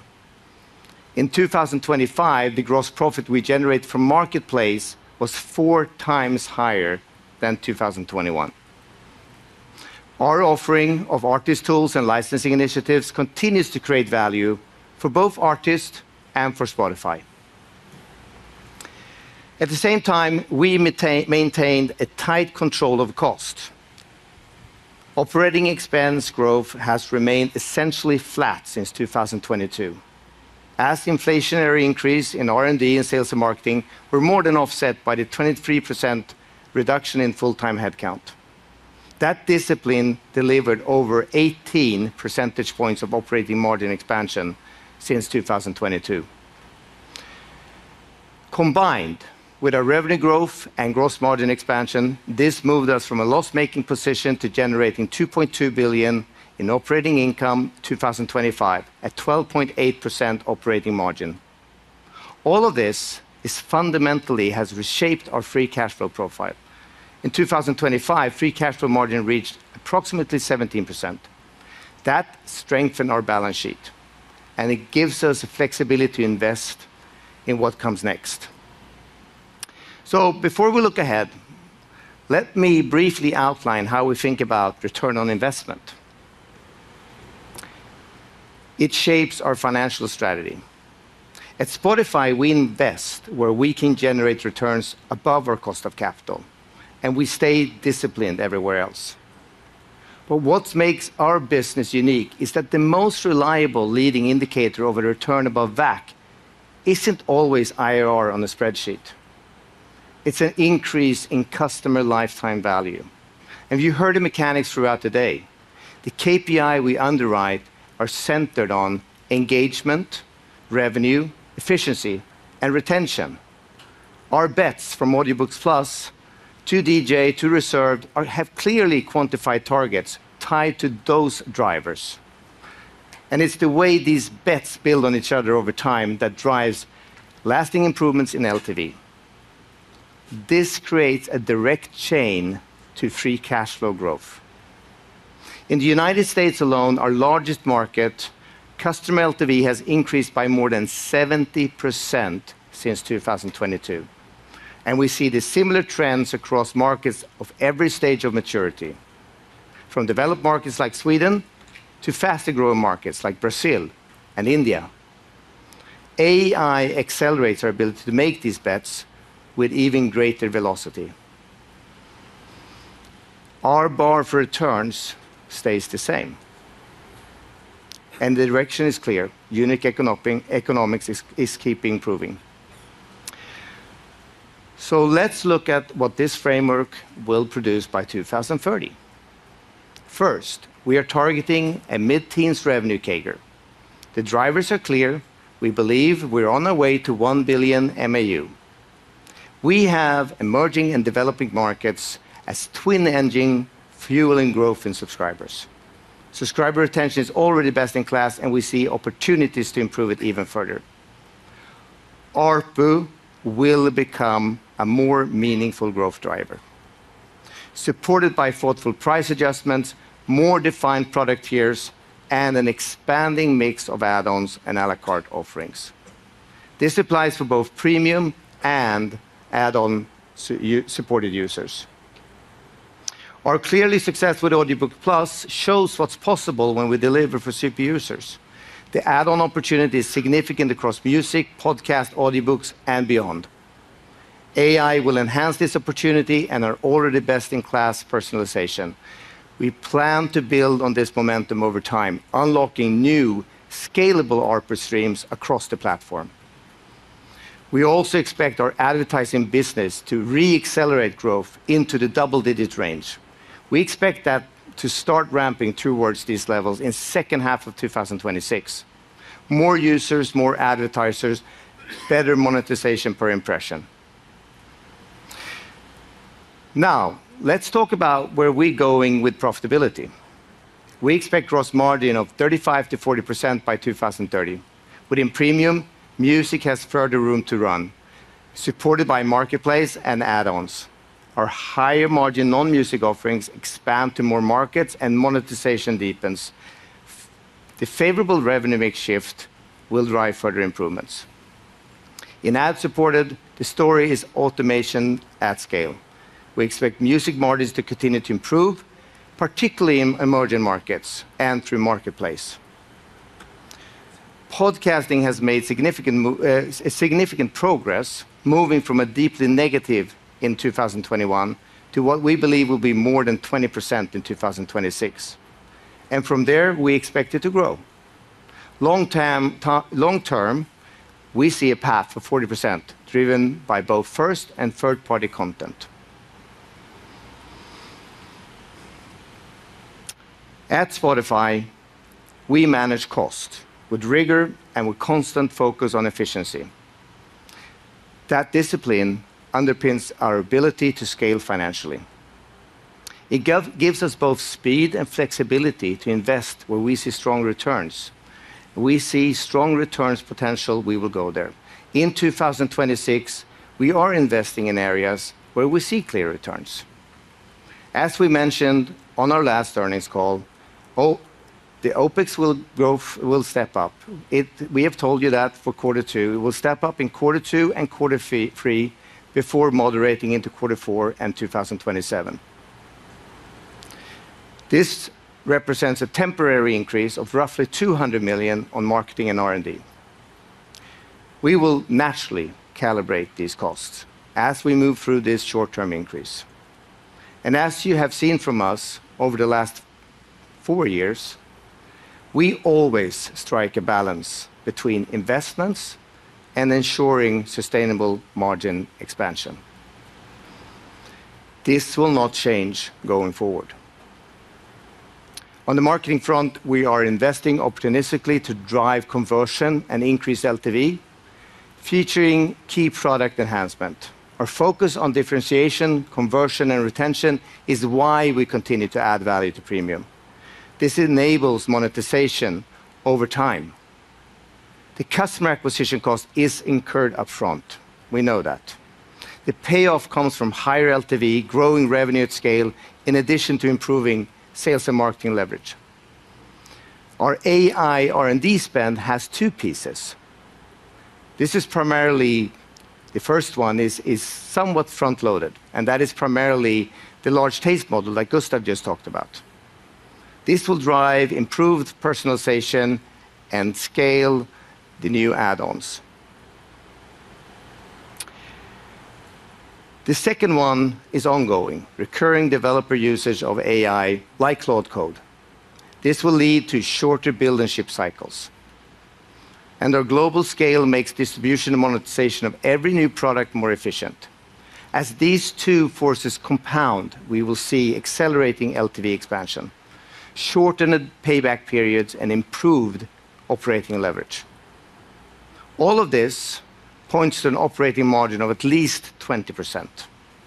In 2025, the gross profit we generated from Marketplace was four times higher than 2021. Our offering of artist tools and licensing initiatives continues to create value for both artists and for Spotify. At the same time, we maintained a tight control of cost. Operating expense growth has remained essentially flat since 2022, as the inflationary increase in R&D and sales and marketing were more than offset by the 23% reduction in full-time headcount. That discipline delivered over 18 percentage points of operating margin expansion since 2022. Combined with our revenue growth and gross margin expansion, this moved us from a loss-making position to generating 2.2 billion in operating income 2025 at 12.8% operating margin. All of this fundamentally has reshaped our free cash flow profile. In 2025, free cash flow margin reached approximately 17%. That strengthened our balance sheet, and it gives us the flexibility to invest in what comes next. Before we look ahead, let me briefly outline how we think about return on investment. It shapes our financial strategy. At Spotify, we invest where we can generate returns above our cost of capital, and we stay disciplined everywhere else. What makes our business unique is that the most reliable leading indicator of a return above WACC isn't always IRR on a spreadsheet. It's an increase in customer lifetime value. You heard the mechanics throughout today. The KPI we underwrite are centered on engagement, revenue, efficiency, and retention. Our bets from Audiobooks+ to DJ to Reserve have clearly quantified targets tied to those drivers. It's the way these bets build on each other over time that drives lasting improvements in LTV. This creates a direct chain to free cash flow growth. In the U.S. alone, our largest market, customer LTV has increased by more than 70% since 2022. We see similar trends across markets of every stage of maturity, from developed markets like Sweden to faster-growing markets like Brazil and India. AI accelerates our ability to make these bets with even greater velocity. Our bar for returns stays the same, and the direction is clear. Unique economics is keeping improving. Let's look at what this framework will produce by 2030. First, we are targeting a mid-teens revenue CAGR. The drivers are clear. We believe we're on our way to 1 billion MAU. We have emerging and developing markets as twin engine fueling growth in subscribers. Subscriber retention is already best in class. We see opportunities to improve it even further. ARPU will become a more meaningful growth driver, supported by thoughtful price adjustments, more defined product tiers, and an expanding mix of add-ons and à la carte offerings. This applies for both Premium and add-on-supported users. Our clear success with Audiobooks+ shows what's possible when we deliver for super users. The add-on opportunity is significant across music, podcast, audiobooks, and beyond. AI will enhance this opportunity and our already best-in-class personalization. We plan to build on this momentum over time, unlocking new, scalable ARPU streams across the platform. We also expect our advertising business to re-accelerate growth into the double-digit range. We expect that to start ramping towards these levels in the second half of 2026. More users, more advertisers, better monetization per impression. Let's talk about where we're going with profitability. We expect gross margin of 35%-40% by 2030. Within Premium, music has further room to run, supported by Marketplace and add-ons. Our higher-margin non-music offerings expand to more markets and monetization deepens. The favorable revenue mix shift will drive further improvements. In ad-supported, the story is automation at scale. We expect music margins to continue to improve, particularly in emerging markets and through Marketplace. Podcasting has made significant progress moving from a deeply negative in 2021 to what we believe will be more than 20% in 2026. From there, we expect it to grow. Long-term, we see a path for 40% driven by both first and third-party content. At Spotify, we manage cost with rigor and with constant focus on efficiency. That discipline underpins our ability to scale financially. It gives us both speed and flexibility to invest where we see strong returns. We see strong returns potential, we will go there. In 2026, we are investing in areas where we see clear returns. As we mentioned on our last earnings call, the OPEX will step up. We have told you that for quarter 2. It will step up in quarter 2 and quarter 3 before moderating into quarter 4 and 2027. This represents a temporary increase of roughly 200 million on marketing and R&D. We will naturally calibrate these costs as we move through this short-term increase. As you have seen from us over the last four years, we always strike a balance between investments and ensuring sustainable margin expansion. This will not change going forward. On the marketing front, we are investing opportunistically to drive conversion and increase LTV featuring key product enhancement. Our focus on differentiation, conversion, and retention is why we continue to add value to Premium. This enables monetization over time. The customer acquisition cost is incurred upfront. We know that. The payoff comes from higher LTV, growing revenue at scale, in addition to improving sales and marketing leverage. Our AI R&D spend has two pieces. The first one is somewhat front-loaded, and that is primarily the large taste model like Gustav just talked about. This will drive improved personalization and scale the new add-ons. The second one is ongoing, recurring developer usage of AI like Claude Code. This will lead to shorter build and ship cycles. Our global scale makes distribution and monetization of every new product more efficient. As these two forces compound, we will see accelerating LTV expansion, shortened payback periods, and improved operating leverage. All of this points to an operating margin of at least 20%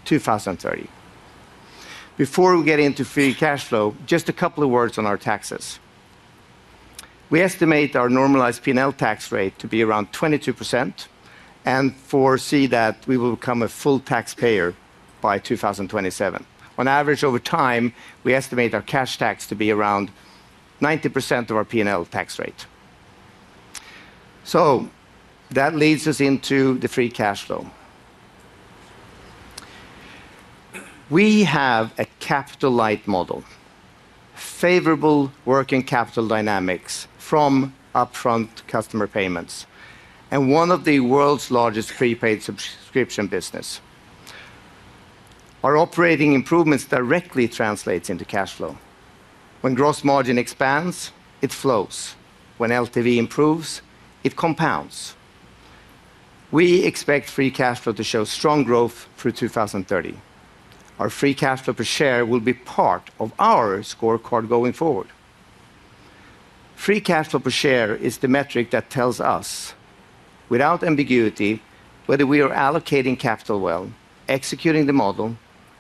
2030. Before we get into free cash flow, just a couple of words on our taxes. We estimate our normalized P&L tax rate to be around 22% and foresee that we will become a full taxpayer by 2027. On average, over time, we estimate our cash tax to be around 90% of our P&L tax rate. That leads us into the free cash flow. We have a capital-light model, favorable working capital dynamics from upfront customer payments, and one of the world's largest free paid subscription business. Our operating improvements directly translates into cash flow. When gross margin expands, it flows. When LTV improves, it compounds. We expect free cash flow to show strong growth through 2030. Our free cash flow per share will be part of our scorecard going forward. Free cash flow per share is the metric that tells us without ambiguity whether we are allocating capital well, executing the model,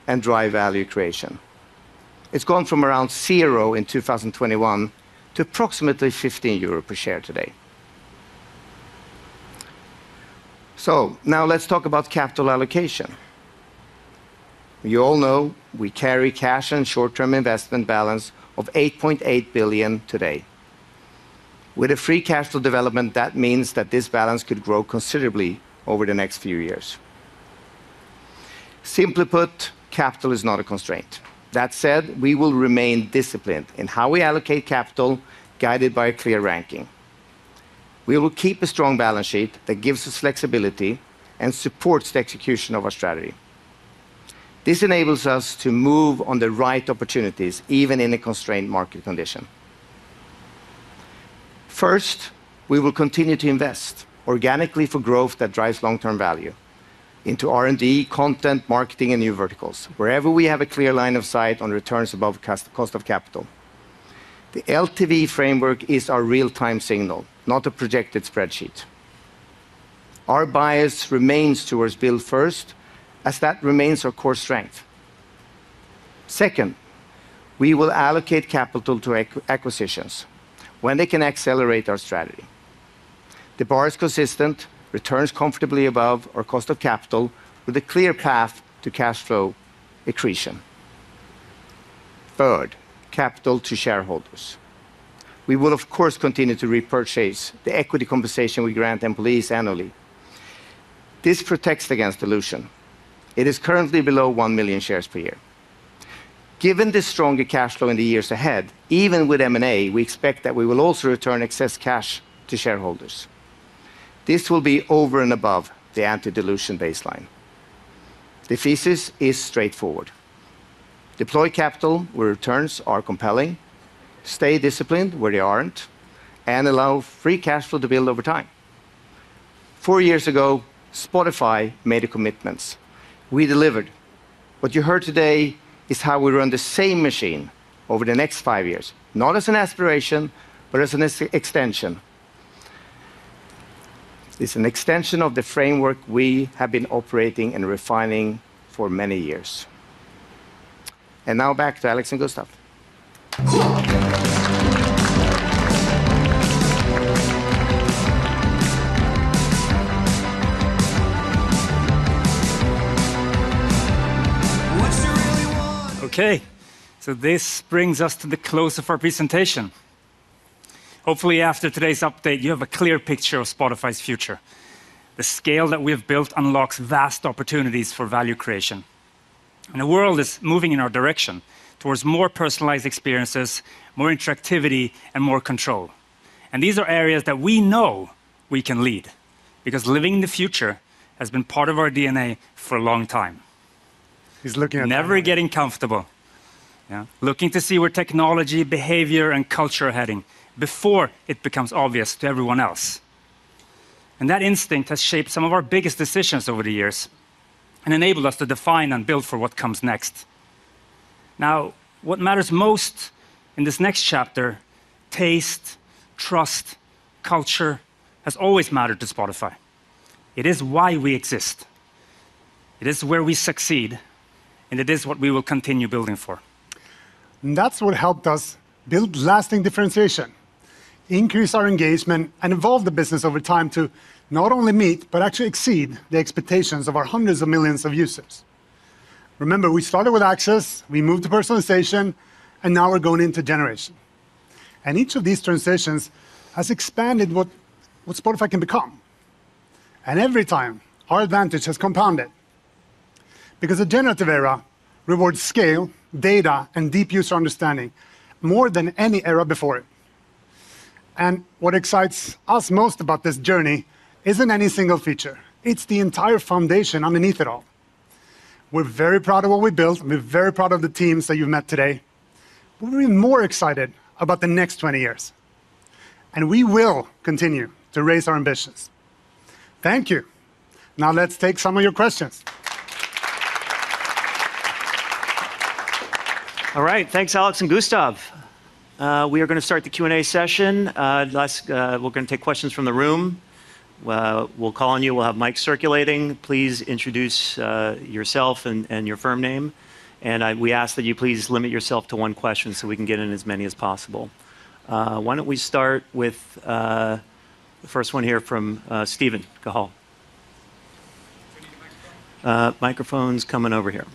and drive value creation. It's gone from around 0 in 2021 to approximately 15 euro per share today. Now let's talk about capital allocation. You all know we carry cash and short-term investment balance of 8.8 billion today. With a free cash flow development, that means that this balance could grow considerably over the next few years. Simply put, capital is not a constraint. That said, we will remain disciplined in how we allocate capital guided by a clear ranking. We will keep a strong balance sheet that gives us flexibility and supports the execution of our strategy. This enables us to move on the right opportunities, even in a constrained market condition. First, we will continue to invest organically for growth that drives long-term value into R&D, content, marketing, and new verticals. Wherever we have a clear line of sight on returns above cost of capital. The LTV framework is our real-time signal, not a projected spreadsheet. Our bias remains towards build first as that remains our core strength. Second, we will allocate capital to acquisitions when they can accelerate our strategy. The bar is consistent, returns comfortably above our cost of capital with a clear path to cash flow accretion. Third, capital to shareholders. We will of course continue to repurchase the equity compensation we grant employees annually. This protects against dilution. It is currently below 1 million shares per year. Given the stronger cash flow in the years ahead, even with M&A, we expect that we will also return excess cash to shareholders. This will be over and above the anti-dilution baseline. The thesis is straightforward. Deploy capital where returns are compelling, stay disciplined where they aren't, and allow free cash flow to build over time. Four years ago, Spotify made a commitments. We delivered. What you heard today is how we run the same machine over the next five years, not as an aspiration, but as an extension. It's an extension of the framework we have been operating and refining for many years. Now back to Alex and Gustav. Okay, this brings us to the close of our presentation. Hopefully, after today's update, you have a clear picture of Spotify's future. The scale that we have built unlocks vast opportunities for value creation. The world is moving in our direction towards more personalized experiences, more interactivity, and more control. These are areas that we know we can lead, because living in the future has been part of our DNA for a long time. Never getting comfortable. Yeah. Looking to see where technology, behavior, and culture are heading before it becomes obvious to everyone else. That instinct has shaped some of our biggest decisions over the years and enabled us to define and build for what comes next. What matters most in this next chapter, taste, trust, culture, has always mattered to Spotify. It is why we exist. It is where we succeed, and it is what we will continue building for. That's what helped us build lasting differentiation, increase our engagement, and evolve the business over time to not only meet, but actually exceed the expectations of our hundreds of millions of users. Remember, we started with access, we moved to personalization, and now we're going into generation. Each of these transitions has expanded what Spotify can become. Every time, our advantage has compounded because the generative era rewards scale, data, and deep user understanding more than any era before it. What excites us most about this journey isn't any single feature. It's the entire foundation underneath it all. We're very proud of what we built, and we're very proud of the teams that you've met today. We're even more excited about the next 20 years. We will continue to raise our ambitions. Thank you. Now let's take some of your questions. All right. Thanks, Alex and Gustav. We are going to start the Q&A session. We're going to take questions from the room. We'll call on you. We'll have mics circulating. Please introduce yourself and your firm name. We ask that you please limit yourself to one question so we can get in as many as possible. Why don't we start with the first one here from Steven Cahall. Do I need a microphone? Microphone's coming over here.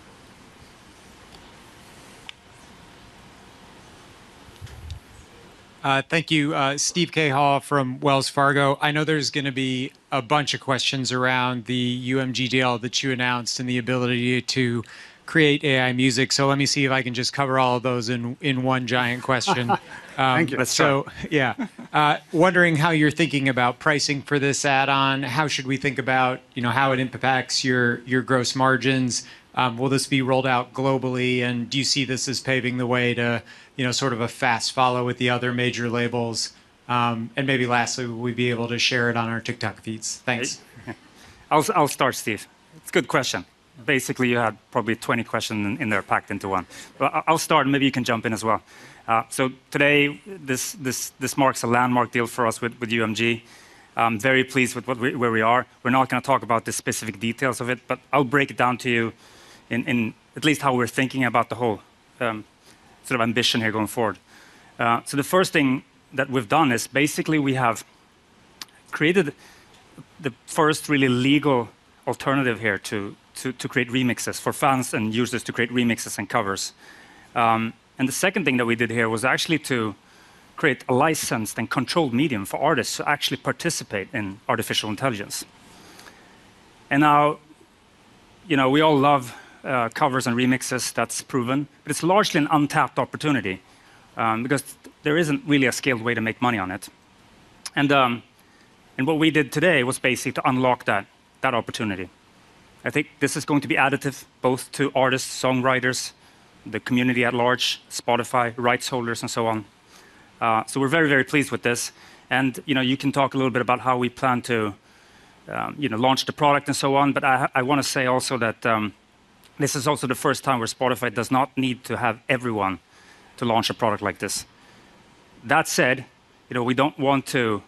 Thank you. Steven Cahall from Wells Fargo. I know there's going to be a bunch of questions around the UMG deal that you announced and the ability to create AI music. Let me see if I can just cover all of those in one giant question. Thank you. Let's try. Yeah. Wondering how you're thinking about pricing for this add-on? How should we think about how it impacts your gross margins? Will this be rolled out globally? Do you see this as paving the way to sort of a fast follow with the other major labels? Maybe lastly, will we be able to share it on our TikTok feeds? Thanks. I'll start, Steve. It's a good question. Basically, you had probably 20 questions in there packed into one. I'll start, and maybe you can jump in as well. Today, this marks a landmark deal for us with UMG. I'm very pleased with where we are. We're not going to talk about the specific details of it, I'll break it down to you in at least how we're thinking about the whole sort of ambition here going forward. The first thing that we've done is basically we have created the first really legal alternative here to create remixes for fans and users to create remixes and covers. The second thing that we did here was actually to create a licensed and controlled medium for artists to actually participate in artificial intelligence. Now, we all love covers and remixes, that's proven. It's largely an untapped opportunity, because there isn't really a scaled way to make money on it. What we did today was basically to unlock that opportunity. I think this is going to be additive both to artists, songwriters, the community at large, Spotify, rights holders, and so on. We're very pleased with this. You can talk a little bit about how we plan to launch the product and so on. I want to say also that this is also the first time where Spotify does not need to have everyone to launch a product like this. That said, we don't want to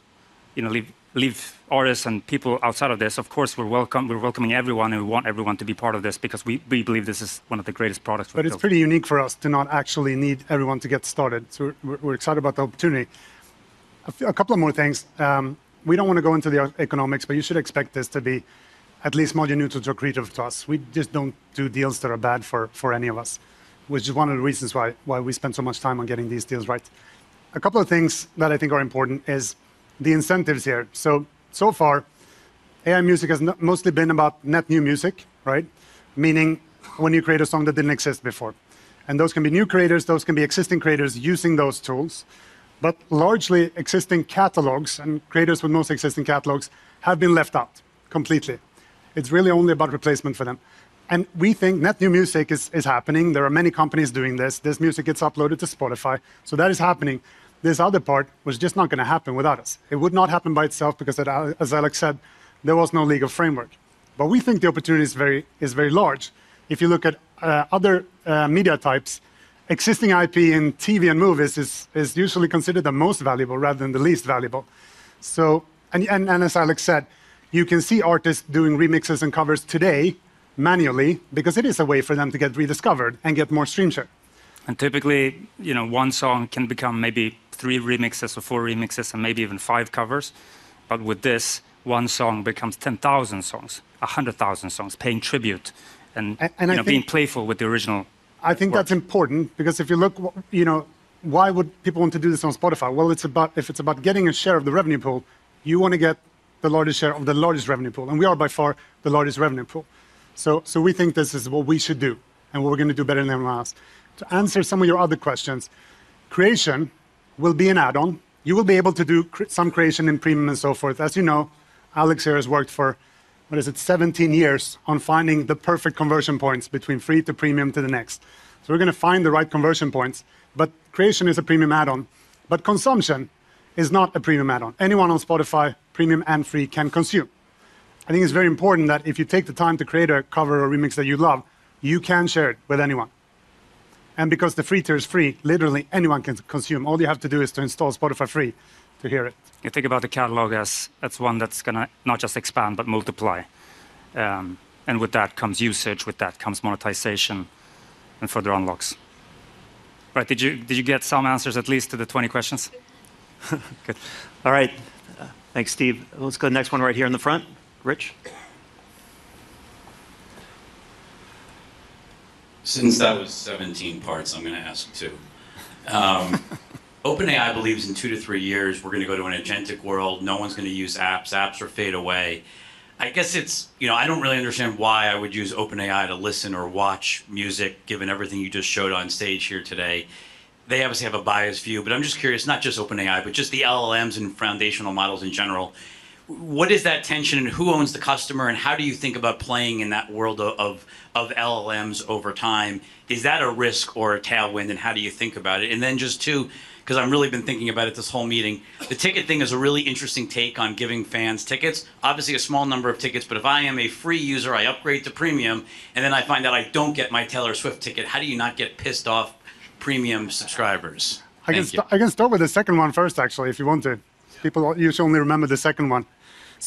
leave artists and people outside of this. Of course, we're welcoming everyone and we want everyone to be part of this because we believe this is one of the greatest products we've built. It's pretty unique for us to not actually need everyone to get started. We're excited about the opportunity. A couple of more things. We don't want to go into the economics, but you should expect this to be at least moderately neutral to accretive to us. We just don't do deals that are bad for any of us, which is one of the reasons why we spend so much time on getting these deals right. A couple of things that I think are important is the incentives here. So far, AI music has mostly been about net new music, right? Meaning when you create a song that didn't exist before. Those can be new creators, those can be existing creators using those tools. Largely, existing catalogs and creators with most existing catalogs have been left out completely. It's really only about replacement for them. We think net new music is happening. There are many companies doing this. This music gets uploaded to Spotify. That is happening. This other part was just not going to happen without us. It would not happen by itself because, as Alex said, there was no legal framework. We think the opportunity is very large. If you look at other media types, existing IP in TV and movies is usually considered the most valuable rather than the least valuable. As Alex said, you can see artists doing remixes and covers today manually because it is a way for them to get rediscovered and get more stream share. Typically, one song can become maybe three remixes or four remixes and maybe even five covers. With this, one song becomes 10,000 songs, 100,000 songs, paying tribute you know, being playful with the original. I think that's important because if you look, why would people want to do this on Spotify? If it's about getting a share of the revenue pool, you want to get the largest share of the largest revenue pool. We are by far the largest revenue pool. We think this is what we should do and what we're going to do better than anyone else. To answer some of your other questions, creation will be an add-on. You will be able to do some creation in Premium and so forth. As you know, Alex here has worked for, what is it, 17 years on finding the perfect conversion points between free to Premium to the next. We're going to find the right conversion points, but creation is a Premium add-on. Consumption is not a Premium add-on. Anyone on Spotify, Premium and free, can consume. I think it's very important that if you take the time to create a cover or remix that you love, you can share it with anyone. Because the free tier is free, literally anyone can consume. All you have to do is to install Spotify Free to hear it. You think about the catalog as one that's going to not just expand but multiply. With that comes usage, with that comes monetization and further unlocks. Right. Did you get some answers at least to the 20 questions? Good. All right. Thanks, Steve. Let's go next one right here in the front. Rich? Since that was 17 parts, I'm going to ask two. OpenAI believes in two to three years, we're going to go to an agentic world. No one's going to use apps. Apps will fade away. I don't really understand why I would use OpenAI to listen or watch music, given everything you just showed on stage here today. They obviously have a biased view, I'm just curious, not just OpenAI, but just the LLMs and foundational models in general. What is that tension, who owns the customer, and how do you think about playing in that world of LLMs over time? Is that a risk or a tailwind, how do you think about it? Just two, because I've really been thinking about it this whole meeting. The ticket thing is a really interesting take on giving fans tickets. Obviously, a small number of tickets, but if I am a free user, I upgrade to Premium, and then I find out I don't get my Taylor Swift ticket. How do you not get pissed off Premium subscribers? Thank you. I can start with the second one first, actually, if you want to. People usually only remember the second one.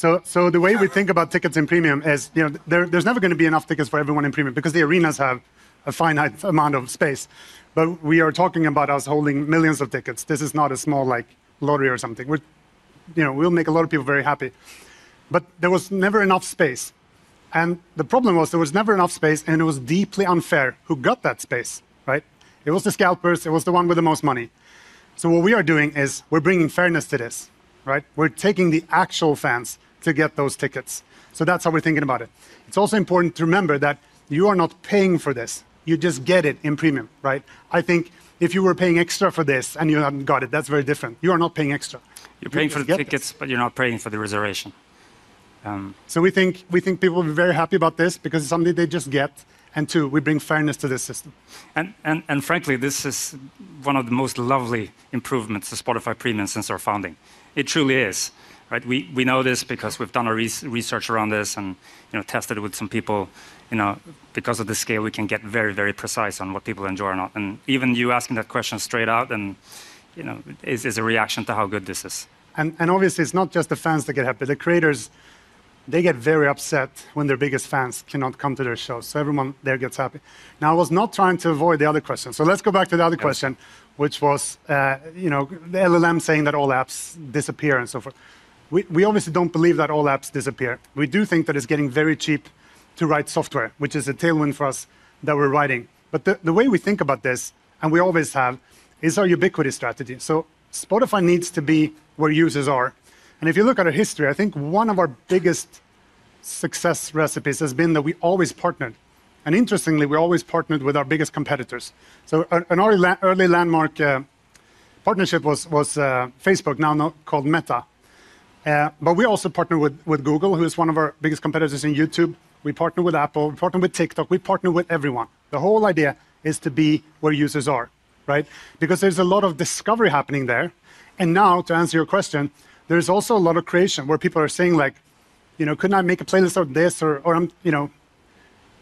The way we think about tickets and Premium is there's never going to be enough tickets for everyone in Premium because the arenas have a finite amount of space. We are talking about us holding millions of tickets. This is not a small lottery or something. We'll make a lot of people very happy. There was never enough space. The problem was there was never enough space, and it was deeply unfair who got that space, right? It was the scalpers. It was the one with the most money. What we are doing is we're bringing fairness to this, right? We're taking the actual fans to get those tickets. That's how we're thinking about it. It's also important to remember that you are not paying for this. You just get it in Premium, right? I think if you were paying extra for this and you haven't got it, that's very different. You are not paying extra. You're paying for the tickets, but you're not paying for the reservation. We think people will be very happy about this because it's something they just get, and two, we bring fairness to this system. Frankly, this is one of the most lovely improvements to Spotify Premium since our founding. It truly is, right? We know this because we've done our research around this and tested it with some people. Because of the scale, we can get very, very precise on what people enjoy or not. Even you asking that question straight out and, you know, is a reaction to how good this is. Obviously, it's not just the fans that get happy. The creators, they get very upset when their biggest fans cannot come to their shows. Everyone there gets happy. Now, I was not trying to avoid the other question. Let's go back to the other question which was, the LLM saying that all apps disappear and so forth. We obviously don't believe that all apps disappear. We do think that it's getting very cheap to write software, which is a tailwind for us that we're riding. The way we think about this, and we always have, is our ubiquity strategy. Spotify needs to be where users are. If you look at our history, I think one of our biggest success recipes has been that we always partnered. Interestingly, we always partnered with our biggest competitors. An early landmark partnership was Facebook, now called Meta. We also partner with Google, who's one of our biggest competitors in YouTube. We partner with Apple. We partner with TikTok. We partner with everyone. The whole idea is to be where users are, right? Because there's a lot of discovery happening there. Now, to answer your question, there's also a lot of creation where people are saying, "Couldn't I make a playlist of this?"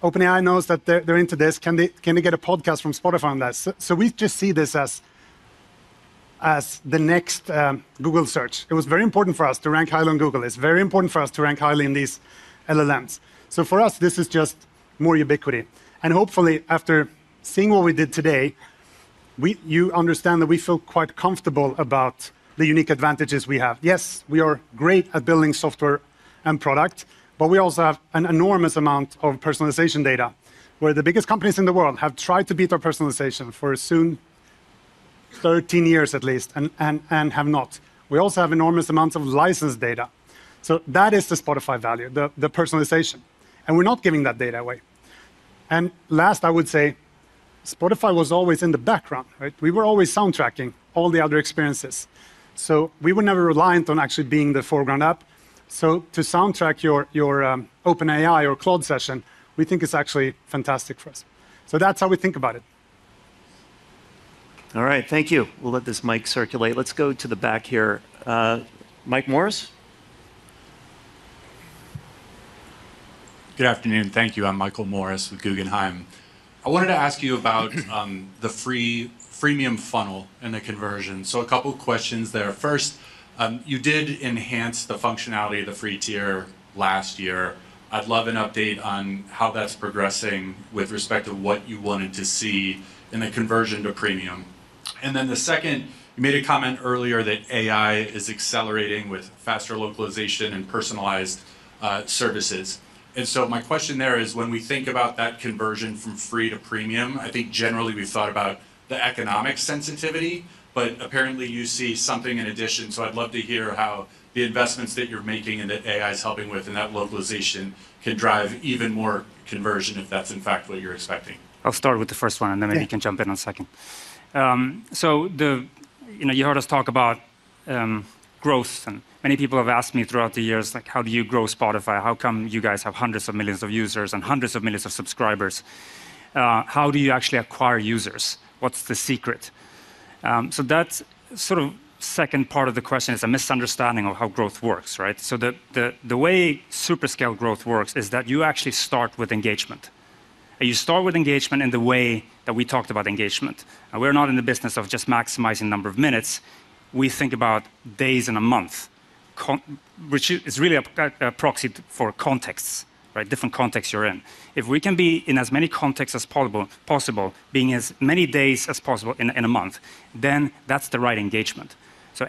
OpenAI knows that they're into this. Can they get a podcast from Spotify on that? We just see this as the next Google search. It was very important for us to rank highly on Google. It's very important for us to rank highly in these LLMs. For us, this is just more ubiquity. Hopefully, after seeing what we did today, you understand that we feel quite comfortable about the unique advantages we have. Yes, we are great at building software and product, but we also have an enormous amount of personalization data, where the biggest companies in the world have tried to beat our personalization for soon 13 years at least, and have not. We also have enormous amounts of license data. That is the Spotify value, the personalization, and we're not giving that data away. Last, I would say Spotify was always in the background, right? We were always soundtracking all the other experiences. We were never reliant on actually being the foreground app. To soundtrack your OpenAI or Claude session, we think is actually fantastic for us. That's how we think about it. All right. Thank you. We'll let this mic circulate. Let's go to the back here. Michael Morris? Good afternoon. Thank you. I'm Michael Morris with Guggenheim. I wanted to ask you about the freemium funnel and the conversion. A couple questions there. First, you did enhance the functionality of the free tier last year. I'd love an update on how that's progressing with respect to what you wanted to see in the conversion to premium. The second, you made a comment earlier that AI is accelerating with faster localization and personalized services. My question there is, when we think about that conversion from free to premium, I think generally we've thought about the economic sensitivity, but apparently you see something in addition. I'd love to hear how the investments that you're making and that AI's helping with, and that localization can drive even more conversion if that's in fact what you're expecting. I'll start with the first one. Then maybe you can jump in on the second. You heard us talk about growth, and many people have asked me throughout the years, "How do you grow Spotify? How come you guys have hundreds of millions of users and hundreds of millions of subscribers? How do you actually acquire users? What's the secret?" That second part of the question is a misunderstanding of how growth works, right? The way super scale growth works is that you actually start with engagement. You start with engagement in the way that we talked about engagement. We're not in the business of just maximizing number of minutes. We think about days in a month, which is really a proxy for contexts, right? Different contexts you're in. If we can be in as many contexts as possible, being as many days as possible in a month, then that's the right engagement.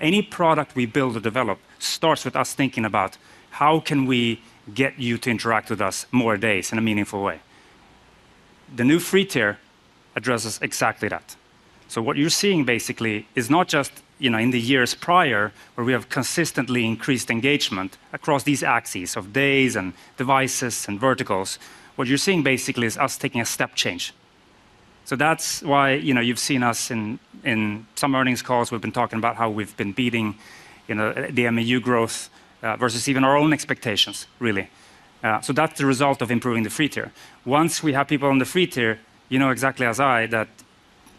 Any product we build or develop starts with us thinking about how can we get you to interact with us more days in a meaningful way. The new free tier addresses exactly that. What you're seeing basically is not just, in the years prior, where we have consistently increased engagement across these axes of days and devices and verticals. What you're seeing basically is us taking a step change. That's why you've seen us in some earnings calls, we've been talking about how we've been beating the MAU growth, versus even our own expectations really. That's the result of improving the free tier. Once we have people on the Free tier, you know exactly as I, that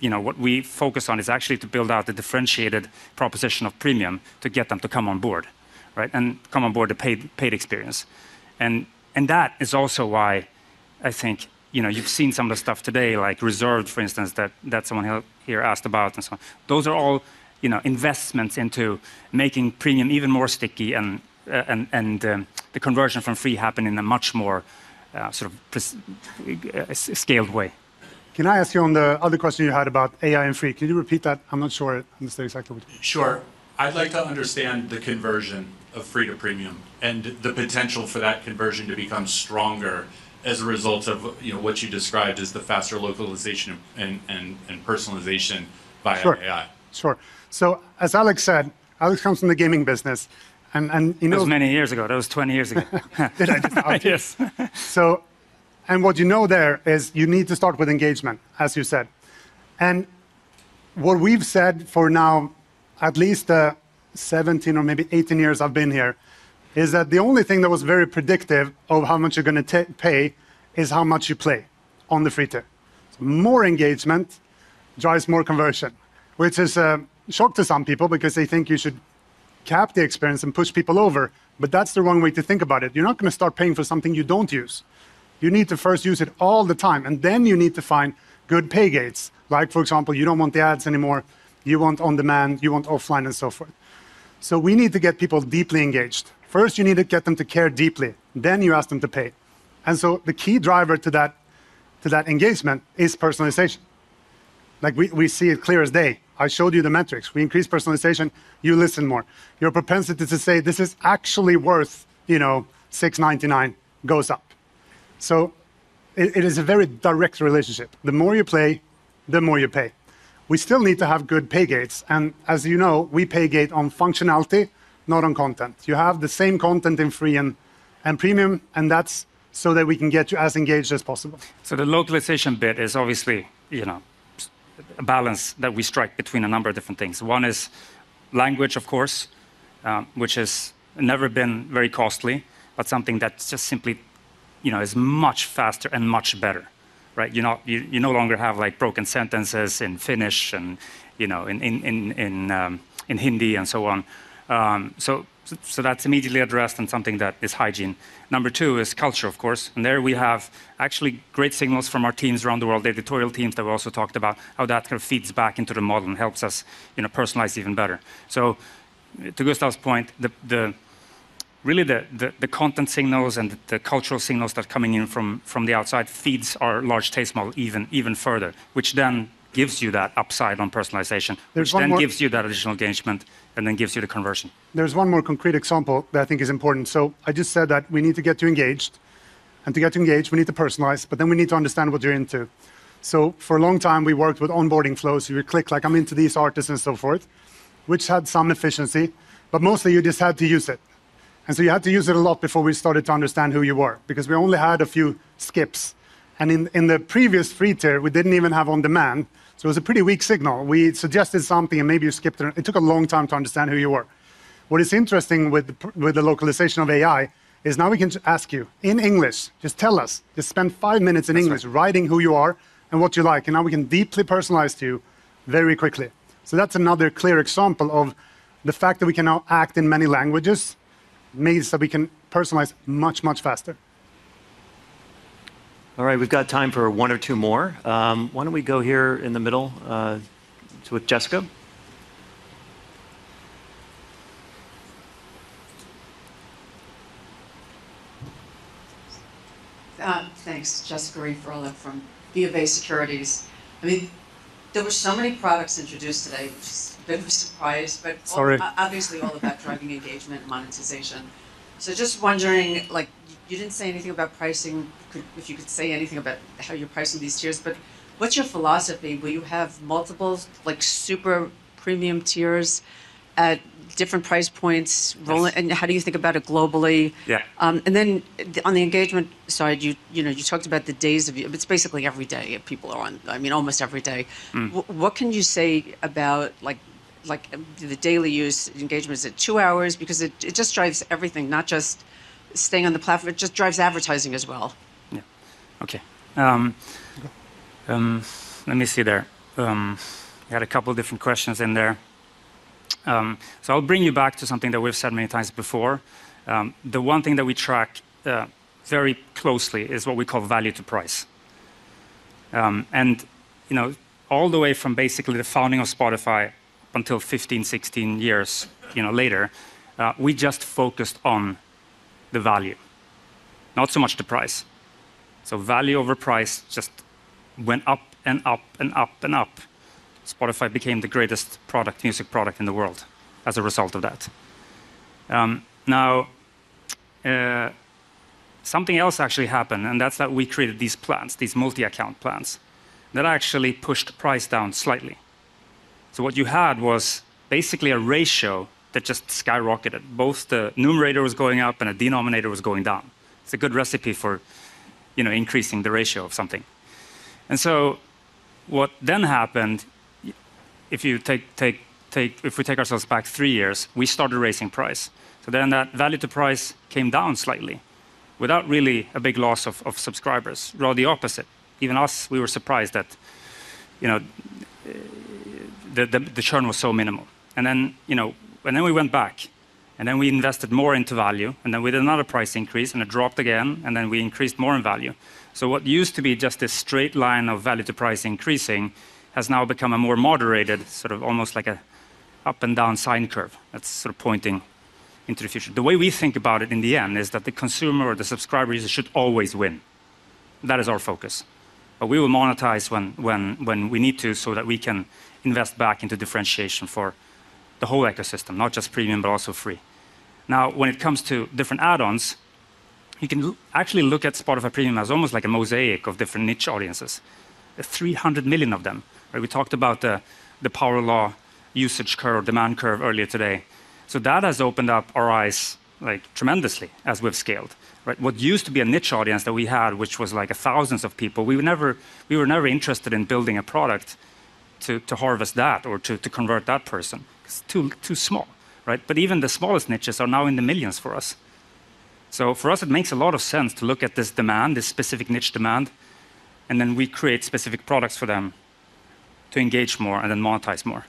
what we focus on is actually to build out the differentiated proposition of Premium to get them to come on board, right, and come on board the paid experience. That is also why I think you've seen some of the stuff today, like Reserves for instance, that someone here asked about and so on. Those are all investments into making Premium even more sticky and the conversion from Free happen in a much more sort of pre- scaled way. Can I ask you on the other question you had about AI and free, can you repeat that? I'm not sure I understand exactly. Sure. I'd like to understand the conversion of free to premium and the potential for that conversion to become stronger as a result of what you described as the faster localization and personalization by AI. Sure. Sure. As Alex said, Alex comes from the gaming business. That was many years ago. That was 20 years ago. Did I? Yes. What you know there is you need to start with engagement, as you said. What we've said for now at least the 17 or maybe 18 years I've been here, is that the only thing that was very predictive of how much you're going to pay is how much you play on the free tier. More engagement drives more conversion, which is a shock to some people because they think you should cap the experience and push people over. That's the wrong way to think about it. You're not going to start paying for something you don't use. You need to first use it all the time, and then you need to find good pay gates. Like for example, you don't want the ads anymore, you want on-demand, you want offline and so forth. We need to get people deeply engaged. First, you need to get them to care deeply, then you ask them to pay. The key driver to that engagement is personalization. We see it clear as day. I showed you the metrics. We increase personalization, you listen more. Your propensity to say, "This is actually worth 6.99," goes up. It is a very direct relationship. The more you play, the more you pay. We still need to have good pay gates and as you know, we pay gate on functionality, not on content. You have the same content in Free and Premium, and that's so that we can get you as engaged as possible. The localization bit is obviously a balance that we strike between a number of different things. One is language, of course, which has never been very costly, but something that's just simply is much faster and much better. Right? You no longer have broken sentences in Finnish and in Hindi and so on. That's immediately addressed and something that is hygiene. Number two is culture, of course. There we have actually great signals from our teams around the world, the editorial teams that we also talked about, how that kind of feeds back into the model and helps us personalize even better. Really the content signals and the cultural signals that are coming in from the outside feeds our Large Taste Model even further, which then gives you that upside on personalization which then gives you that additional engagement, and then gives you the conversion. There's one more concrete example that I think is important. I just said that we need to get you engaged, and to get you engaged, we need to personalize, but then we need to understand what you're into. For a long time, we worked with onboarding flows. You would click, "I'm into these artists," and so forth, which had some efficiency, but mostly you just had to use it. You had to use it a lot before we started to understand who you were, because we only had a few skips. In the previous free tier, we didn't even have on-demand, so it was a pretty weak signal. We suggested something, and maybe you skipped. It took a long time to understand who you were. What is interesting with the localization of AI is now we can ask you in English, just tell us, just spend five minutes in English writing who you are and what you like. Now we can deeply personalize to you very quickly. That's another clear example of the fact that we can now act in many languages means that we can personalize much, much faster. All right. We've got time for one or two more. Why don't we go here in the middle with Jessica? Thanks. Jessica Reif Ehrlich from BofA Securities. There were so many products introduced today, which is a bit of a surprise obviously all about driving engagement and monetization. Just wondering, you didn't say anything about pricing, if you could say anything about how you're pricing these tiers, what's your philosophy? Will you have multiple super premium tiers at different price points rolling? How do you think about it globally? On the engagement side, you talked about it's basically every day people are on. Almost every day. What can you say about the daily use engagement? Is it two hours? It just drives everything, not just staying on the platform, it just drives advertising as well. Yeah. Okay. Let me see there. You had a couple of different questions in there. I'll bring you back to something that we've said many times before. The one thing that we tracked very closely is what we call value to price. All the way from basically the founding of Spotify until 15, 16 years later, we just focused on the value, not so much the price. Value over price just went up and up and up and up. Spotify became the greatest music product in the world as a result of that. Now, something else actually happened, and that's that we created these plans, these multi-account plans. That actually pushed price down slightly. What you had was basically a ratio that just skyrocketed. Both the numerator was going up, and the denominator was going down. It's a good recipe for increasing the ratio of something. What then happened, if we take ourselves back three years, we started raising price. That value to price came down slightly without really a big loss of subscribers. Rather the opposite. Even us, we were surprised that the churn was so minimal. Then we went back, we invested more into value, we did another price increase, it dropped again, we increased more in value. What used to be just a straight line of value to price increasing has now become a more moderated, sort of almost like a up and down sine curve that's sort of pointing into the future. The way we think about it in the end is that the consumer or the subscriber user should always win. That is our focus. We will monetize when we need to so that we can invest back into differentiation for the whole ecosystem, not just Spotify Premium, but also free. Now, when it comes to different add-ons, you can actually look at Spotify Premium as almost like a mosaic of different niche audiences. 300 million of them. We talked about the power law usage curve, demand curve earlier today. That has opened up our eyes tremendously as we've scaled. What used to be a niche audience that we had, which was thousands of people, we were never interested in building a product to harvest that or to convert that person. It's too small. Even the smallest niches are now in the millions for us. For us, it makes a lot of sense to look at this demand, this specific niche demand, and then we create specific products for them to engage more and then monetize more.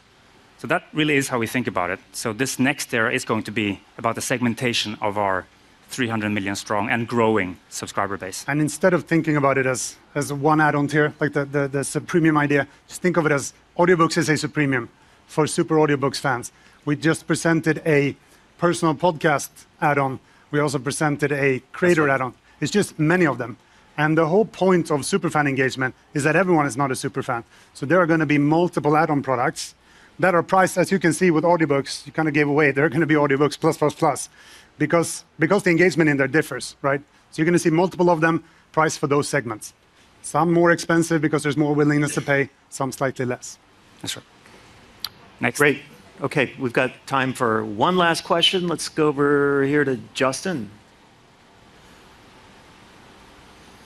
That really is how we think about it. This next era is going to be about the segmentation of our 300 million strong and growing subscriber base. Instead of thinking about it as one add-on tier, like the sub-premium idea, just think of it as audiobooks as a sub-premium for super audiobooks fans. We just presented a personal podcast add-on. We also presented a creator add-on. It's just many of them. The whole point of super fan engagement is that everyone is not a super fan. There are going to be multiple add-on products that are priced, as you can see with Audiobooks Plus, you kind of gave away, there are going to be Audiobooks Plus, Plus, because the engagement in there differs, right? You're going to see multiple of them priced for those segments. Some more expensive because there's more willingness to pay, some slightly less. That's right. Next. Great. Okay. We've got time for one last question. Let's go over here to Justin.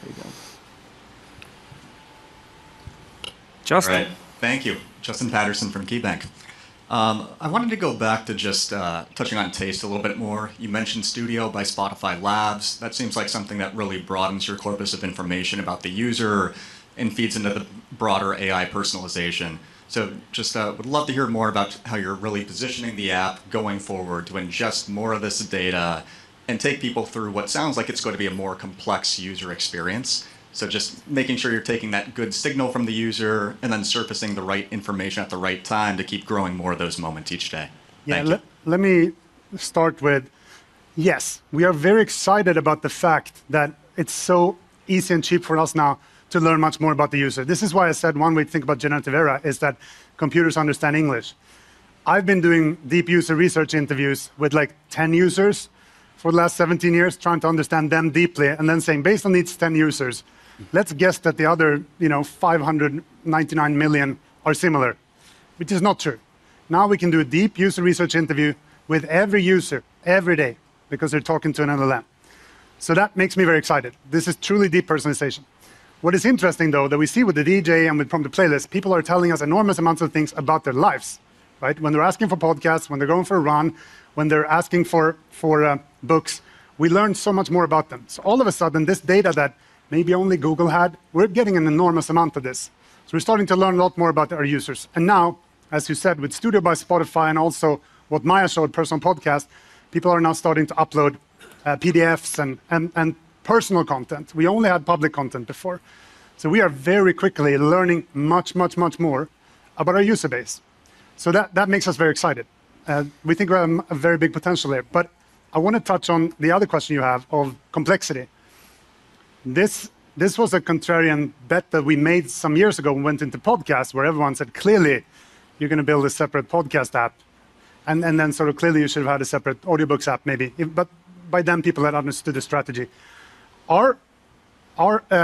There you go. Justin. All right. Thank you. Justin Patterson from KeyBanc. I wanted to go back to just touching on taste a little bit more. You mentioned Studio by Spotify Labs. That seems like something that really broadens your corpus of information about the user and feeds into the broader AI personalization. Just would love to hear more about how you're really positioning the app going forward to ingest more of this data and take people through what sounds like it's going to be a more complex user experience. Just making sure you're taking that good signal from the user and then surfacing the right information at the right time to keep growing more of those moments each day. Thank you. Yeah. Yes, we are very excited about the fact that it's so easy and cheap for us now to learn much more about the user. This is why I said one way to think about generative era is that computers understand English. I've been doing deep user research interviews with 10 users for the last 17 years trying to understand them deeply and then saying, based on these 10 users, let's guess that the other 599 million are similar, which is not true. Now we can do a deep user research interview with every user, every day, because they're talking to an LLM. That makes me very excited. This is truly deep personalization. What is interesting, though, that we see with the DJ and from the playlist, people are telling us enormous amounts of things about their lives, right? When they're asking for podcasts, when they're going for a run, when they're asking for books, we learn so much more about them. All of a sudden, this data that maybe only Google had, we're getting an enormous amount of this. We're starting to learn a lot more about our users. Now, as you said, with Studio by Spotify and also what Maya showed, personal podcast, people are now starting to upload PDFs and personal content. We only had public content before. We are very quickly learning much, much, much more about our user base. That makes us very excited. We think we have a very big potential there. I want to touch on the other question you have of complexity. This was a contrarian bet that we made some years ago and went into podcasts where everyone said, "Clearly you're going to build a separate podcast app," and then sort of clearly you should have had a separate audiobooks app maybe. By then people had understood the strategy. Our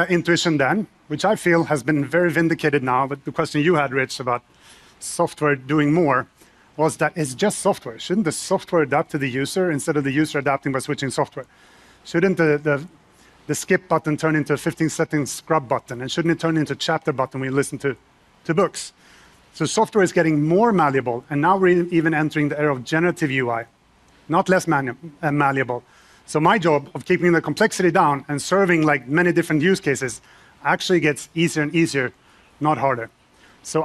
intuition then, which I feel has been very vindicated now with the question you had, Rich, about software doing more, was that it's just software. Shouldn't the software adapt to the user instead of the user adapting by switching software? Shouldn't the skip button turn into a 15-second scrub button? Shouldn't it turn into a chapter button when you listen to books? Software is getting more malleable and now we're even entering the era of generative UI, not less malleable. My job of keeping the complexity down and serving many different use cases actually gets easier and easier, not harder.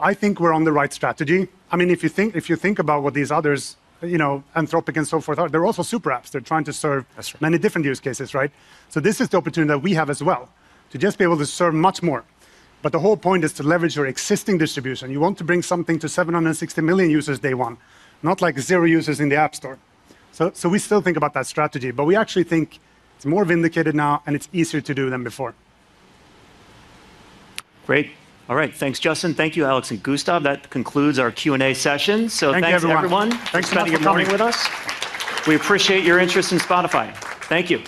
I think we're on the right strategy. If you think about what these others, Anthropic and so forth, they're also super apps. They're trying to serve many different use cases, right? This is the opportunity that we have as well, to just be able to serve much more. The whole point is to leverage your existing distribution. You want to bring something to 760 million users day one, not zero users in the App Store. We still think about that strategy, but we actually think it's more vindicated now and it's easier to do than before. Great. All right, thanks, Justin. Thank you, Alex and Gustav. That concludes our Q&A session. Thank you, everyone. Thanks everyone. Thanks for coming. For spending your morning with us. We appreciate your interest in Spotify. Thank you.